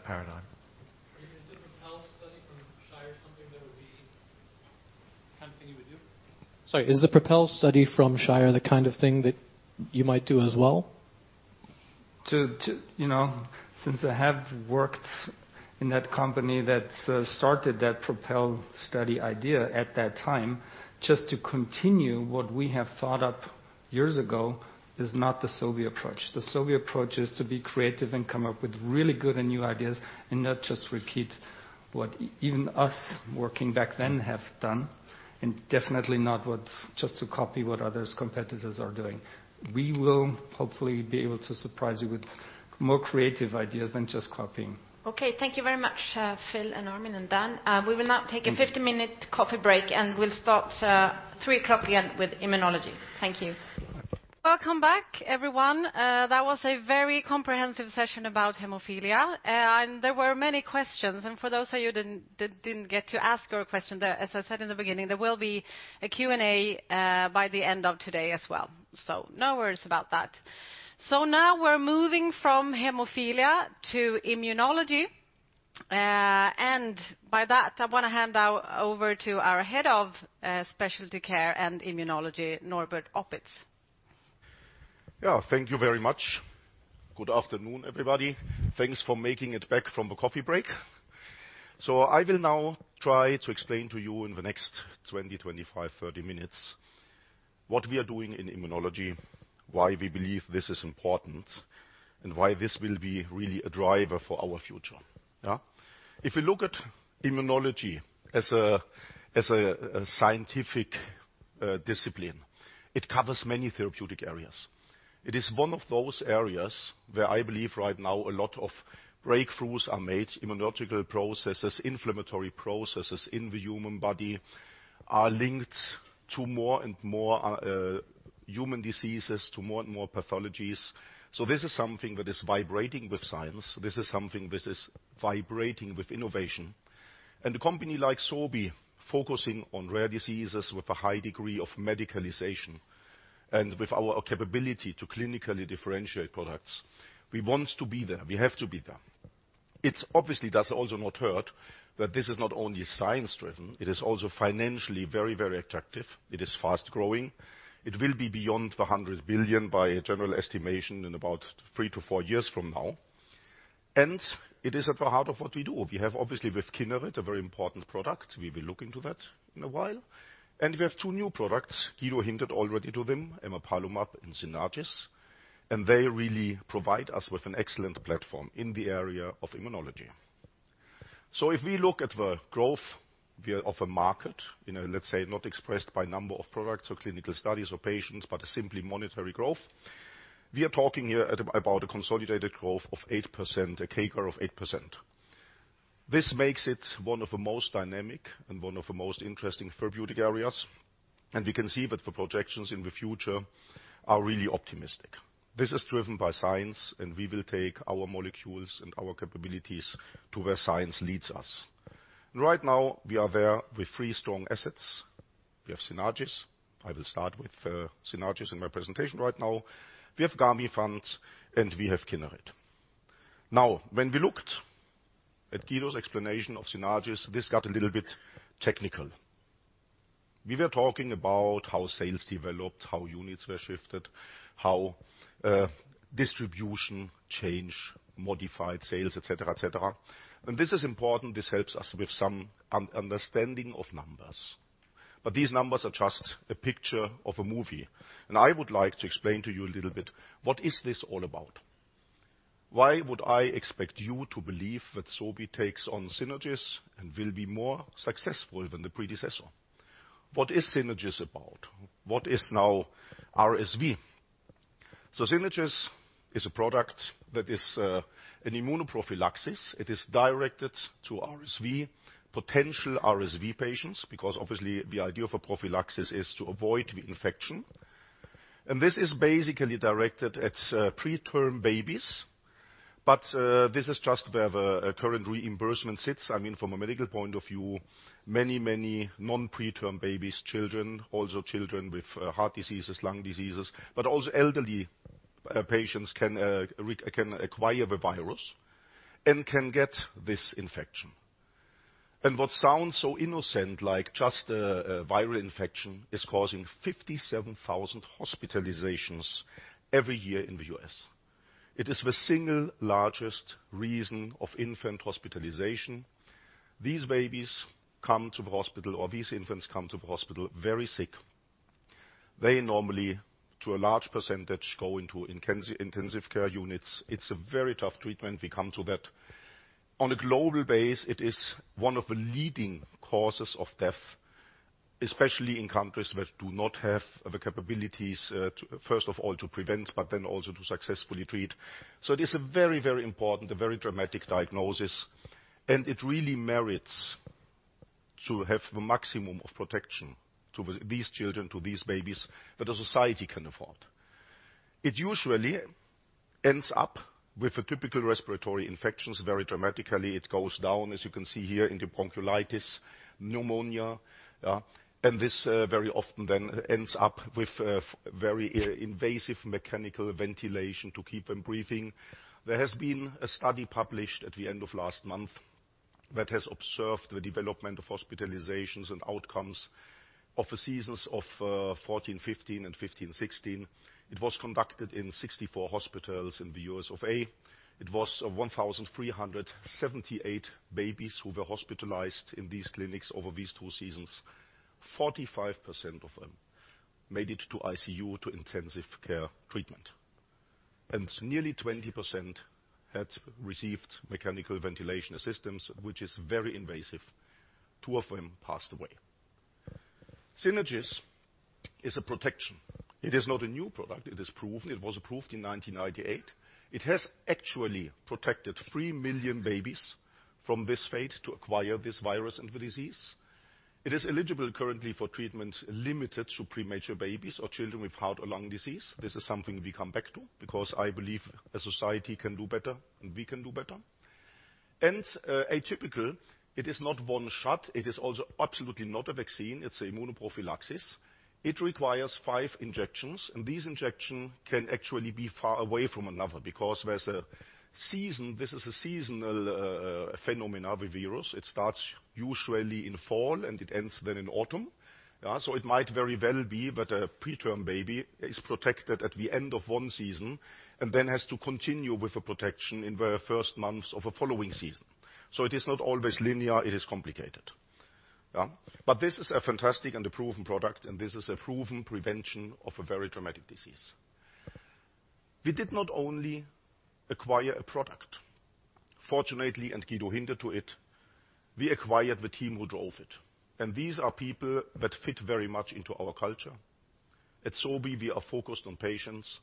paradigm. Is the PROPEL study from Shire something that would be kind of thing you would do? Sorry. Is the PROPEL study from Shire the kind of thing that you might do as well? Since I have worked in that company that started that PROPEL study idea at that time, just to continue what we have thought up years ago is not the Sobi approach. The Sobi approach is to be creative and come up with really good and new ideas and not just repeat what even us working back then have done, and definitely not just to copy what other competitors are doing. We will hopefully be able to surprise you with more creative ideas than just copying. Okay. Thank you very much, Phil and Armin and Dan. We will now take a 15-minute coffee break, and we'll start at 3:00 P.M. again with immunology. Thank you. Welcome back, everyone. That was a very comprehensive session about hemophilia. And there were many questions. And for those of you that didn't get to ask your question, as I said in the beginning, there will be a Q&A by the end of today as well. So no worries about that. So now we're moving from hemophilia to immunology. And by that, I want to hand over to our Head of Specialty Care and Immunology, Norbert Oppitz. Yeah. Thank you very much. Good afternoon, everybody. Thanks for making it back from the coffee break. So I will now try to explain to you in the next 20, 25, 30 minutes what we are doing in immunology, why we believe this is important, and why this will be really a driver for our future. If you look at immunology as a scientific discipline, it covers many therapeutic areas. It is one of those areas where I believe right now a lot of breakthroughs are made. Immunological processes, inflammatory processes in the human body are linked to more and more human diseases, to more and more pathologies. So this is something that is vibrating with science. This is something that is vibrating with innovation. And a company like Sobi, focusing on rare diseases with a high degree of medicalization and with our capability to clinically differentiate products, we want to be there. We have to be there. It obviously does also not hurt that this is not only science-driven. It is also financially very, very attractive. It is fast-growing. It will be beyond 100 billion by a general estimation in about three-to-four years from now. And it is at the heart of what we do. We have, obviously, with Kineret, a very important product. We will look into that in a while. And we have two new products. Guido hinted already to them, emapalumab and Synagis. And they really provide us with an excellent platform in the area of immunology. So if we look at the growth of a market, let's say not expressed by number of products or clinical studies or patients, but simply monetary growth, we are talking here about a consolidated growth of 8%, a CAGR of 8%. This makes it one of the most dynamic and one of the most interesting therapeutic areas. And we can see that the projections in the future are really optimistic. This is driven by science, and we will take our molecules and our capabilities to where science leads us. Right now, we are there with three strong assets. We have Synagis. I will start with Synagis in my presentation right now. We have Gamifant, and we have Kineret. Now, when we looked at Guido's explanation of Synagis, this got a little bit technical. We were talking about how sales developed, how units were shifted, how distribution changed, modified sales, etc., etc. And this is important. This helps us with some understanding of numbers. But these numbers are just a picture of a movie. And I would like to explain to you a little bit what is this all about. Why would I expect you to believe that Sobi takes on Synagis and will be more successful than the predecessor? What is Synagis about? What is now RSV? So Synagis is a product that is an immunoprophylaxis. It is directed to RSV, potential RSV patients, because obviously, the idea of a prophylaxis is to avoid the infection. And this is basically directed at preterm babies. But this is just where the current reimbursement sits. I mean, from a medical point of view, many, many non-preterm babies, children, also children with heart diseases, lung diseases, but also elderly patients can acquire the virus and can get this infection. And what sounds so innocent, like just a viral infection, is causing 57,000 hospitalizations every year in the U.S. It is the single largest reason of infant hospitalization. These babies come to the hospital, or these infants come to the hospital very sick. They normally, to a large percentage, go into intensive care units. It's a very tough treatment. We come to that. On a global basis, it is one of the leading causes of death, especially in countries that do not have the capabilities, first of all, to prevent, but then also to successfully treat. So it is a very, very important, a very dramatic diagnosis. It really merits to have the maximum of protection to these children, to these babies that a society can afford. It usually ends up with a typical respiratory infection very dramatically. It goes down, as you can see here, into bronchiolitis, pneumonia. This very often then ends up with very invasive mechanical ventilation to keep them breathing. There has been a study published at the end of last month that has observed the development of hospitalizations and outcomes of the seasons of 2014-2015 and 2015-2016. It was conducted in 64 hospitals in the U.S. of A. It was 1,378 babies who were hospitalized in these clinics over these two seasons. 45% of them made it to ICU, to intensive care treatment. Nearly 20% had received mechanical ventilation assistance, which is very invasive. Two of them passed away. Synagis is a protection. It is not a new product. It is proven. It was approved in 1998. It has actually protected 3 million babies from this fate to acquire this virus and the disease. It is eligible currently for treatment limited to premature babies or children with heart or lung disease. This is something we come back to because I believe a society can do better, and we can do better. And atypically, it is not one shot. It is also absolutely not a vaccine. It's an immunoprophylaxis. It requires five injections. And these injections can actually be far away from one another because this is a seasonal phenomenon of a virus. It starts usually in fall, and it ends then in autumn. So it might very well be that a preterm baby is protected at the end of one season and then has to continue with the protection in the first months of the following season. So it is not always linear. It is complicated. But this is a fantastic and a proven product, and this is a proven prevention of a very dramatic disease. We did not only acquire a product. Fortunately, and Guido hinted to it, we acquired the team who drove it. And these are people that fit very much into our culture. At Sobi, we are focused on patients.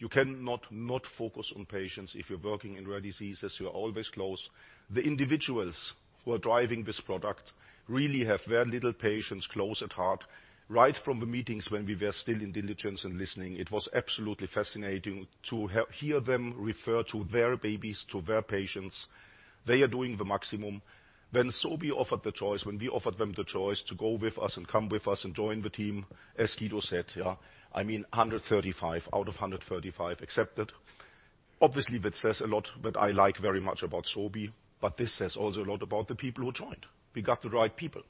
You cannot not focus on patients if you're working in rare diseases. You're always close. The individuals who are driving this product really have very little patients close at heart. Right from the meetings when we were still in diligence and listening, it was absolutely fascinating to hear them refer to their babies, their patients. They are doing the maximum. When Sobi offered the choice, when we offered them the choice to go with us and come with us and join the team, as Guido said, I mean, 135 out of 135 accepted. Obviously, that says a lot that I like very much about Sobi, but this says also a lot about the people who joined. We got the right people.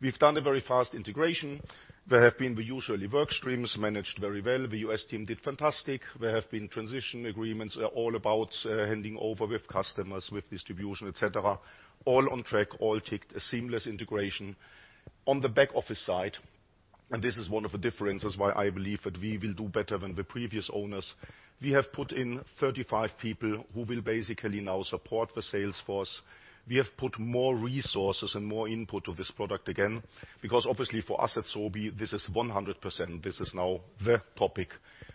We've done a very fast integration. There have been the usual work streams managed very well. The U.S. team did fantastic. There have been transition agreements all about handing over with customers, with distribution, etc. All on track, all ticked, a seamless integration. On the back office side, and this is one of the differences why I believe that we will do better than the previous owners, we have put in 35 people who will basically now support the sales force. We have put more resources and more input to this product again because, obviously, for us at Sobi, this is 100%. This is now the topic,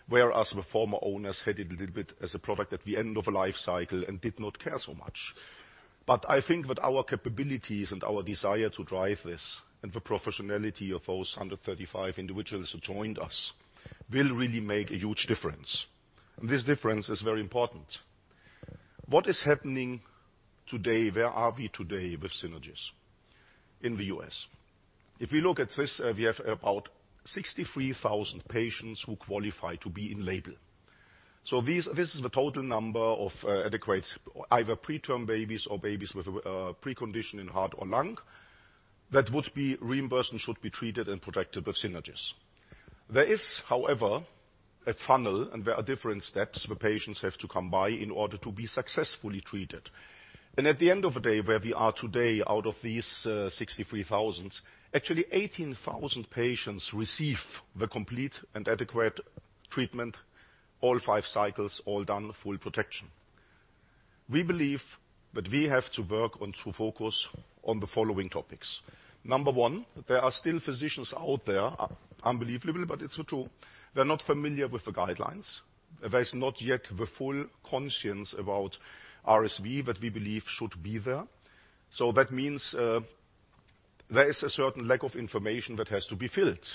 whereas the former owners had it a little bit as a product at the end of a life cycle and did not care so much. But I think that our capabilities and our desire to drive this and the professionality of those 135 individuals who joined us will really make a huge difference. And this difference is very important. What is happening today? Where are we today with Synagis in the U.S.? If we look at this, we have about 63,000 patients who qualify to be in label. So this is the total number of adequate either preterm babies or babies with a precondition in heart or lung that would be reimbursed and should be treated and protected with Synagis. There is, however, a funnel, and there are different steps the patients have to come by in order to be successfully treated. And at the end of the day, where we are today out of these 63,000, actually 18,000 patients receive the complete and adequate treatment, all five cycles, all done, full protection. We believe that we have to work on to focus on the following topics. Number one, there are still physicians out there, unbelievably, but it's the truth. They're not familiar with the guidelines. There's not yet the full consciousness about RSV that we believe should be there. So that means there is a certain lack of information that has to be filled.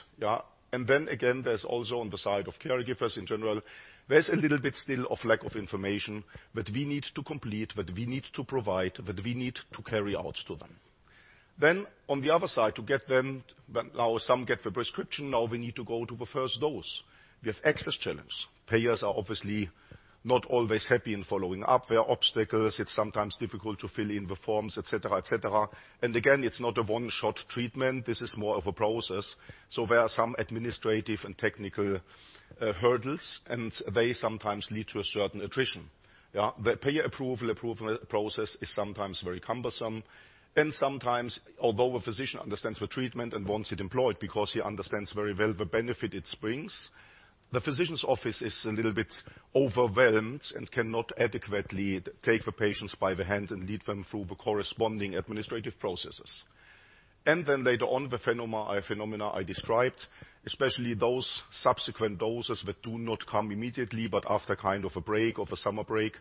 And then again, there's also on the side of caregivers in general, there's a little bit still of lack of information that we need to complete, that we need to provide, that we need to carry out to them. Then, on the other side, to get them, now some get the prescription. Now we need to go to the first dose. We have access challenges. Payers are obviously not always happy in following up. There are obstacles. It's sometimes difficult to fill in the forms, etc., etc. And again, it's not a one-shot treatment. This is more of a process. So there are some administrative and technical hurdles, and they sometimes lead to a certain attrition. The payer approval process is sometimes very cumbersome. And sometimes, although a physician understands the treatment and wants it employed because he understands very well the benefit it brings, the physician's office is a little bit overwhelmed and cannot adequately take the patients by the hand and lead them through the corresponding administrative processes. And then later on, the phenomena I described, especially those subsequent doses that do not come immediately, but after kind of a break or a summer break,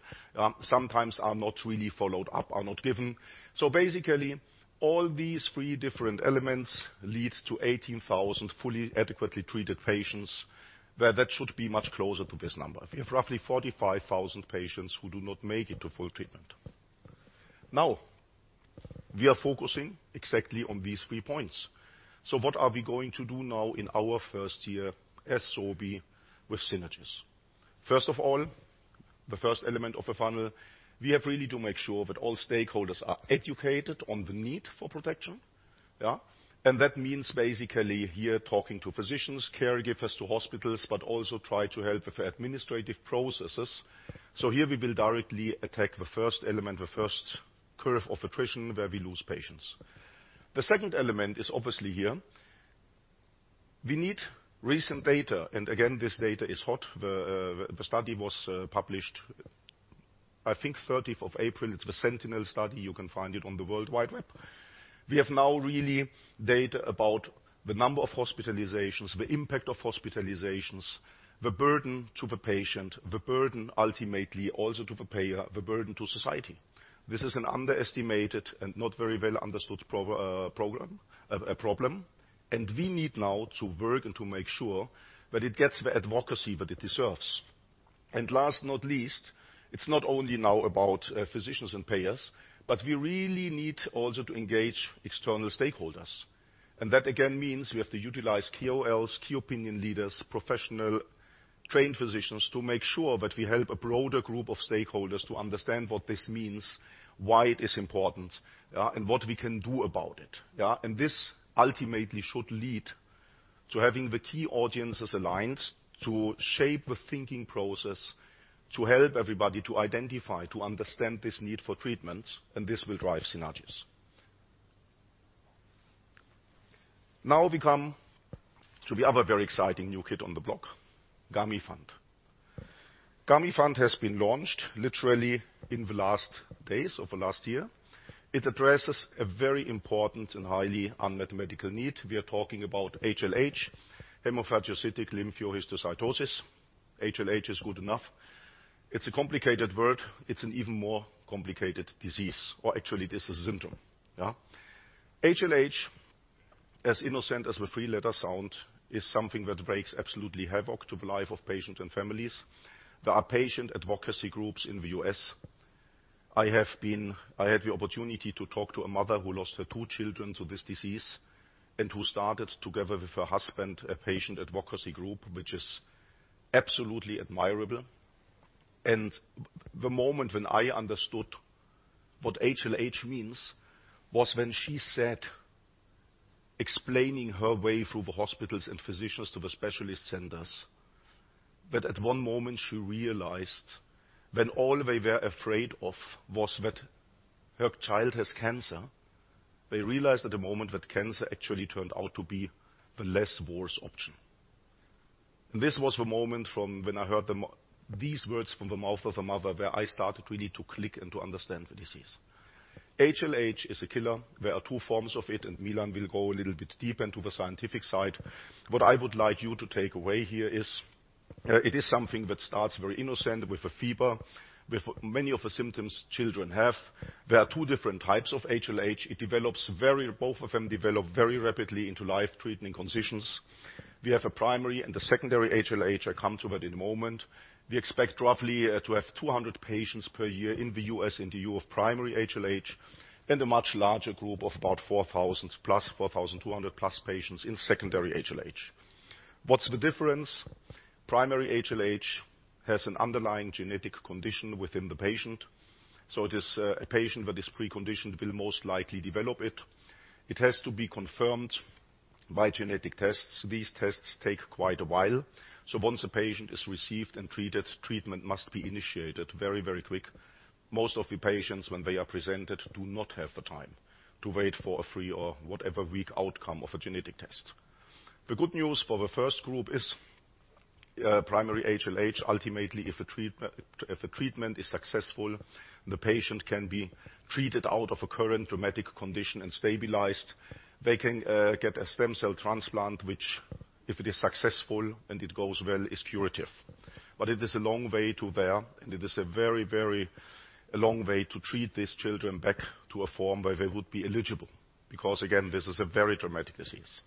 sometimes are not really followed up, are not given. So basically, all these three different elements lead to 18,000 fully adequately treated patients, where that should be much closer to this number. We have roughly 45,000 patients who do not make it to full treatment. Now, we are focusing exactly on these three points. So what are we going to do now in our first year at Sobi with Synagis? First of all, the first element of the funnel, we have really to make sure that all stakeholders are educated on the need for protection, and that means basically here talking to physicians, caregivers to hospitals, but also try to help with the administrative processes, so here we will directly attack the first element, the first curve of attrition where we lose patients. The second element is obviously here. We need recent data, and again, this data is hot. The study was published, I think, 30th of April. It's the Sentinel study. You can find it on the World Wide Web. We have now really data about the number of hospitalizations, the impact of hospitalizations, the burden to the patient, the burden ultimately also to the payer, the burden to society. This is an underestimated and not very well understood problem. And we need now to work and to make sure that it gets the advocacy that it deserves. And last but not least, it's not only now about physicians and payers, but we really need also to engage external stakeholders. And that again means we have to utilize key KOLs, key opinion leaders, professional trained physicians to make sure that we help a broader group of stakeholders to understand what this means, why it is important, and what we can do about it. And this ultimately should lead to having the key audiences aligned to shape the thinking process to help everybody to identify, to understand this need for treatments. And this will drive Synagis. Now we come to the other very exciting new kid on the block, Gamifant. Gamifant has been launched literally in the last days of the last year. It addresses a very important and highly unmet medical need. We are talking about HLH, hemophagocytic lymphohistiocytosis. HLH is good enough. It's a complicated word. It's an even more complicated disease. Or actually, this is a syndrome. HLH, as innocent as the three-letter sound, is something that wreaks absolute havoc on the lives of patients and families. There are patient advocacy groups in the U.S. I had the opportunity to talk to a mother who lost her two children to this disease and who started together with her husband a patient advocacy group, which is absolutely admirable. And the moment when I understood what HLH means was when she said, explaining her way through the hospitals and physicians to the specialist centers, that at one moment she realized when all they were afraid of was that her child has cancer, they realized at the moment that cancer actually turned out to be the less worse option. And this was the moment when I heard these words from the mouth of the mother where I started really to click and to understand the disease. HLH is a killer. There are two forms of it. And Milan will go a little bit deeper into the scientific side. What I would like you to take away here is it is something that starts very innocent with a fever, with many of the symptoms children have. There are two different types of HLH. Both of them develop very rapidly into life-threatening conditions. We have a primary and a secondary HLH. I come to that in a moment. We expect roughly to have 200 patients per year in the U.S. in the year of primary HLH and a much larger group of about 4,000+ 4,200+ patients in secondary HLH. What's the difference? Primary HLH has an underlying genetic condition within the patient. So it is a patient that is preconditioned will most likely develop it. It has to be confirmed by genetic tests. These tests take quite a while. So once a patient is received and treated, treatment must be initiated very, very quick. Most of the patients, when they are presented, do not have the time to wait for a three or whatever week outcome of a genetic test. The good news for the first group is primary HLH, ultimately, if the treatment is successful, the patient can be treated out of a current dramatic condition and stabilized. They can get a stem cell transplant, which, if it is successful and it goes well, is curative. But it is a long way to there, and it is a very, very long way to treat these children back to a form where they would be eligible because, again, this is a very dramatic disease.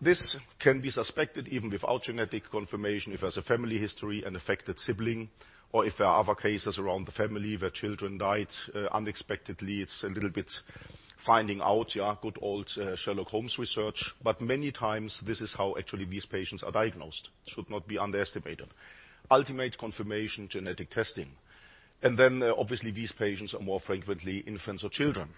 This can be suspected even without genetic confirmation if there's a family history, an affected sibling, or if there are other cases around the family where children died unexpectedly. It's a little bit finding out, good old Sherlock Holmes research. But many times, this is how actually these patients are diagnosed. Should not be underestimated. Ultimate confirmation, genetic testing. Obviously, these patients are more frequently infants or children.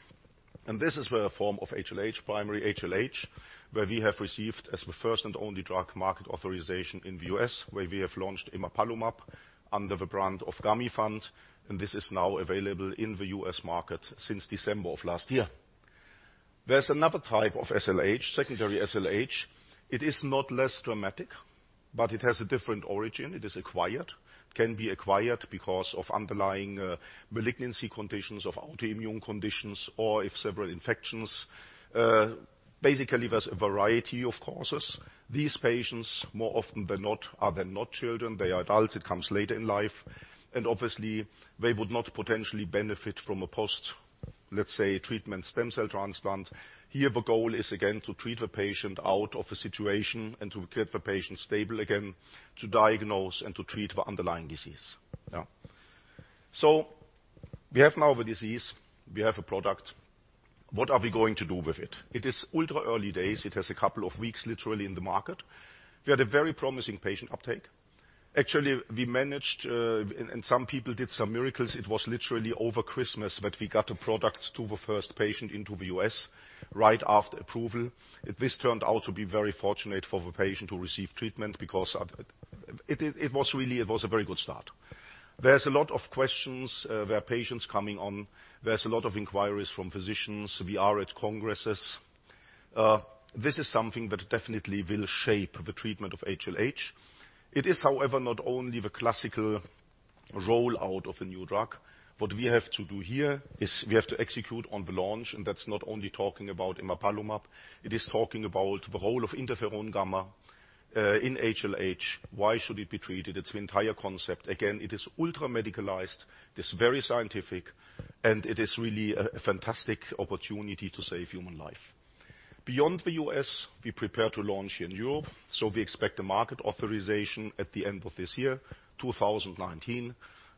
This is where a form of HLH, primary HLH, where we have received as the first and only drug market authorization in the U.S., where we have launched emapalumab under the brand of Gamifant. This is now available in the U.S. market since December of last year. There's another type of HLH, secondary HLH. It is not less dramatic, but it has a different origin. It is acquired. It can be acquired because of underlying malignancy conditions of autoimmune conditions or if several infections. Basically, there's a variety of causes. These patients, more often than not, are then not children. They are adults. It comes later in life. Obviously, they would not potentially benefit from a post, let's say, treatment stem cell transplant. Here, the goal is again to treat the patient out of a situation and to get the patient stable again to diagnose and to treat the underlying disease. So we have now the disease. We have a product. What are we going to do with it? It is ultra early days. It has a couple of weeks literally in the market. We had a very promising patient uptake. Actually, we managed, and some people did some miracles. It was literally over Christmas that we got a product to the first patient into the US right after approval. This turned out to be very fortunate for the patient to receive treatment because it was really a very good start. There's a lot of questions. There are patients coming on. There's a lot of inquiries from physicians. We are at congresses. This is something that definitely will shape the treatment of HLH. It is, however, not only the classical rollout of a new drug. What we have to do here is we have to execute on the launch, and that's not only talking about emapalumab. It is talking about the role of interferon gamma in HLH. Why should it be treated? It's the entire concept. Again, it is ultra medicalized. It's very scientific, and it is really a fantastic opportunity to save human life. Beyond the U.S., we prepare to launch in Europe, so we expect a market authorization at the end of this year, 2019.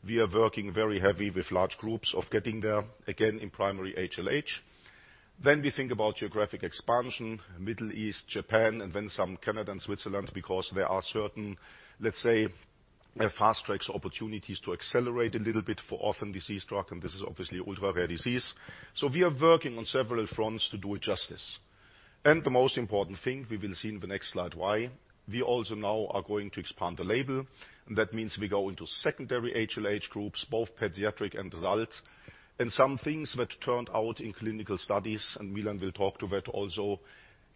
We are working very heavily with large groups of getting there again in primary HLH, then we think about geographic expansion, Middle East, Japan, and then some Canada and Switzerland because there are certain, let's say, fast-track opportunities to accelerate a little bit for orphan disease drug, and this is obviously ultra-rare disease. So we are working on several fronts to do justice. And the most important thing we will see in the next slide why. We also now are going to expand the label. And that means we go into secondary HLH groups, both pediatric and adult. And some things that turned out in clinical studies, and Milan will talk to that also,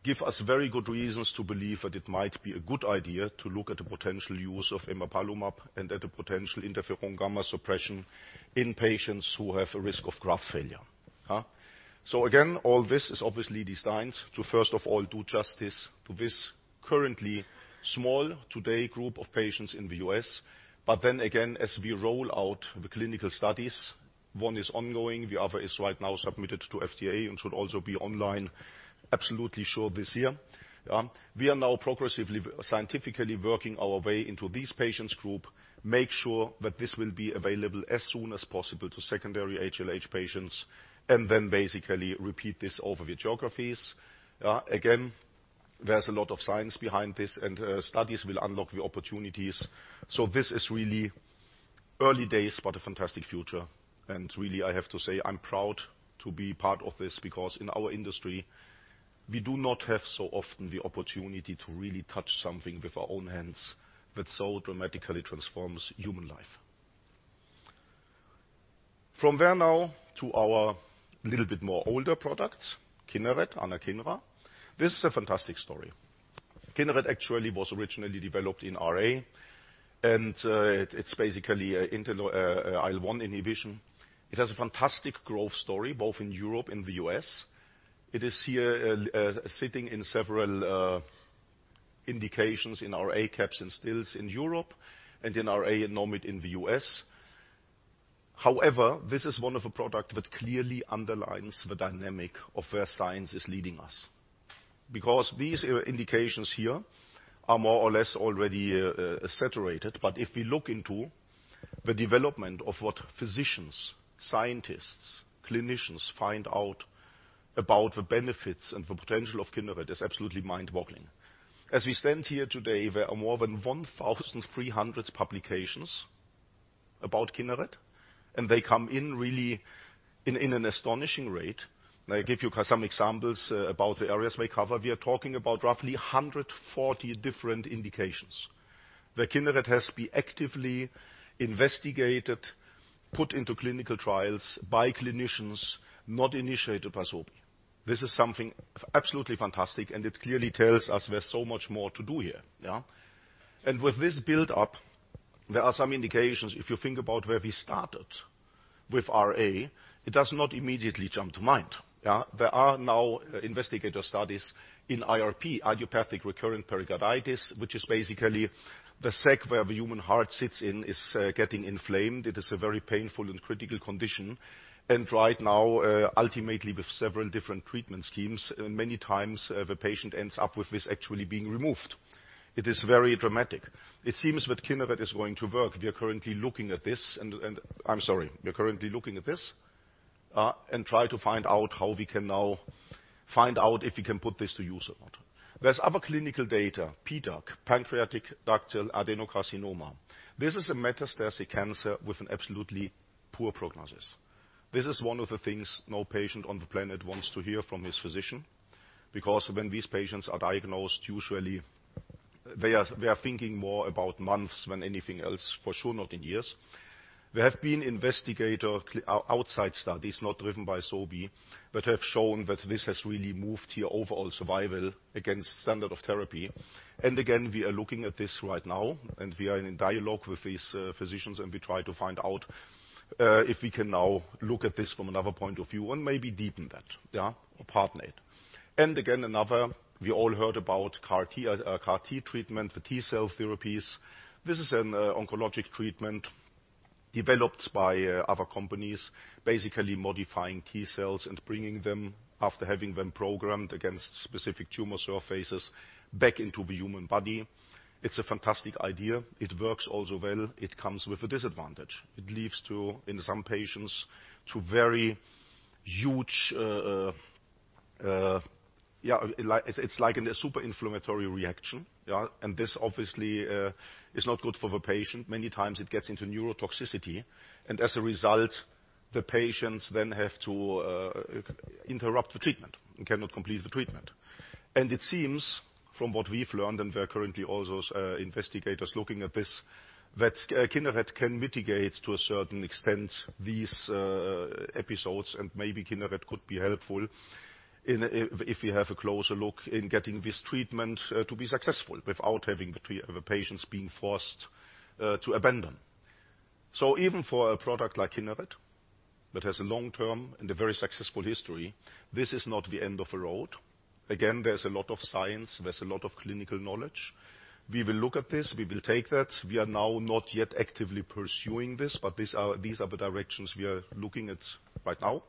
give us very good reasons to believe that it might be a good idea to look at the potential use of emapalumab and at the potential interferon gamma suppression in patients who have a risk of graft failure. So again, all this is obviously designed to, first of all, do justice to this currently small today group of patients in the U.S. But then again, as we roll out the clinical studies, one is ongoing. The other is right now submitted to FDA and should also be online, absolutely sure this year. We are now progressively scientifically working our way into this patients group, make sure that this will be available as soon as possible to secondary HLH patients, and then basically repeat this over with geographies. Again, there's a lot of science behind this, and studies will unlock the opportunities. So this is really early days, but a fantastic future. Really, I have to say I'm proud to be part of this because in our industry, we do not have so often the opportunity to really touch something with our own hands that so dramatically transforms human life. From there now to our little bit more older product, Kineret, anakinra. This is a fantastic story. Kineret actually was originally developed in RA, and it's basically an IL-1 inhibition. It has a fantastic growth story, both in Europe and the U.S. It is here sitting in several indications in our CAPS and Still's in Europe and in our NOMID in the U.S. However, this is one of the products that clearly underlines the dynamic of where science is leading us. Because these indications here are more or less already saturated, but if we look into the development of what physicians, scientists, clinicians find out about the benefits and the potential of Kineret, it is absolutely mind-boggling. As we stand here today, there are more than 1,300 publications about Kineret, and they come in really in an astonishing rate, and I give you some examples about the areas we cover. We are talking about roughly 140 different indications where Kineret has been actively investigated, put into clinical trials by clinicians, not initiated by Sobi. This is something absolutely fantastic, and it clearly tells us there's so much more to do here. With this build-up, there are some indications. If you think about where we started with RA, it does not immediately jump to mind. There are now investigator studies in IRP, idiopathic recurrent pericarditis, which is basically the sac where the human heart sits in is getting inflamed. It is a very painful and critical condition. Right now, ultimately with several different treatment schemes, many times the patient ends up with this actually being removed. It is very dramatic. It seems that Kineret is going to work. We are currently looking at this. I'm sorry, we are currently looking at this and try to find out how we can now find out if we can put this to use or not. There's other clinical data, PDAC, pancreatic ductal adenocarcinoma. This is a metastatic cancer with an absolutely poor prognosis. This is one of the things no patient on the planet wants to hear from his physician because when these patients are diagnosed, usually they are thinking more about months than anything else, for sure not in years. There have been investigator outside studies not driven by Sobi that have shown that this has really moved the overall survival against standard of therapy. And again, we are looking at this right now, and we are in dialogue with these physicians, and we try to find out if we can now look at this from another point of view and maybe deepen that or partner it. And again, another, we all heard about CAR T treatment, the T-cell therapies. This is an oncologic treatment developed by other companies, basically modifying T-cells and bringing them, after having them programmed against specific tumor surfaces, back into the human body. It's a fantastic idea. It works also well. It comes with a disadvantage. It leads to, in some patients, to very huge, it's like a super inflammatory reaction. And this obviously is not good for the patient. Many times it gets into neurotoxicity. And as a result, the patients then have to interrupt the treatment and cannot complete the treatment. And it seems from what we've learned and we're currently also investigators looking at this that Kineret can mitigate to a certain extent these episodes, and maybe Kineret could be helpful if we have a closer look in getting this treatment to be successful without having the patients being forced to abandon. So even for a product like Kineret that has a long term and a very successful history, this is not the end of the road. Again, there's a lot of science. There's a lot of clinical knowledge. We will look at this. We will take that. We are now not yet actively pursuing this, but these are the directions we are looking at right now.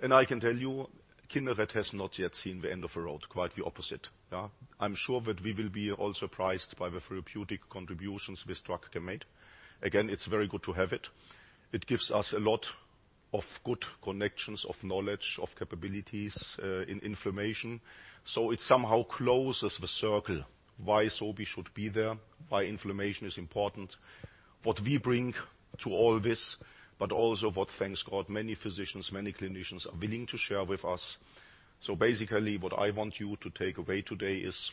And I can tell you Kineret has not yet seen the end of the road, quite the opposite. I'm sure that we will be also surprised by the therapeutic contributions this drug can make. Again, it's very good to have it. It gives us a lot of good connections of knowledge, of capabilities in inflammation. So it somehow closes the circle why Sobi should be there, why inflammation is important, what we bring to all this, but also what, thank God, many physicians, many clinicians are willing to share with us. So basically, what I want you to take away today is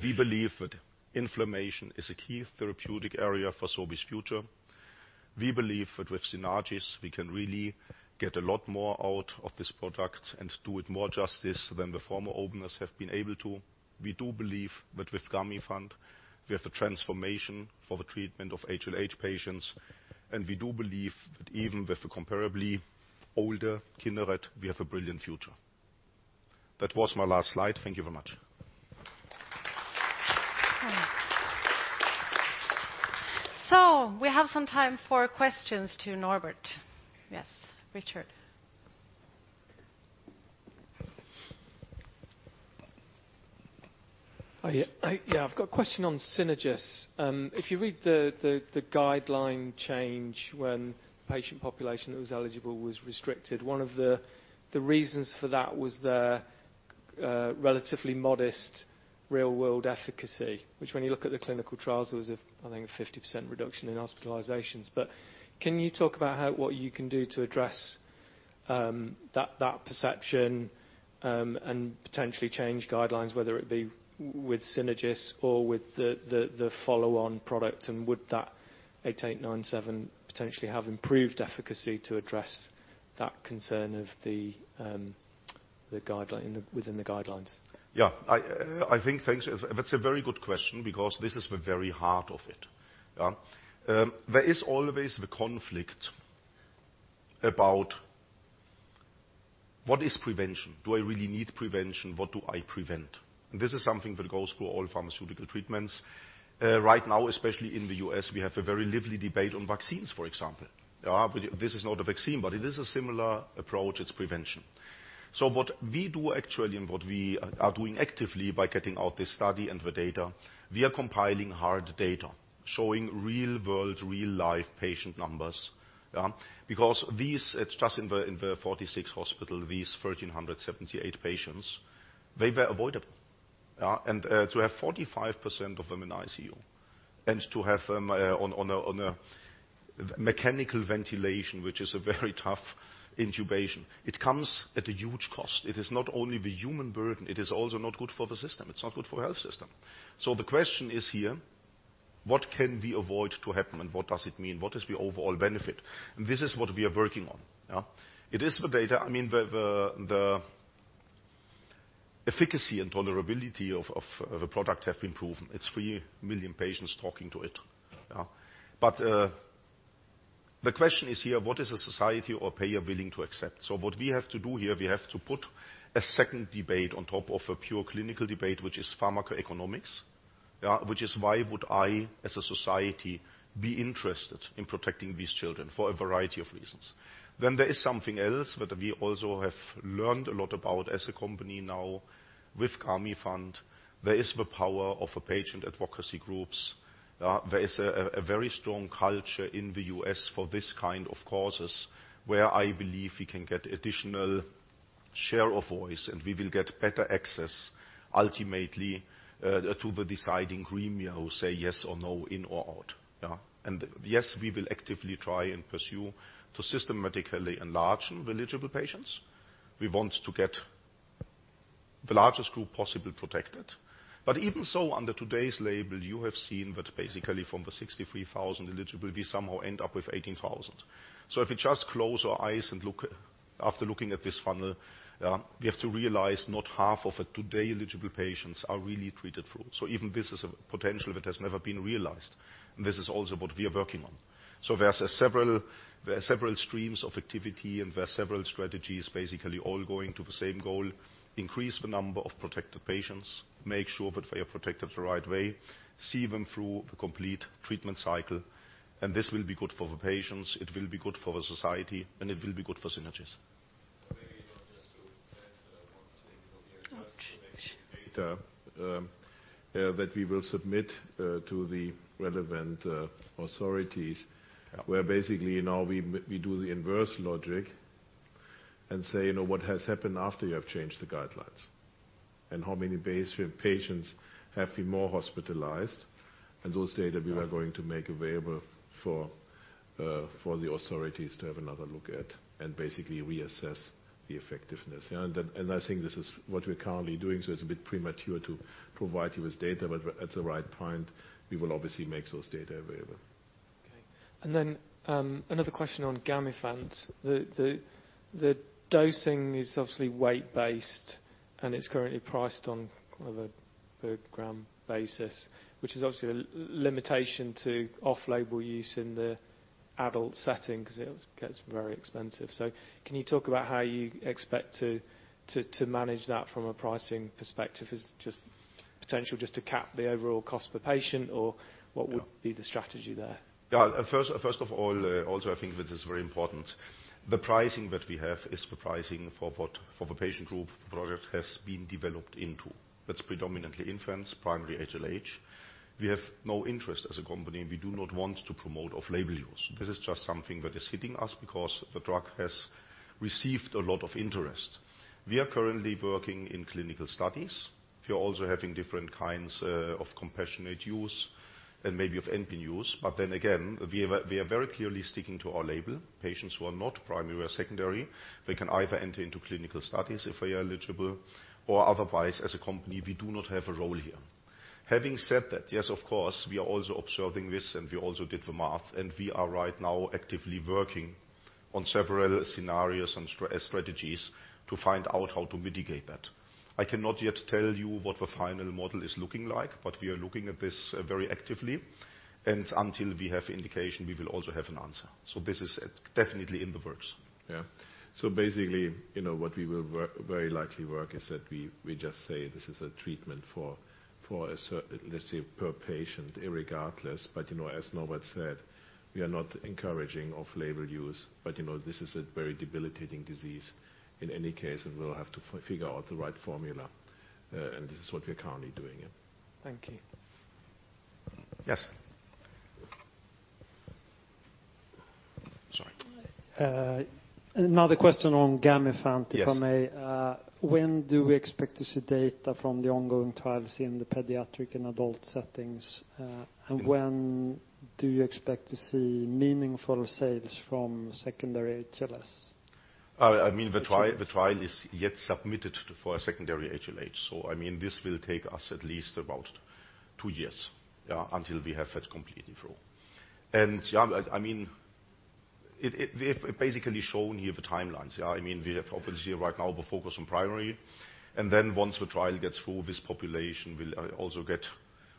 we believe that inflammation is a key therapeutic area for Sobi's future. We believe that with Synagis, we can really get a lot more out of this product and do it more justice than the former owners have been able to. We do believe that with Gamifant, we have a transformation for the treatment of HLH patients. And we do believe that even with the comparably older Kineret, we have a brilliant future. That was my last slide. Thank you very much. So we have some time for questions to Norbert. Yes, Richard. Yeah, I've got a question on Synagis. If you read the guideline change when the patient population that was eligible was restricted, one of the reasons for that was the relatively modest real-world efficacy, which when you look at the clinical trials, there was a, I think, 50% reduction in hospitalizations. But can you talk about what you can do to address that perception and potentially change guidelines, whether it be with Synagis or with the follow-on product? And would that 8897 potentially have improved efficacy to address that concern of the guideline within the guidelines? Yeah, I think that's a very good question because this is the very heart of it. There is always the conflict about what is prevention. Do I really need prevention? What do I prevent? And this is something that goes through all pharmaceutical treatments. Right now, especially in the U.S., we have a very lively debate on vaccines, for example. This is not a vaccine, but it is a similar approach. It's prevention. So what we do actually and what we are doing actively by getting out this study and the data, we are compiling hard data showing real-world, real-life patient numbers. Because these, it's just in the 46 hospitals, these 1,378 patients, they were avoidable. And to have 45% of them in ICU and to have them on a mechanical ventilation, which is a very tough intubation, it comes at a huge cost. It is not only the human burden. It is also not good for the system. It's not good for the health system. So the question is here, what can we avoid to happen and what does it mean? What is the overall benefit? And this is what we are working on. It is the data. I mean, the efficacy and tolerability of the product have been proven. It's three million patients talking to it. But the question is here, what is a society or a payer willing to accept? So what we have to do here, we have to put a second debate on top of a pure clinical debate, which is pharmacoeconomics, which is why would I, as a society, be interested in protecting these children for a variety of reasons. Then there is something else that we also have learned a lot about as a company now with Gamifant. There is the power of patient advocacy groups. There is a very strong culture in the U.S. for this kind of causes where I believe we can get additional share of voice and we will get better access ultimately to the deciding Gremium who say yes or no in or out. And yes, we will actively try and pursue to systematically enlarge eligible patients. We want to get the largest group possible protected. But even so, under today's label, you have seen that basically from the 63,000 eligible, we somehow end up with 18,000. So if we just close our eyes and look at this funnel, we have to realize not half of today's eligible patients are really treated through. So even this is a potential that has never been realized. And this is also what we are working on. So there are several streams of activity, and there are several strategies basically all going to the same goal: increase the number of protected patients, make sure that they are protected the right way, see them through the complete treatment cycle. And this will be good for the patients. It will be good for the society, and it will be good for Synagis. Maybe not just to add one thing here, that we will submit to the relevant authorities where basically now we do the inverse logic and say, "What has happened after you have changed the guidelines?" And how many more patients have been hospitalized? And those data we were going to make available for the authorities to have another look at and basically reassess the effectiveness. And I think this is what we're currently doing. So it's a bit premature to provide you with data, but at the right point, we will obviously make those data available. Okay. And then another question on Gamifant. The dosing is obviously weight-based, and it's currently priced on the per gram basis, which is obviously a limitation to off-label use in the adult setting because it gets very expensive. So can you talk about how you expect to manage that from a pricing perspective? Is it just potentially to cap the overall cost per patient, or what would be the strategy there? First of all, also I think this is very important. The pricing that we have is the pricing for what the patient group product has been developed into. That's predominantly infants, primary HLH. We have no interest as a company. We do not want to promote off-label use. This is just something that is hitting us because the drug has received a lot of interest. We are currently working in clinical studies. We are also having different kinds of compassionate use and maybe expanded use. But then again, we are very clearly sticking to our label. Patients who are not primary or secondary, they can either enter into clinical studies if they are eligible or otherwise. As a company, we do not have a role here. Having said that, yes, of course, we are also observing this, and we also did the math, and we are right now actively working on several scenarios and strategies to find out how to mitigate that. I cannot yet tell you what the final model is looking like, but we are looking at this very actively, and until we have indication, we will also have an answer, so this is definitely in the works. Yeah, so basically, what we will very likely work is that we just say this is a treatment for, let's say, per patient, irregardless, but as Norbert said, we are not encouraging off-label use, but this is a very debilitating disease in any case, and we'll have to figure out the right formula, and this is what we're currently doing. Thank you. Yes. Sorry. Another question on Gamifant, if I may. When do we expect to see data from the ongoing trials in the pediatric and adult settings? And when do you expect to see meaningful sales from secondary HLH? I mean, the trial is yet submitted for a secondary HLH. So I mean, this will take us at least about two years until we have it completely through. And I mean, we have basically shown here the timelines. I mean, we have obviously right now the focus on primary. And then once the trial gets through, this population will also get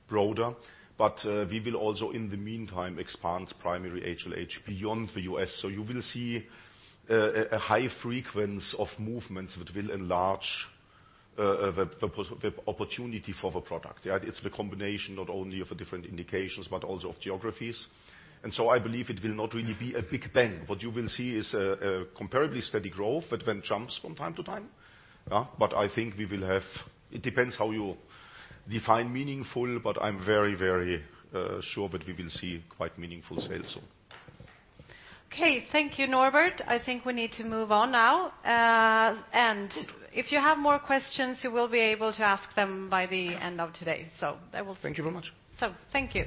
broader. But we will also, in the meantime, expand primary HLH beyond the U.S. So you will see a high frequency of movements that will enlarge the opportunity for the product. It's the combination not only of different indications, but also of geographies. And so I believe it will not really be a big bang. What you will see is a comparably steady growth that then jumps from time to time. But I think we will have. It depends how you define meaningful, but I'm very, very sure that we will see quite meaningful sales, so. Okay. Thank you, Norbert. I think we need to move on now. And if you have more questions, you will be able to ask them by the end of today. So that will. Thank you very much. Thank you.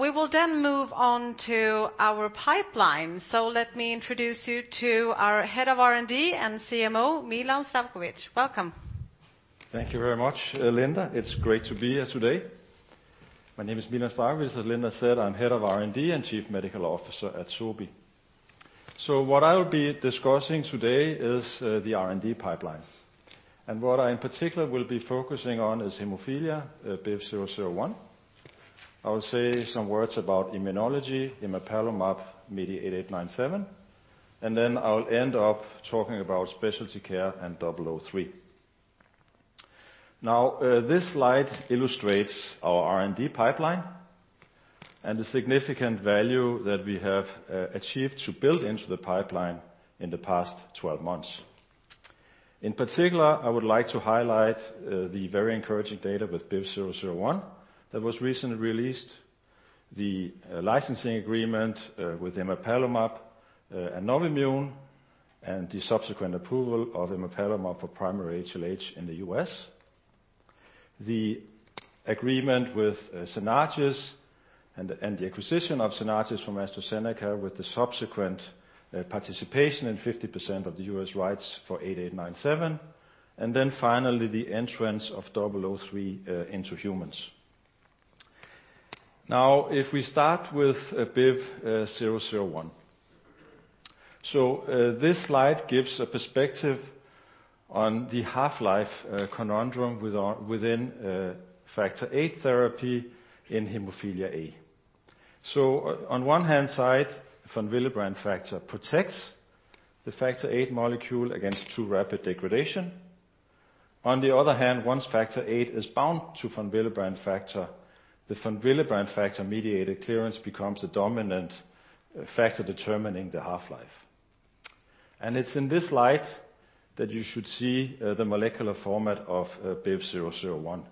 We will then move on to our pipeline. Let me introduce you to our Head of R&D and CMO, Milan Zdravkovic. Welcome. Thank you very much, Linda. It's great to be here today. My name is Milan Zdravkovic. As Linda said, I'm head of R&D and Chief Medical Officer at Sobi. So what I will be discussing today is the R&D pipeline. And what I in particular will be focusing on is hemophilia BIVV001. I will say some words about immunology, emapalumab, MEDI 8897. And then I'll end up talking about specialty care and 003. Now, this slide illustrates our R&D pipeline and the significant value that we have achieved to build into the pipeline in the past 12 months. In particular, I would like to highlight the very encouraging data with BIVV001 that was recently released, the licensing agreement with emapalumab and Novimmune, and the subsequent approval of emapalumab for primary HLH in the U.S., the agreement with Synagis, and the acquisition of Synagis from AstraZeneca with the subsequent participation in 50% of the U.S. rights for 8897, and then finally the entrance of 003 into humans. Now, if we start with BIVV001. So this slide gives a perspective on the half-life conundrum within factor VIII therapy in hemophilia A. So on the one hand, von Willebrand factor protects the factor VIII molecule against too rapid degradation. On the other hand, once factor VIII is bound to von Willebrand factor, the von Willebrand factor mediated clearance becomes a dominant factor determining the half-life. And it's in this light that you should see the molecular format of BIVV001.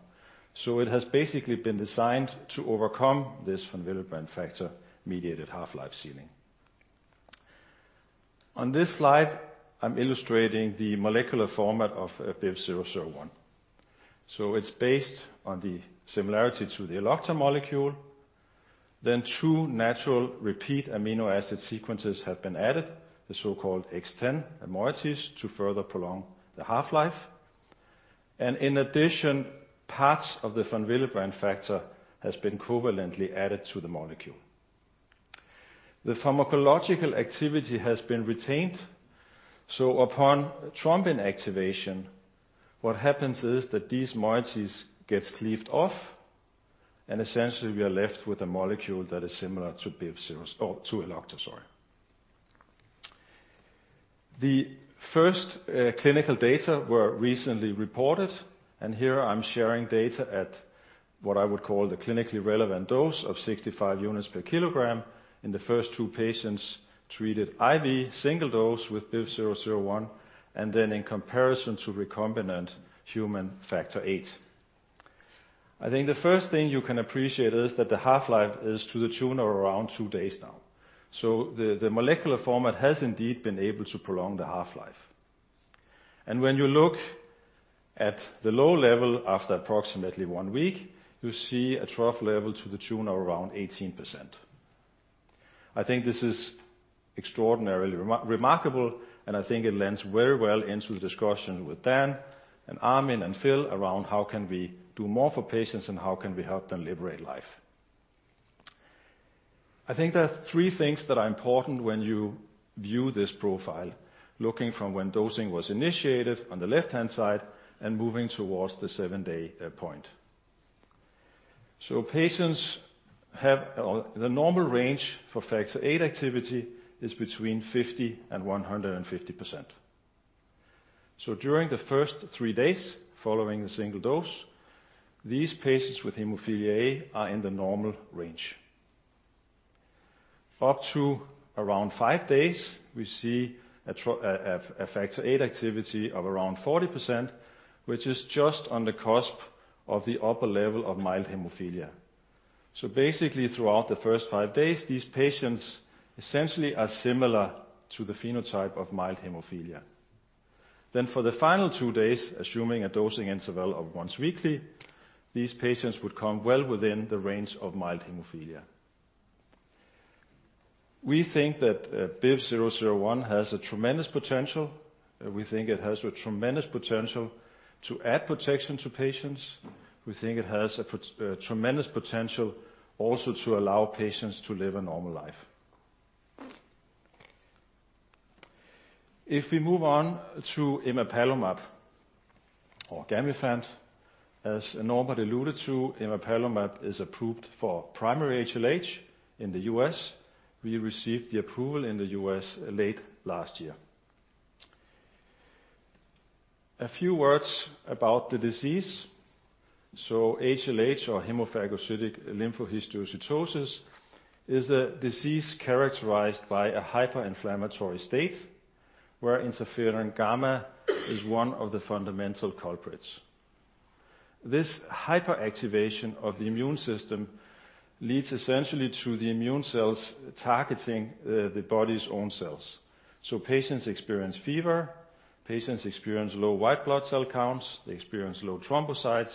It has basically been designed to overcome this von Willebrand factor mediated half-life ceiling. On this slide, I'm illustrating the molecular format of BIVV001. It's based on the similarity to the Elocta molecule. Then two natural repeat amino acid sequences have been added, the so-called XTEN moieties to further prolong the half-life. And in addition, parts of the von Willebrand factor have been covalently added to the molecule. The pharmacological activity has been retained. Upon thrombin activation, what happens is that these moieties get cleaved off, and essentially we are left with a molecule that is similar to Elocta. The first clinical data were recently reported. Here I'm sharing data at what I would call the clinically relevant dose of 65 units per kg in the first two patients treated IV single dose with BIVV001, and then in comparison to recombinant human factor VIII. I think the first thing you can appreciate is that the half-life is to the tune of around two days now. So the molecular format has indeed been able to prolong the half-life. And when you look at the low level after approximately one week, you see a trough level to the tune of around 18%. I think this is extraordinarily remarkable, and I think it lends very well into the discussion with Dan and Armin and Phil around how can we do more for patients and how can we help them liberate life. I think there are three things that are important when you view this profile, looking from when dosing was initiated on the left-hand side and moving towards the seven-day point. So patients have the normal range for factor VIII activity is between 50% and 150%. During the first three days following the single dose, these patients with hemophilia A are in the normal range. Up to around five days, we see a factor VIII activity of around 40%, which is just on the cusp of the upper level of mild hemophilia. Basically, throughout the first five days, these patients essentially are similar to the phenotype of mild hemophilia. For the final two days, assuming a dosing interval of once weekly, these patients would come well within the range of mild hemophilia. We think that BIVV001 has a tremendous potential. We think it has a tremendous potential to add protection to patients. We think it has a tremendous potential also to allow patients to live a normal life. If we move on to emapalumab or Gamifant, as Norbert alluded to, emapalumab is approved for primary HLH in the U.S. We received the approval in the U.S. late last year. A few words about the disease. So HLH, or hemophagocytic lymphohistiocytosis, is a disease characterized by a hyperinflammatory state where interferon gamma is one of the fundamental culprits. This hyperactivation of the immune system leads essentially to the immune cells targeting the body's own cells. So patients experience fever. Patients experience low white blood cell counts. They experience low thrombocytes.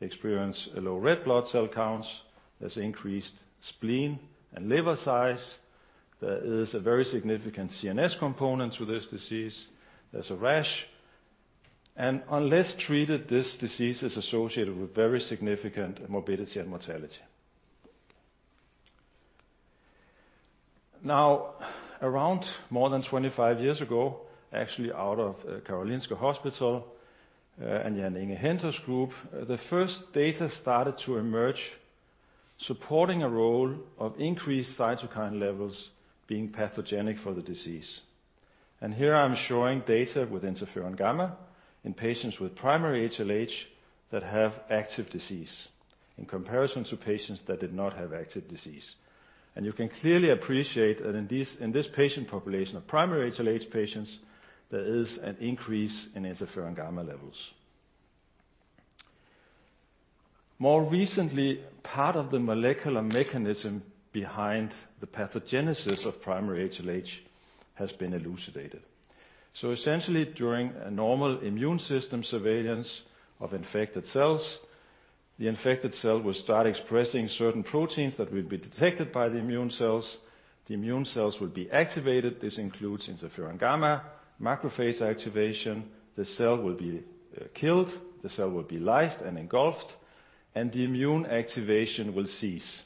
They experience low red blood cell counts. There's increased spleen and liver size. There is a very significant CNS component to this disease. There's a rash. And unless treated, this disease is associated with very significant morbidity and mortality. Now, around more than 25 years ago, actually out of Karolinska Hospital and Jan-Inge Henter's group, the first data started to emerge supporting a role of increased cytokine levels being pathogenic for the disease. Here I'm showing data with interferon gamma in patients with primary HLH that have active disease in comparison to patients that did not have active disease. You can clearly appreciate that in this patient population of primary HLH patients, there is an increase in interferon gamma levels. More recently, part of the molecular mechanism behind the pathogenesis of primary HLH has been elucidated. Essentially, during normal immune system surveillance of infected cells, the infected cell will start expressing certain proteins that will be detected by the immune cells. The immune cells will be activated. This includes interferon gamma, macrophage activation. The cell will be killed. The cell will be lysed and engulfed, and the immune activation will cease.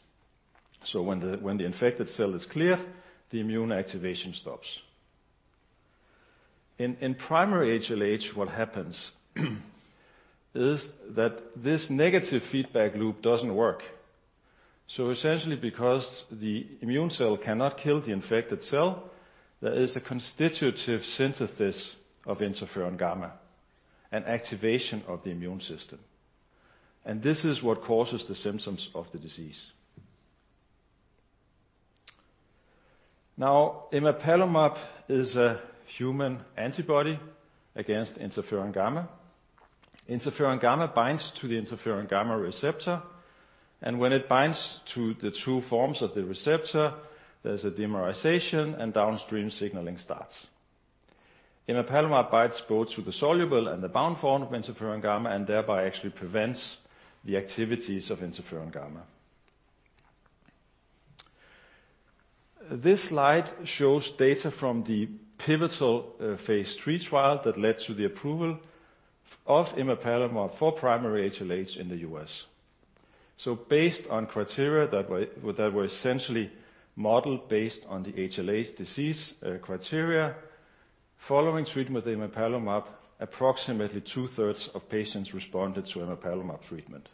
When the infected cell is cleared, the immune activation stops. In primary HLH, what happens is that this negative feedback loop doesn't work. So essentially, because the immune cell cannot kill the infected cell, there is a constitutive synthesis of interferon gamma and activation of the immune system. And this is what causes the symptoms of the disease. Now, emapalumab is a human antibody against interferon gamma. Interferon gamma binds to the interferon gamma receptor. And when it binds to the two forms of the receptor, there's a dimerization and downstream signaling starts. Emapalumab binds both to the soluble and the bound form of interferon gamma and thereby actually prevents the activities of interferon gamma. This slide shows data from the pivotal phase III trial that led to the approval of emapalumab for primary HLH in the U.S. So based on criteria that were essentially modeled based on the HLH disease criteria, following treatment with emapalumab, approximately two-thirds of patients responded to emapalumab treatment.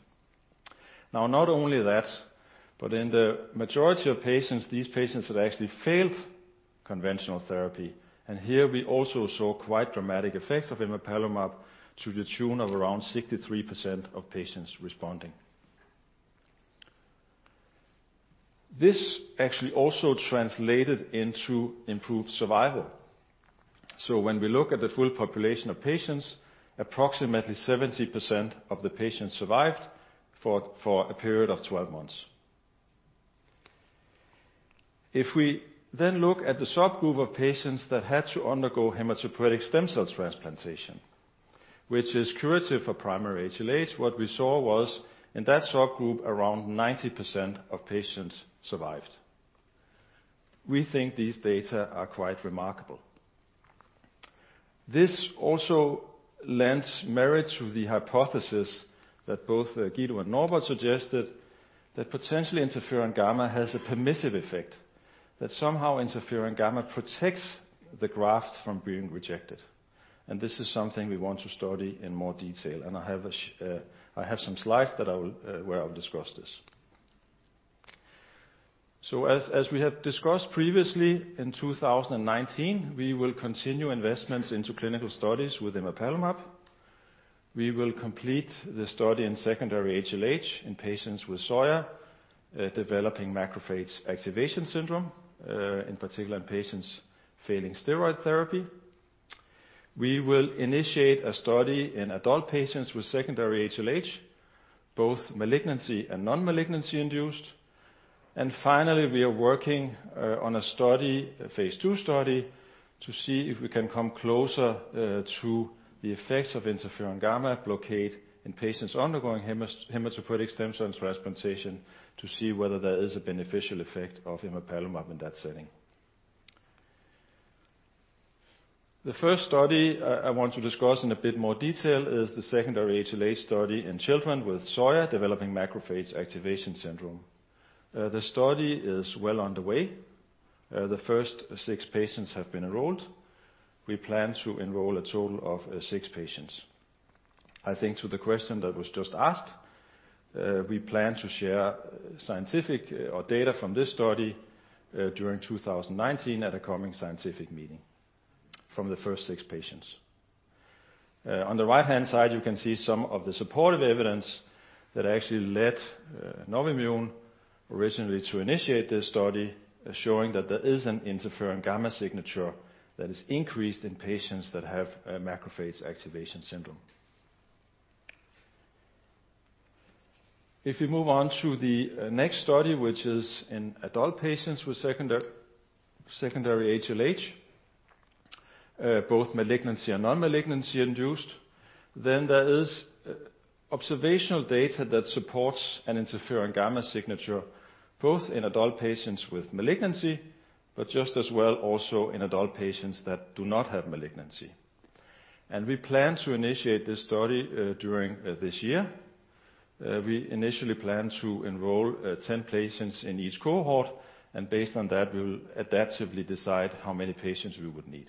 Now, not only that, but in the majority of patients, these patients had actually failed conventional therapy, and here we also saw quite dramatic effects of emapalumab to the tune of around 63% of patients responding. This actually also translated into improved survival, so when we look at the full population of patients, approximately 70% of the patients survived for a period of 12 months. If we then look at the subgroup of patients that had to undergo hematopoietic stem cell transplantation, which is curative for primary HLH, what we saw was in that subgroup, around 90% of patients survived. We think these data are quite remarkable. This also lends merit to the hypothesis that both Guido and Norbert suggested that potentially interferon gamma has a permissive effect, that somehow interferon gamma protects the graft from being rejected, and this is something we want to study in more detail. I have some slides where I will discuss this. As we have discussed previously, in 2019, we will continue investments into clinical studies with emapalumab. We will complete the study in secondary HLH in patients with SLE developing macrophage activation syndrome, in particular in patients failing steroid therapy. We will initiate a study in adult patients with secondary HLH, both malignancy and non-malignancy induced. Finally, we are working on a phase II study to see if we can come closer to the effects of interferon gamma blockade in patients undergoing hematopoietic stem cell transplantation to see whether there is a beneficial effect of emapalumab in that setting. The first study I want to discuss in a bit more detail is the secondary HLH study in children with SLE developing macrophage activation syndrome. The study is well underway. The first six patients have been enrolled. We plan to enroll a total of six patients. I think to the question that was just asked, we plan to share scientific data from this study during 2019 at a coming scientific meeting from the first six patients. On the right-hand side, you can see some of the supportive evidence that actually led Novimmune originally to initiate this study, showing that there is an interferon gamma signature that is increased in patients that have macrophage activation syndrome. If we move on to the next study, which is in adult patients with secondary HLH, both malignancy and non-malignancy induced, then there is observational data that supports an interferon gamma signature both in adult patients with malignancy, but just as well also in adult patients that do not have malignancy, and we plan to initiate this study during this year. We initially plan to enroll 10 patients in each cohort. Based on that, we will adaptively decide how many patients we would need.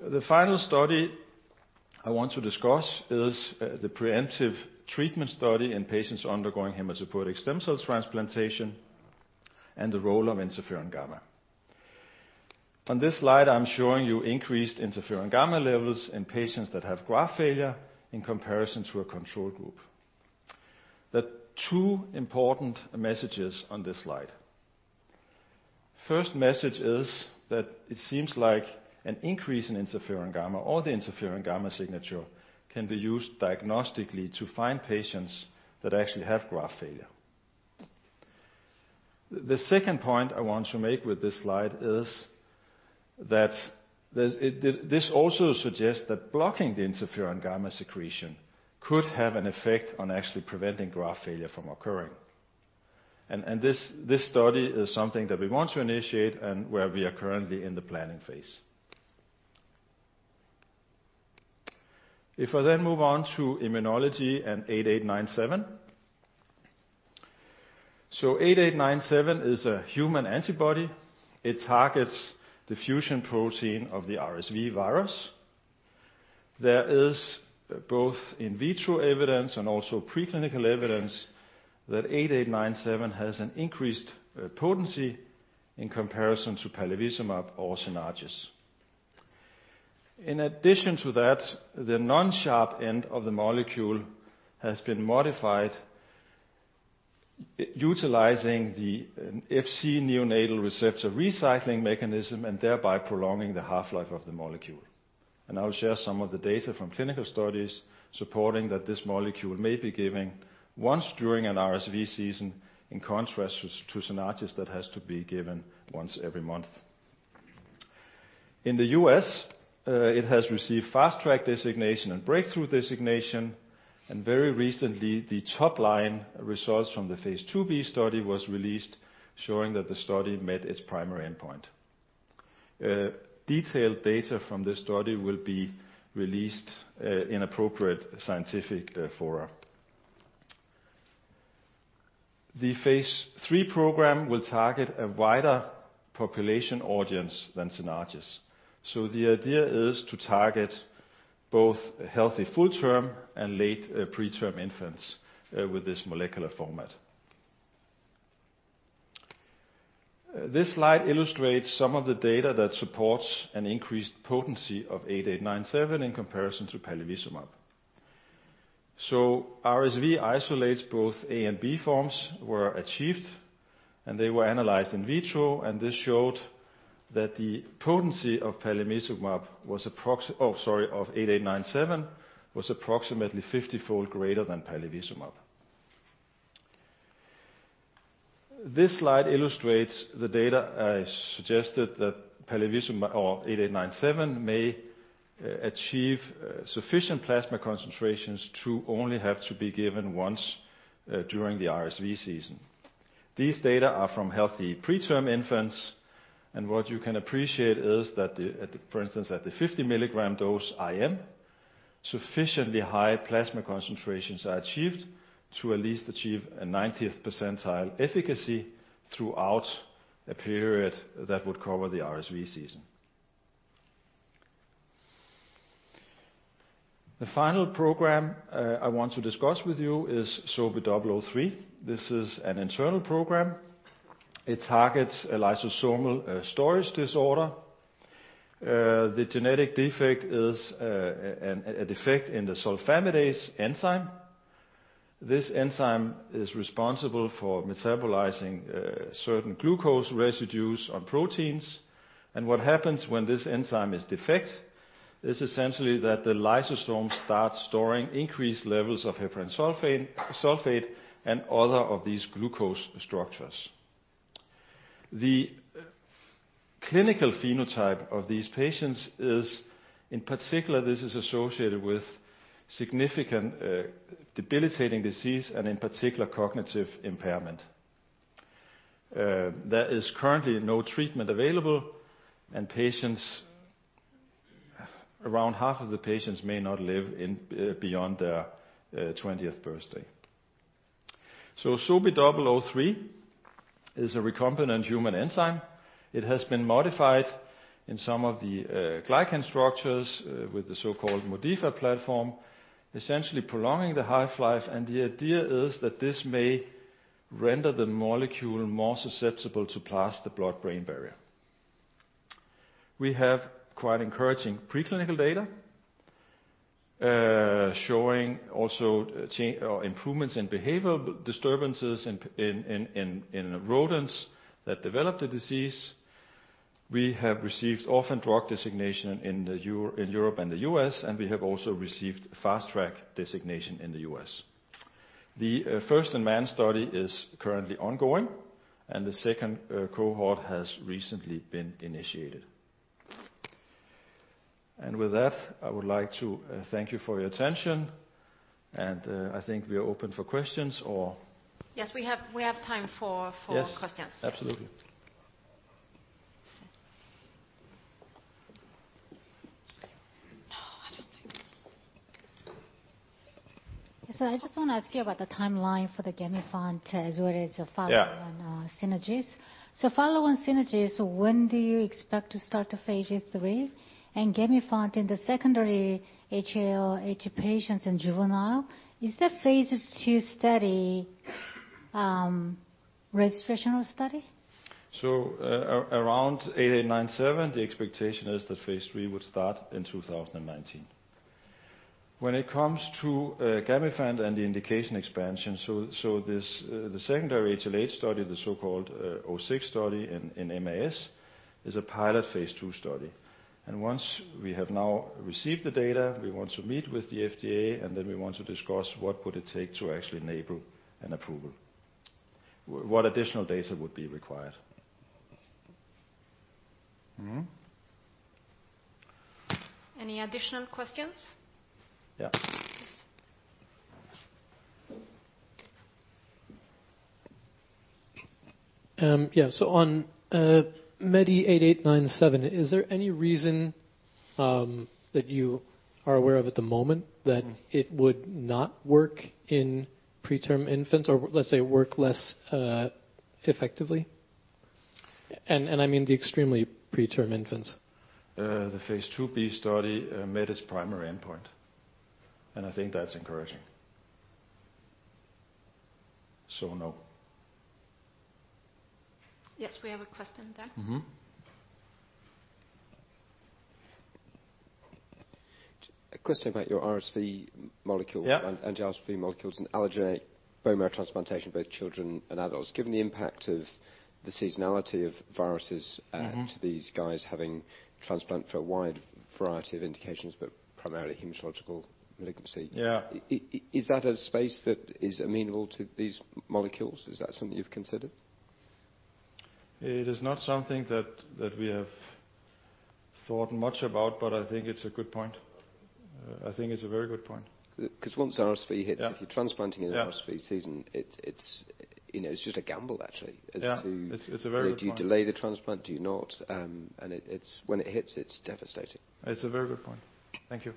The final study I want to discuss is the preemptive treatment study in patients undergoing hematopoietic stem cell transplantation and the role of interferon gamma. On this slide, I'm showing you increased interferon gamma levels in patients that have graft failure in comparison to a control group. There are two important messages on this slide. First message is that it seems like an increase in interferon gamma or the interferon gamma signature can be used diagnostically to find patients that actually have graft failure. The second point I want to make with this slide is that this also suggests that blocking the interferon gamma secretion could have an effect on actually preventing graft failure from occurring. This study is something that we want to initiate and where we are currently in the planning phase. If I then move on to immunology and 8897. 8897 is a human antibody. It targets the fusion protein of the RSV virus. There is both in vitro evidence and also preclinical evidence that 8897 has an increased potency in comparison to palivizumab or Synagis. In addition to that, the Fc end of the molecule has been modified utilizing the Fc neonatal receptor recycling mechanism and thereby prolonging the half-life of the molecule. I'll share some of the data from clinical studies supporting that this molecule may be given once during an RSV season in contrast to Synagis that has to be given once every month. In the U.S., it has received fast-track designation and breakthrough designation. Very recently, the top-line results from the phase II-B study were released showing that the study met its primary endpoint. Detailed data from this study will be released in appropriate scientific fora. The phase III program will target a wider population audience than Synagis. So the idea is to target both healthy full-term and late preterm infants with this molecular format. This slide illustrates some of the data that supports an increased potency of 8897 in comparison to palivizumab. So RSV isolates both A and B forms were achieved, and they were analyzed in vitro. And this showed that the potency of palivizumab was, oh, sorry, of 8897 was approximately 50-fold greater than palivizumab. This slide illustrates the data I suggested that palivizumab or 8897 may achieve sufficient plasma concentrations to only have to be given once during the RSV season. These data are from healthy preterm infants. What you can appreciate is that, for instance, at the 50-milligram dose IM, sufficiently high plasma concentrations are achieved to at least achieve a 90th percentile efficacy throughout a period that would cover the RSV season. The final program I want to discuss with you is SOBI003. This is an internal program. It targets a lysosomal storage disorder. The genetic defect is a defect in the sulfamidase enzyme. This enzyme is responsible for metabolizing certain glucose residues on proteins. What happens when this enzyme is defective is essentially that the lysosome starts storing increased levels of heparan sulfate and others of these glucose structures. The clinical phenotype of these patients is, in particular, associated with significant debilitating disease and, in particular, cognitive impairment. There is currently no treatment available, and around half of the patients may not live beyond their 20th birthday. So SOBI003 is a recombinant human enzyme. It has been modified in some of the glycan structures with the so-called modified platform, essentially prolonging the half-life. And the idea is that this may render the molecule more susceptible to pass the blood-brain barrier. We have quite encouraging preclinical data showing also improvements in behavioral disturbances in rodents that develop the disease. We have received orphan drug designation in Europe and the U.S., and we have also received fast-track designation in the U.S. The first-in-man study is currently ongoing, and the second cohort has recently been initiated. And with that, I would like to thank you for your attention. And I think we are open for questions or. Yes, we have time for questions. Yes, absolutely. No, I don't think. So I just want to ask you about the timeline for the Gamifant as well as the follow-on Synagis. So, follow-on Synagis, when do you expect to start the phase III? And Gamifant in the secondary HLH patients and juvenile, is that phaseII study registration or study? So around 8897, the expectation is that phase III would start in 2019. When it comes to Gamifant and the indication expansion, so the secondary HLH study, the so-called 06 study in MAS, is a pilot phase II study. And once we have now received the data, we want to meet with the FDA, and then we want to discuss what would it take to actually enable an approval, what additional data would be required. Any additional questions? Yeah. Yeah, so on MEDI8897, is there any reason that you are aware of at the moment that it would not work in preterm infants or, let's say, work less effectively? And I mean the extremely preterm infants. The phase II-B study met its primary endpoint, and I think that's encouraging. So, no. Yes, we have a question there? A question about your RSV molecule and emapalumab molecules and allogeneic bone marrow transplantation, both children and adults. Given the impact of the seasonality of viruses to these guys having transplant for a wide variety of indications, but primarily hematologic malignancy, is that a space that is amenable to these molecules? Is that something you've considered? It is not something that we have thought much about, but I think it's a good point. I think it's a very good point. Because once RSV hits, if you're transplanting in RSV season, it's just a gamble, actually. Yeah, it's a very good point. Do you delay the transplant? Do you not? And when it hits, it's devastating. It's a very good point. Thank you.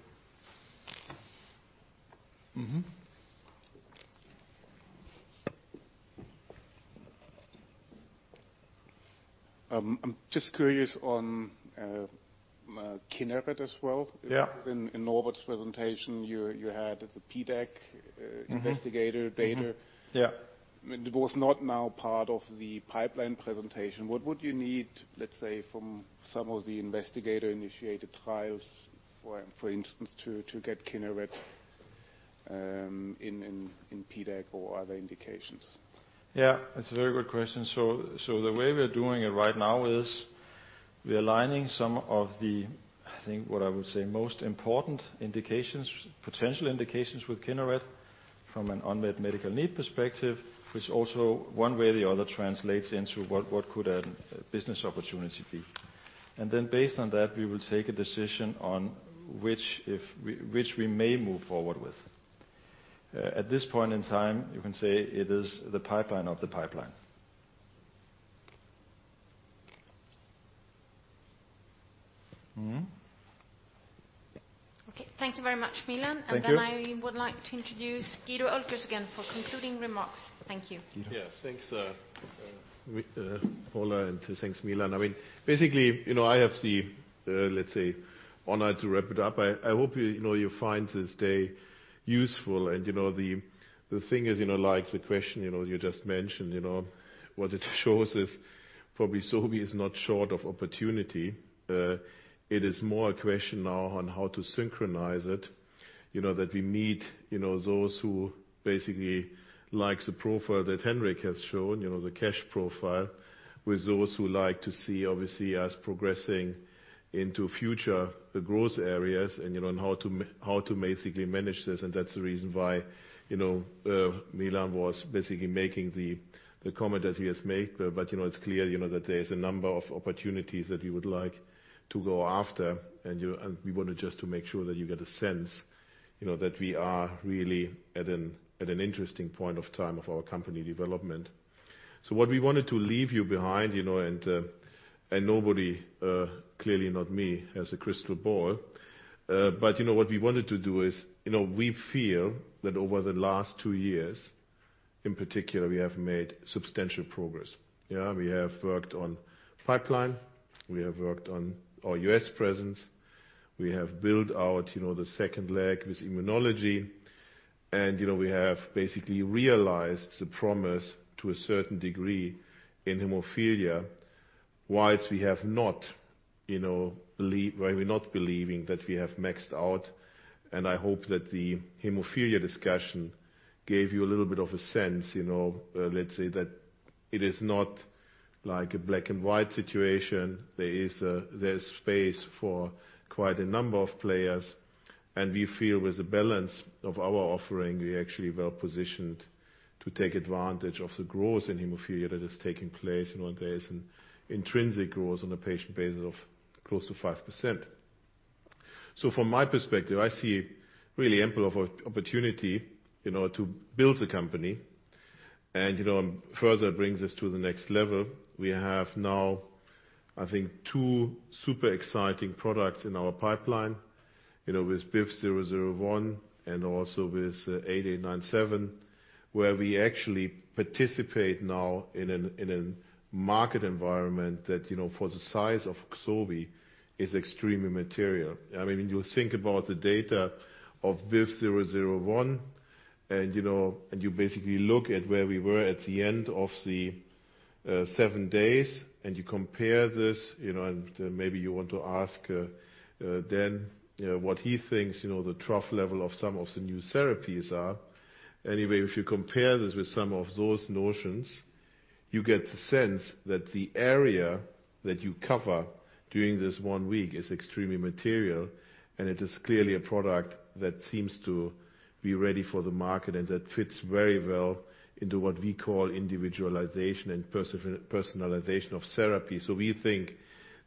I'm just curious on Kineret as well. In Norbert's presentation, you had the PDAC investigator data. It was not now part of the pipeline presentation. What would you need, let's say, from some of the investigator-initiated trials, for instance, to get Kineret in PDAC or other indications? Yeah, it's a very good question. So the way we're doing it right now is we're aligning some of the, I think what I would say, most important potential indications with Kineret from an unmet medical need perspective, which also one way or the other translates into what could a business opportunity be. And then based on that, we will take a decision on which we may move forward with. At this point in time, you can say it is the pipeline of the pipeline. Okay, thank you very much, Milan. And then I would like to introduce Guido Oelkers again for concluding remarks. Thank you. Yeah, thanks, Paula, and thanks, Milan. I mean, basically, I have the, let's say, honor to wrap it up. I hope you find this day useful. And the thing is, like the question you just mentioned, what it shows is probably Sobi is not short of opportunity. It is more a question now on how to synchronize it, that we meet those who basically like the profile that Henrik has shown, the cash profile, with those who like to see, obviously, us progressing into future growth areas and how to basically manage this. And that's the reason why Milan was basically making the comment that he has made. But it's clear that there is a number of opportunities that we would like to go after. And we wanted just to make sure that you get a sense that we are really at an interesting point of time of our company development. So what we wanted to leave you behind, and nobody, clearly not me, has a crystal ball. But what we wanted to do is we feel that over the last two years, in particular, we have made substantial progress. We have worked on pipeline. We have worked on our U.S. presence. We have built out the second leg with immunology. And we have basically realized the promise to a certain degree in hemophilia, whilst we have not, we're not believing that we have maxed out. And I hope that the hemophilia discussion gave you a little bit of a sense, let's say, that it is not like a black-and-white situation. There is space for quite a number of players. And we feel with the balance of our offering, we are actually well-positioned to take advantage of the growth in hemophilia that is taking place. There is an intrinsic growth on the patient basis of close to 5%. So from my perspective, I see really ample opportunity to build the company. And further, it brings us to the next level. We have now, I think, two super exciting products in our pipeline with BIVV001 and also with 8897, where we actually participate now in a market environment that, for the size of Sobi, is extremely material. I mean, you think about the data of BIVV001, and you basically look at where we were at the end of the seven days, and you compare this. And maybe you want to ask Dan what he thinks the trough level of some of the new therapies are. Anyway, if you compare this with some of those notions, you get the sense that the area that you cover during this one week is extremely material, and it is clearly a product that seems to be ready for the market and that fits very well into what we call individualization and personalization of therapy, so we think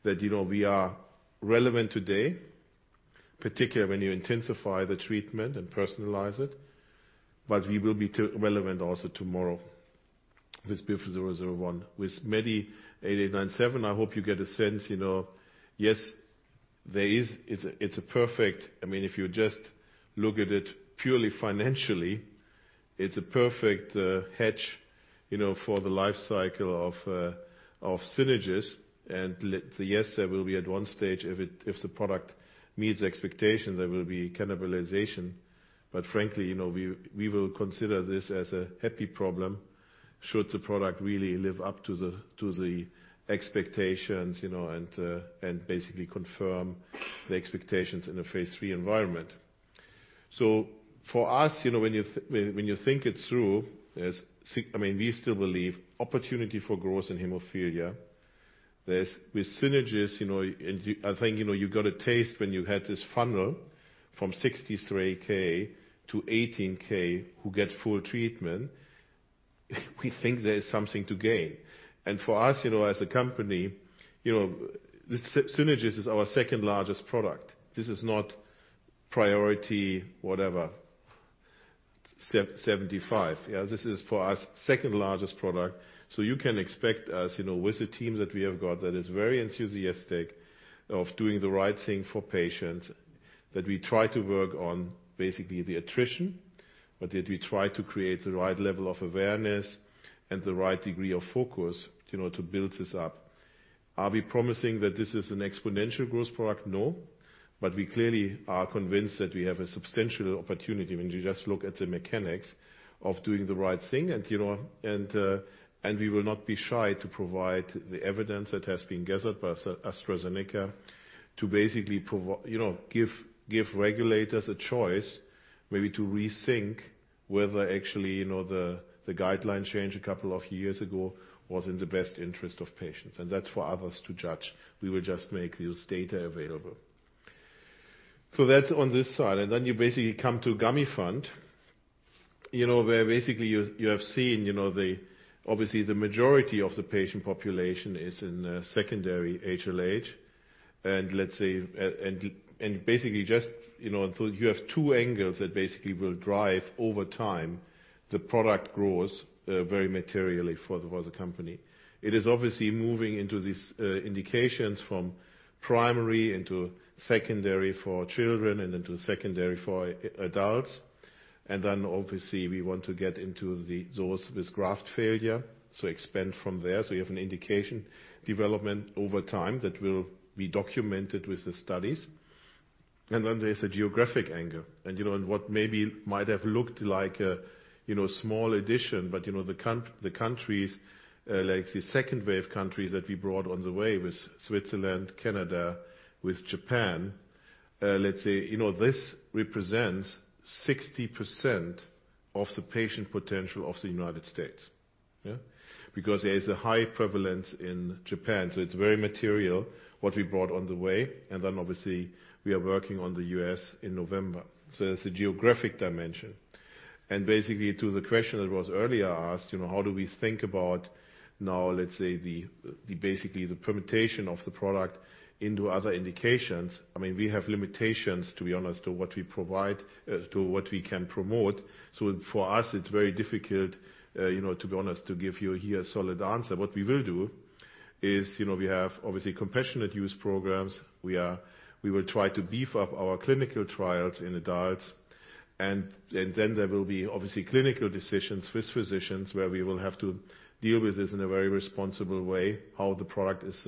that we are relevant today, particularly when you intensify the treatment and personalize it, but we will be relevant also tomorrow with BIVV001. With MEDI8897, I hope you get a sense. Yes, it's a perfect, I mean, if you just look at it purely financially, it's a perfect hedge for the lifecycle of Synagis. And yes, there will be at one stage, if the product meets expectations, there will be cannibalization. But frankly, we will consider this as a happy problem should the product really live up to the expectations and basically confirm the expectations in a phase 3 environment. So for us, when you think it through, I mean, we still believe opportunity for growth in hemophilia. With Synagis, I think you got a taste when you had this funnel from 63k to 18k who get full treatment. We think there is something to gain. And for us, as a company, Synagis is our second largest product. This is not priority whatever, 75. This is, for us, second largest product. You can expect us, with the team that we have got that is very enthusiastic about doing the right thing for patients, to work on basically the attrition, but to create the right level of awareness and the right degree of focus to build this up. Are we promising that this is an exponential growth product? No. But we clearly are convinced that we have a substantial opportunity when you just look at the mechanics of doing the right thing. We will not be shy to provide the evidence that has been gathered by AstraZeneca to basically give regulators a choice, maybe to rethink whether actually the guideline change a couple of years ago was in the best interest of patients. That's for others to judge. We will just make this data available. That's on this side. And then you basically come to Gamifant, where basically you have seen obviously the majority of the patient population is in secondary HLH. And basically just you have two angles that basically will drive over time the product growth very materially for the company. It is obviously moving into these indications from primary into secondary for children and into secondary for adults. And then obviously we want to get into those with graft failure. So expand from there. So you have an indication development over time that will be documented with the studies. And then there's the geographic angle. And what maybe might have looked like a small addition, but the countries, like the second wave countries that we brought on the way with Switzerland, Canada, with Japan, let's say this represents 60% of the patient potential of the United States. Because there is a high prevalence in Japan. So it's very material what we brought on the way. And then obviously we are working on the U.S. in November. So there's the geographic dimension. And basically to the question that was earlier asked, how do we think about now, let's say, basically the permutation of the product into other indications? I mean, we have limitations, to be honest, to what we provide, to what we can promote. So for us, it's very difficult, to be honest, to give you here a solid answer. What we will do is we have obviously compassionate use programs. We will try to beef up our clinical trials in adults. And then there will be obviously clinical decisions with physicians where we will have to deal with this in a very responsible way, how the product is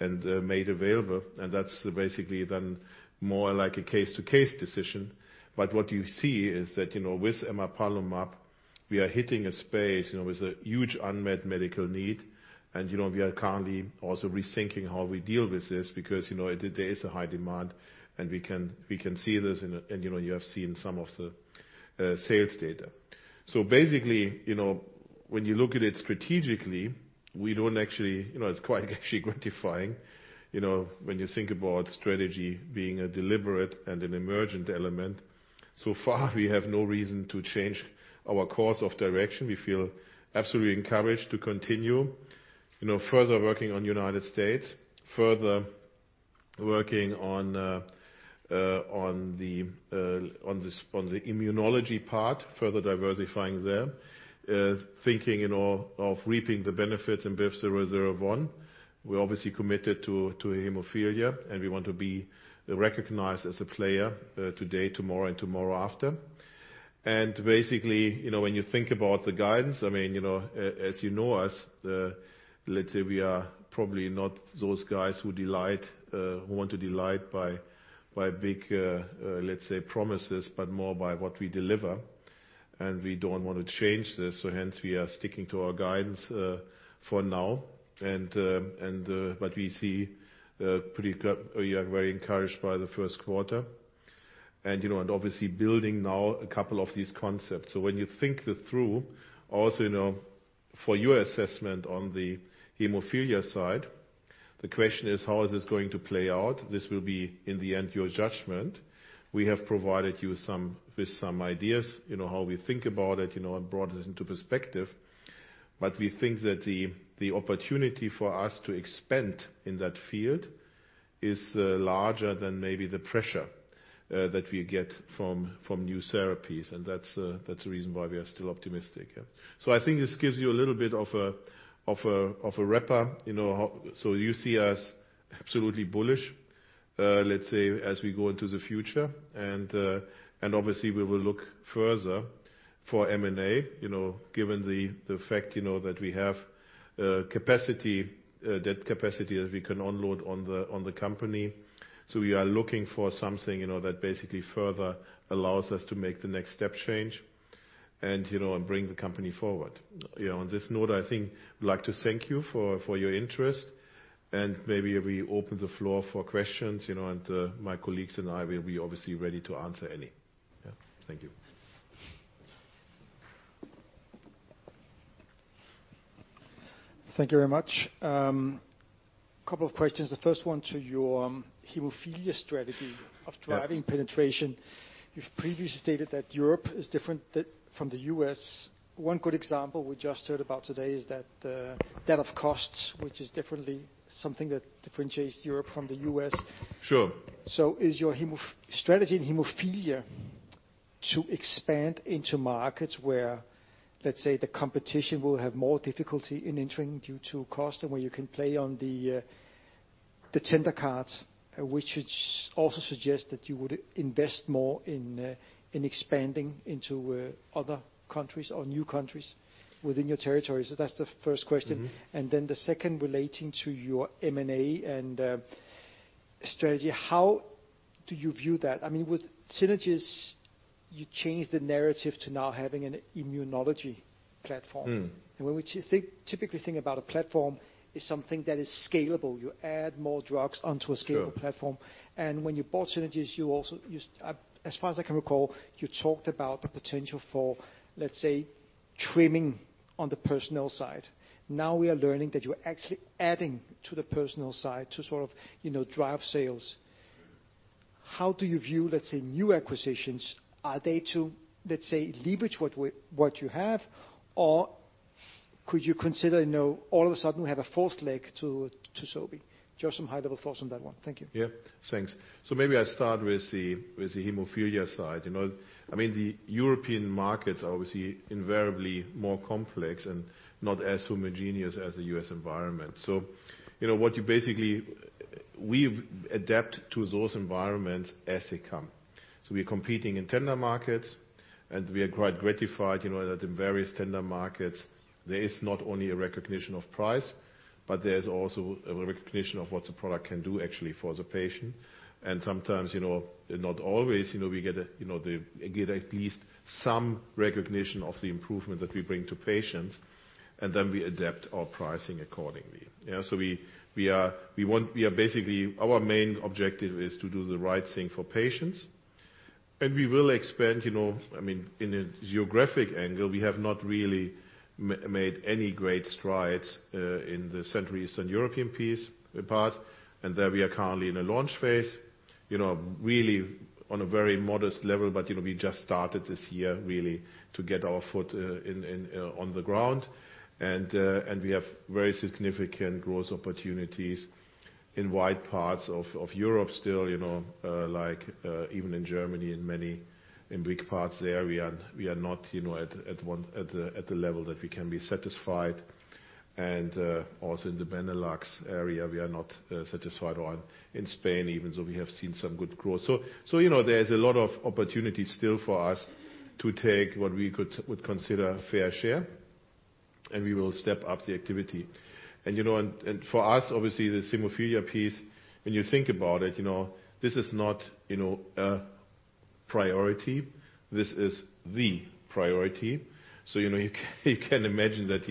made available. And that's basically then more like a case-to-case decision. But what you see is that with emapalumab, we are hitting a space with a huge unmet medical need. And we are currently also rethinking how we deal with this because there is a high demand. And we can see this. And you have seen some of the sales data. So basically, when you look at it strategically, we don't actually, it's quite actually gratifying when you think about strategy being a deliberate and an emergent element. So far, we have no reason to change our course of direction. We feel absolutely encouraged to continue further working on United States, further working on the immunology part, further diversifying there, thinking of reaping the benefits in BIVV001. We're obviously committed to hemophilia. And we want to be recognized as a player today, tomorrow, and tomorrow after. Basically, when you think about the guidance, I mean, as you know us, let's say we are probably not those guys who want to delight by big, let's say, promises, but more by what we deliver. We don't want to change this. So hence, we are sticking to our guidance for now. But we see we are very encouraged by the first quarter. And obviously building now a couple of these concepts. So when you think through, also for your assessment on the hemophilia side, the question is, how is this going to play out? This will be, in the end, your judgment. We have provided you with some ideas, how we think about it, and brought this into perspective. But we think that the opportunity for us to expand in that field is larger than maybe the pressure that we get from new therapies. And that's the reason why we are still optimistic. So I think this gives you a little bit of a wrapper. So you see us absolutely bullish, let's say, as we go into the future. And obviously, we will look further for M&A, given the fact that we have that capacity that we can unload on the company. So we are looking for something that basically further allows us to make the next step change and bring the company forward. On this note, I think we'd like to thank you for your interest. And maybe we open the floor for questions. And my colleagues and I will be obviously ready to answer any. Yeah. Thank you. Thank you very much. A couple of questions. The first one to your hemophilia strategy of driving penetration. You've previously stated that Europe is different from the U.S. One good example we just heard about today is that of costs, which is definitely something that differentiates Europe from the U.S. So is your strategy in hemophilia to expand into markets where, let's say, the competition will have more difficulty in entering due to cost and where you can play on the tender cards, which also suggests that you would invest more in expanding into other countries or new countries within your territory? So that's the first question. And then the second relating to your M&A and strategy, how do you view that? I mean, with synergies, you changed the narrative to now having an immunology platform. And when we typically think about a platform, it's something that is scalable. You add more drugs onto a scalable platform. And when you bought Synagis, as far as I can recall, you talked about the potential for, let's say, trimming on the personnel side. Now we are learning that you are actually adding to the personnel side to sort of drive sales. How do you view, let's say, new acquisitions? Are they to, let's say, leverage what you have? Or could you consider all of a sudden we have a fourth leg to Sobi? Just some high-level thoughts on that one. Thank you. Yeah. Thanks. So maybe I start with the hemophilia side. I mean, the European markets are obviously invariably more complex and not as homogeneous as the U.S. environment. So what you basically we adapt to those environments as they come. So we are competing in tender markets. And we are quite gratified that in various tender markets, there is not only a recognition of price, but there is also a recognition of what the product can do actually for the patient. And sometimes, not always, we get at least some recognition of the improvement that we bring to patients. And then we adapt our pricing accordingly. So we are basically our main objective is to do the right thing for patients. And we will expand. I mean, in a geographic angle, we have not really made any great strides in the Central Eastern European piece part. And there we are currently in a launch phase, really on a very modest level. But we just started this year really to get our foot on the ground. And we have very significant growth opportunities in wide parts of Europe still, like even in Germany and many in big parts there. We are not at the level that we can be satisfied. And also in the Benelux area, we are not satisfied. In Spain even, so we have seen some good growth. So there is a lot of opportunity still for us to take what we would consider fair share. And we will step up the activity. And for us, obviously, the hemophilia piece, when you think about it, this is not a priority. This is the priority. So you can imagine that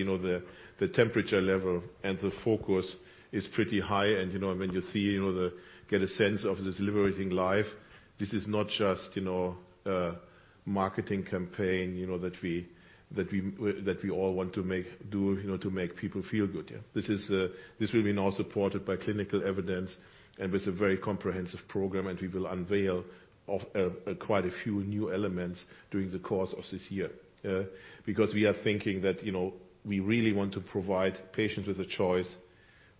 the temperature level and the focus is pretty high. And when you get a sense of this liberating life, this is not just a marketing campaign that we all want to do to make people feel good. This will be now supported by clinical evidence and with a very comprehensive program. We will unveil quite a few new elements during the course of this year. Because we are thinking that we really want to provide patients with a choice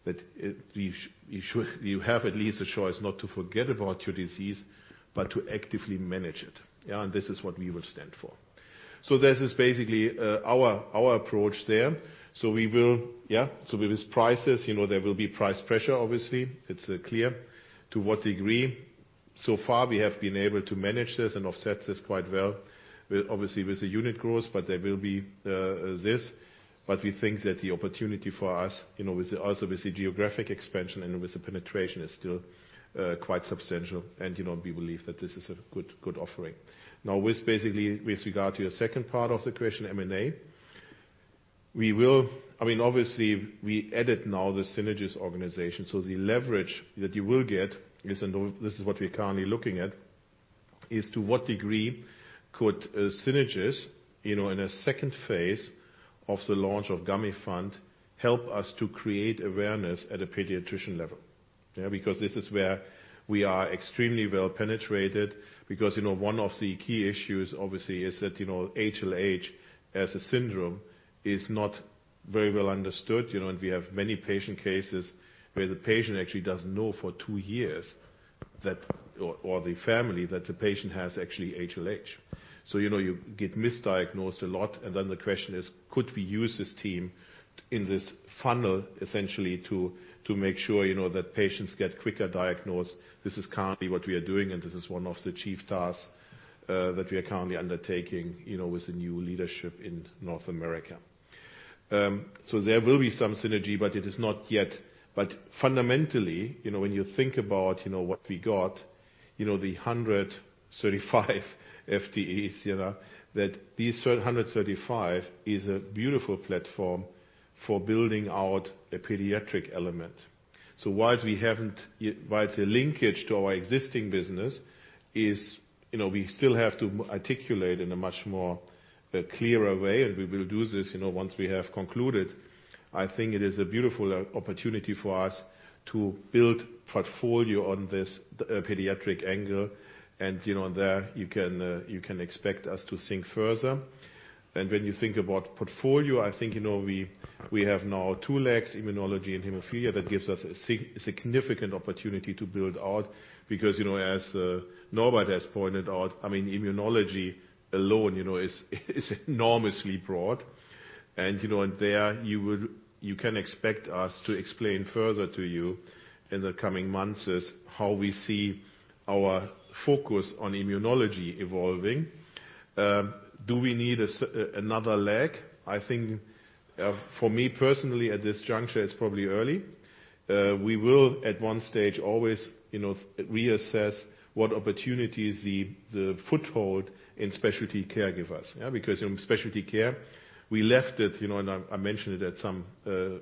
that you have at least a choice not to forget about your disease, but to actively manage it. This is what we will stand for. This is basically our approach there. We will. With these prices, there will be price pressure, obviously. It's clear to what degree. So far, we have been able to manage this and offset this quite well, obviously with the unit growth, but there will be this. We think that the opportunity for us, also with the geographic expansion and with the penetration, is still quite substantial. We believe that this is a good offering. Now, basically, with regard to your second part of the question, M&A, I mean, obviously, we added now the Synagis organization, so the leverage that you will get is, and this is what we're currently looking at, is to what degree could Synagis in a second phase of the launch of Gamifant help us to create awareness at a pediatrician level? Because this is where we are extremely well penetrated, because one of the key issues, obviously, is that HLH as a syndrome is not very well understood, and we have many patient cases where the patient actually doesn't know for two years or the family that the patient has actually HLH, so you get misdiagnosed a lot, and then the question is, could we use this team in this funnel, essentially, to make sure that patients get quicker diagnosed? This is currently what we are doing. This is one of the chief tasks that we are currently undertaking with the new leadership in North America. So there will be some synergy, but it is not yet. But fundamentally, when you think about what we got, the 135 FTEs, that these 135 is a beautiful platform for building out a pediatric element. So while it's a linkage to our existing business, we still have to articulate in a much more clearer way. And we will do this once we have concluded. I think it is a beautiful opportunity for us to build portfolio on this pediatric angle. And there, you can expect us to think further. And when you think about portfolio, I think we have now two legs, immunology and hemophilia, that gives us a significant opportunity to build out. Because as Norbert has pointed out, I mean, immunology alone is enormously broad. And there, you can expect us to explain further to you in the coming months how we see our focus on immunology evolving. Do we need another leg? I think for me personally, at this juncture, it's probably early. We will, at one stage, always reassess what opportunities the foothold in Specialty Care give us. Because Specialty Care, we left it, and I mentioned it at some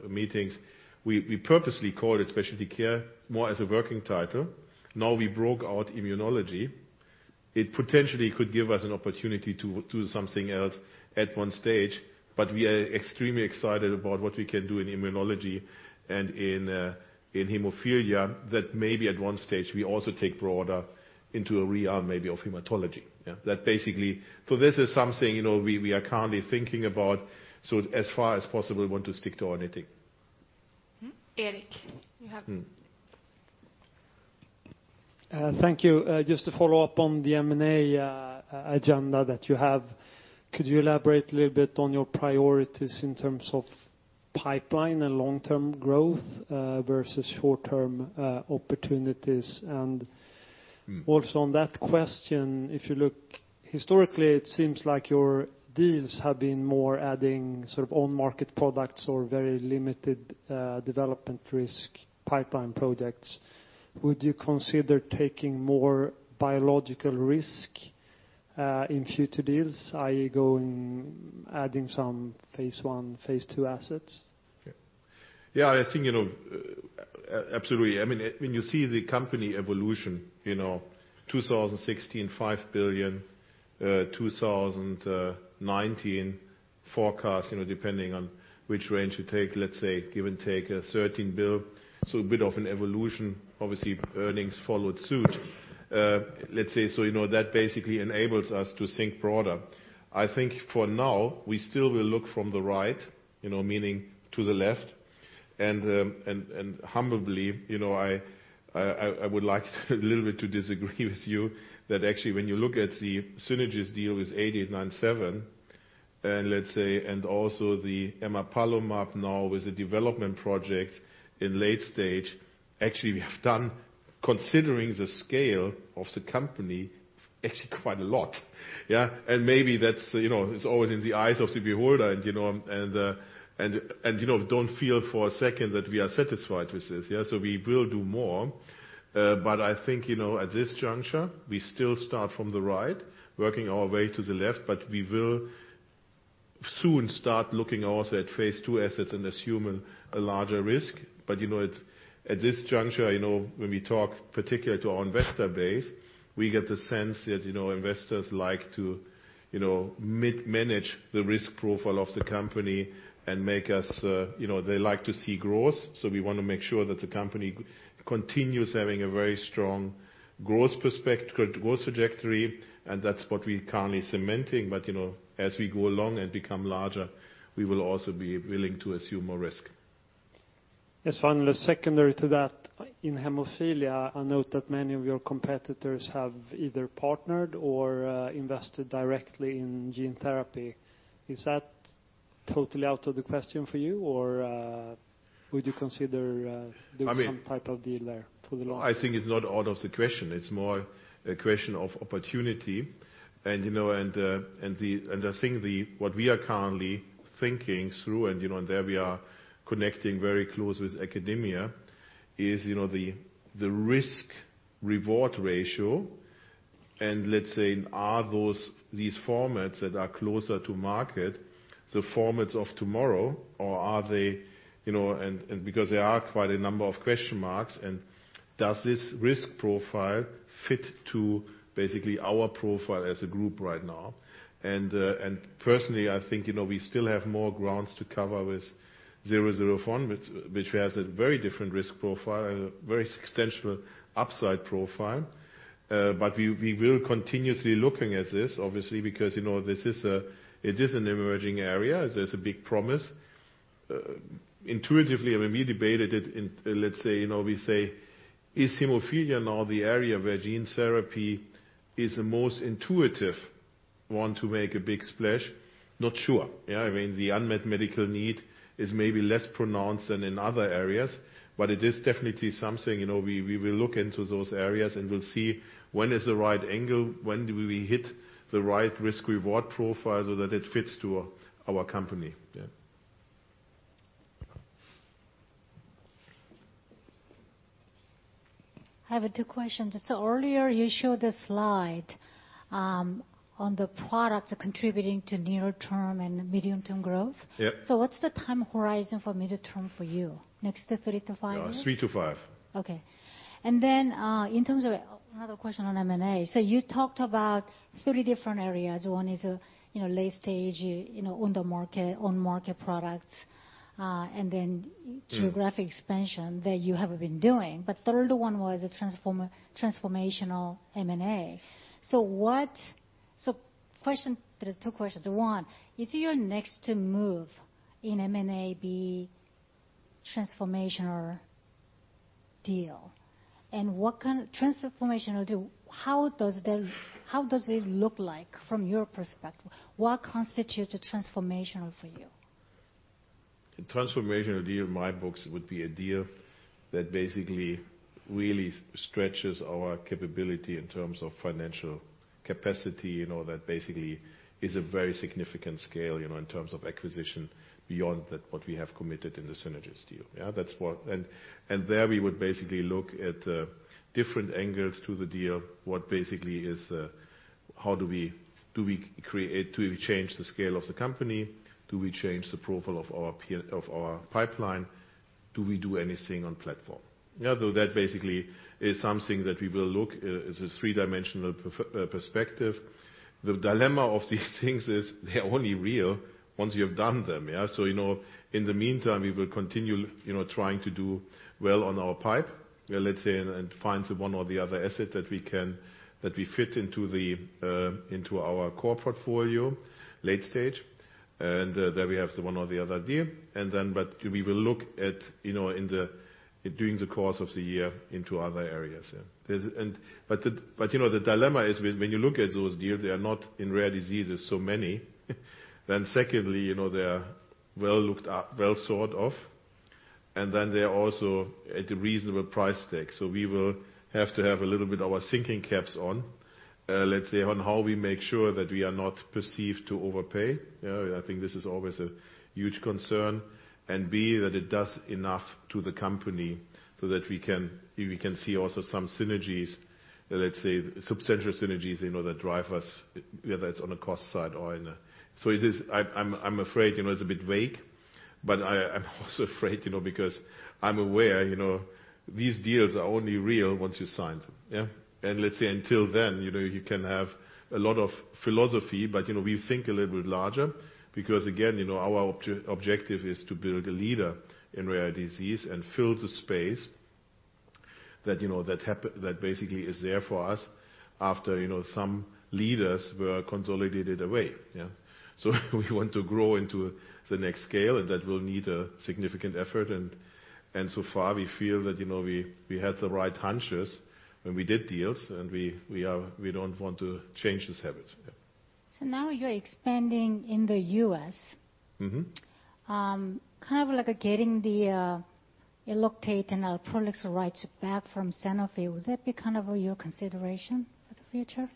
meetings. We purposely called it Specialty Care more as a working title. Now we broke out immunology. It potentially could give us an opportunity to do something else at one stage. But we are extremely excited about what we can do in immunology and in hemophilia that maybe at one stage we also take broader into a realm maybe of hematology. So this is something we are currently thinking about. So as far as possible, we want to stick to anything. Eric, you have it. Thank you. Just to follow up on the M&A agenda that you have, could you elaborate a little bit on your priorities in terms of pipeline and long-term growth versus short-term opportunities? And also on that question, if you look historically, it seems like your deals have been more adding sort of on-market products or very limited development risk pipeline projects. Would you consider taking more biological risk in future deals, i.e., going adding some phase I, phase II assets? Yeah. I think absolutely. I mean, when you see the company evolution, 2016, SEK 5 billion, 2019 forecast, depending on which range you take, let's say, give and take a 13 billion. So a bit of an evolution, obviously, earnings followed suit. Let's say so that basically enables us to think broader. I think for now, we still will look from the right, meaning to the left. Humbly, I would like a little bit to disagree with you that actually when you look at the Synagis deal with 8897, and let's say, and also the emapalumab now with the development project in late stage, actually we have done, considering the scale of the company, actually quite a lot. Yeah. And maybe it's always in the eyes of the beholder. And don't feel for a second that we are satisfied with this. So we will do more. But I think at this juncture, we still start from the right, working our way to the left. But we will soon start looking also at phase II assets and assume a larger risk. But at this juncture, when we talk particularly to our investor base, we get the sense that investors like to manage the risk profile of the company and make sure they like to see growth. So we want to make sure that the company continues having a very strong growth trajectory. And that's what we're currently cementing. But as we go along and become larger, we will also be willing to assume more risk. As final, secondary to that, in hemophilia, I note that many of your competitors have either partnered or invested directly in gene therapy. Is that totally out of the question for you? Or would you consider some type of deal there for the long term? I think it's not out of the question. It's more a question of opportunity. And the thing what we are currently thinking through, and there we are connecting very close with academia, is the risk-reward ratio. And let's say, are these formats that are closer to market the formats of tomorrow? Or are they? And because there are quite a number of question marks, and does this risk profile fit to basically our profile as a group right now? And personally, I think we still have more grounds to cover with Gamifant, which has a very different risk profile and a very substantial upside profile. But we will continuously look at this, obviously, because this is an emerging area. There's a big promise. Intuitively, when we debated it, let's say, we say, is hemophilia now the area where gene therapy is the most intuitive one to make a big splash? Not sure. I mean, the unmet medical need is maybe less pronounced than in other areas. But it is definitely something we will look into those areas and we'll see when is the right angle, when do we hit the right risk-reward profile so that it fits to our company. I have two questions. So earlier, you showed a slide on the products contributing to near-term and medium-term growth. So what's the time horizon for midterm for you? Next to three to five? Three to five. Okay. And then in terms of another question on M&A, so you talked about three different areas. One is late stage on-market products and then geographic expansion that you have been doing. But the third one was a transformational M&A. So question, there are two questions. One, is your next move in M&A be transformational deal? And what kind of transformational deal? How does it look like from your perspective? What constitutes a transformational for you? A transformational deal, in my books, would be a deal that basically really stretches our capability in terms of financial capacity that basically is a very significant scale in terms of acquisition beyond what we have committed in the Synagis deal. And there we would basically look at different angles to the deal. What basically is how do we create? Do we change the scale of the company? Do we change the profile of our pipeline? Do we do anything on platform? Though that basically is something that we will look at as a three-dimensional perspective. The dilemma of these things is they're only real once you have done them. So in the meantime, we will continue trying to do well on our pipe, let's say, and find one or the other asset that we fit into our core portfolio late stage. And there we have one or the other deal. But we will look at doing during the course of the year into other areas. But the dilemma is when you look at those deals, they are not so many in rare diseases. Then secondly, they are well looked at, well thought of. And then they are also at a reasonable price tag. So we will have to have a little bit of our thinking caps on, let's say, on how we make sure that we are not perceived to overpay. I think this is always a huge concern. And B, that it does enough to the company so that we can see also some synergies, let's say, substantial synergies that drive us, whether it's on the cost side or in the so I'm afraid it's a bit vague. But I'm also afraid because I'm aware these deals are only real once you sign them. And let's say until then, you can have a lot of philosophy, but we think a little bit larger. Because again, our objective is to build a leader in rare disease and fill the space that basically is there for us after some leaders were consolidated away. So we want to grow into the next scale, and that will need a significant effort. And so far, we feel that we had the right hunches when we did deals, and we don't want to change this habit. So now you're expanding in the U.S., kind of like getting the Elocta and Alprolix rights back from Sanofi. Would that be kind of your consideration for the future?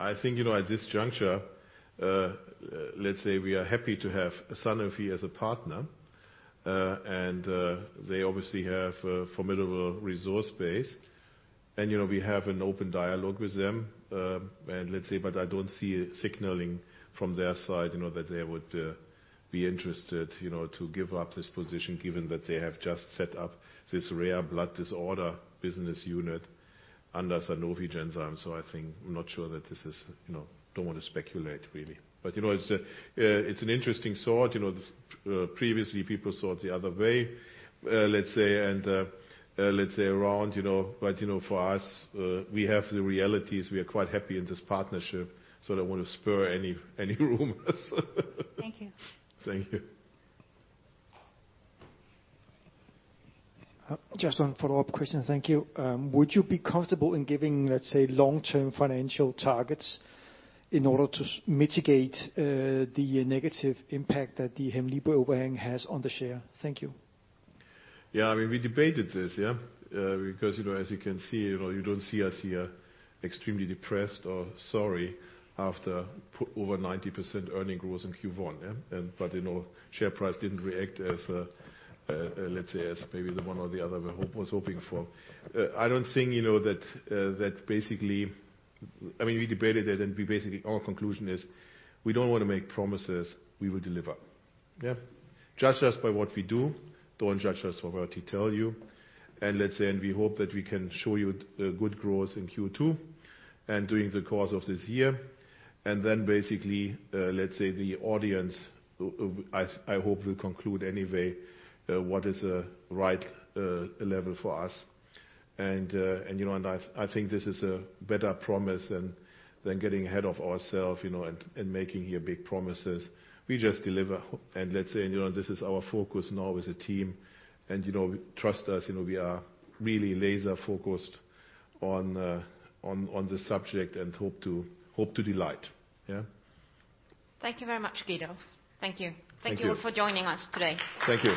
I think at this juncture, let's say we are happy to have Sanofi as a partner. And they obviously have a formidable resource base. And we have an open dialogue with them. And let's say, but I don't see signaling from their side that they would be interested to give up this position given that they have just set up this rare blood disorder business unit under Sanofi Genzyme. So I think I'm not sure that this is. I don't want to speculate, really. But it's an interesting thought. Previously, people thought the other way, let's say, and let's say around. But for us, we have the realities. We are quite happy in this partnership. So I don't want to spur any rumors. Thank you. Thank you. Just one follow-up question. Thank you. Would you be comfortable in giving, let's say, long-term financial targets in order to mitigate the negative impact that the Hemlibra overhang has on the share? Thank you. Yeah. I mean, we debated this, yeah, because as you can see, you don't see us here extremely depressed or sorry after over 90% earnings growth in Q1, but share price didn't react, let's say, as maybe the one or the other was hoping for. I don't think that basically I mean, we debated it, and basically our conclusion is we don't want to make promises we will deliver. Judge us by what we do. Don't judge us for what we tell you, and let's say, and we hope that we can show you good growth in Q2 and during the course of this year, and then basically, let's say the audience, I hope we'll conclude anyway, what is a right level for us. And I think this is a better promise than getting ahead of ourselves and making big promises here. We just deliver. And let's say this is our focus now as a team. And trust us, we are really laser-focused on the subject and hope to delight. Yeah. Thank you very much, Guido. Thank you. Thank you all for joining us today. Thank you.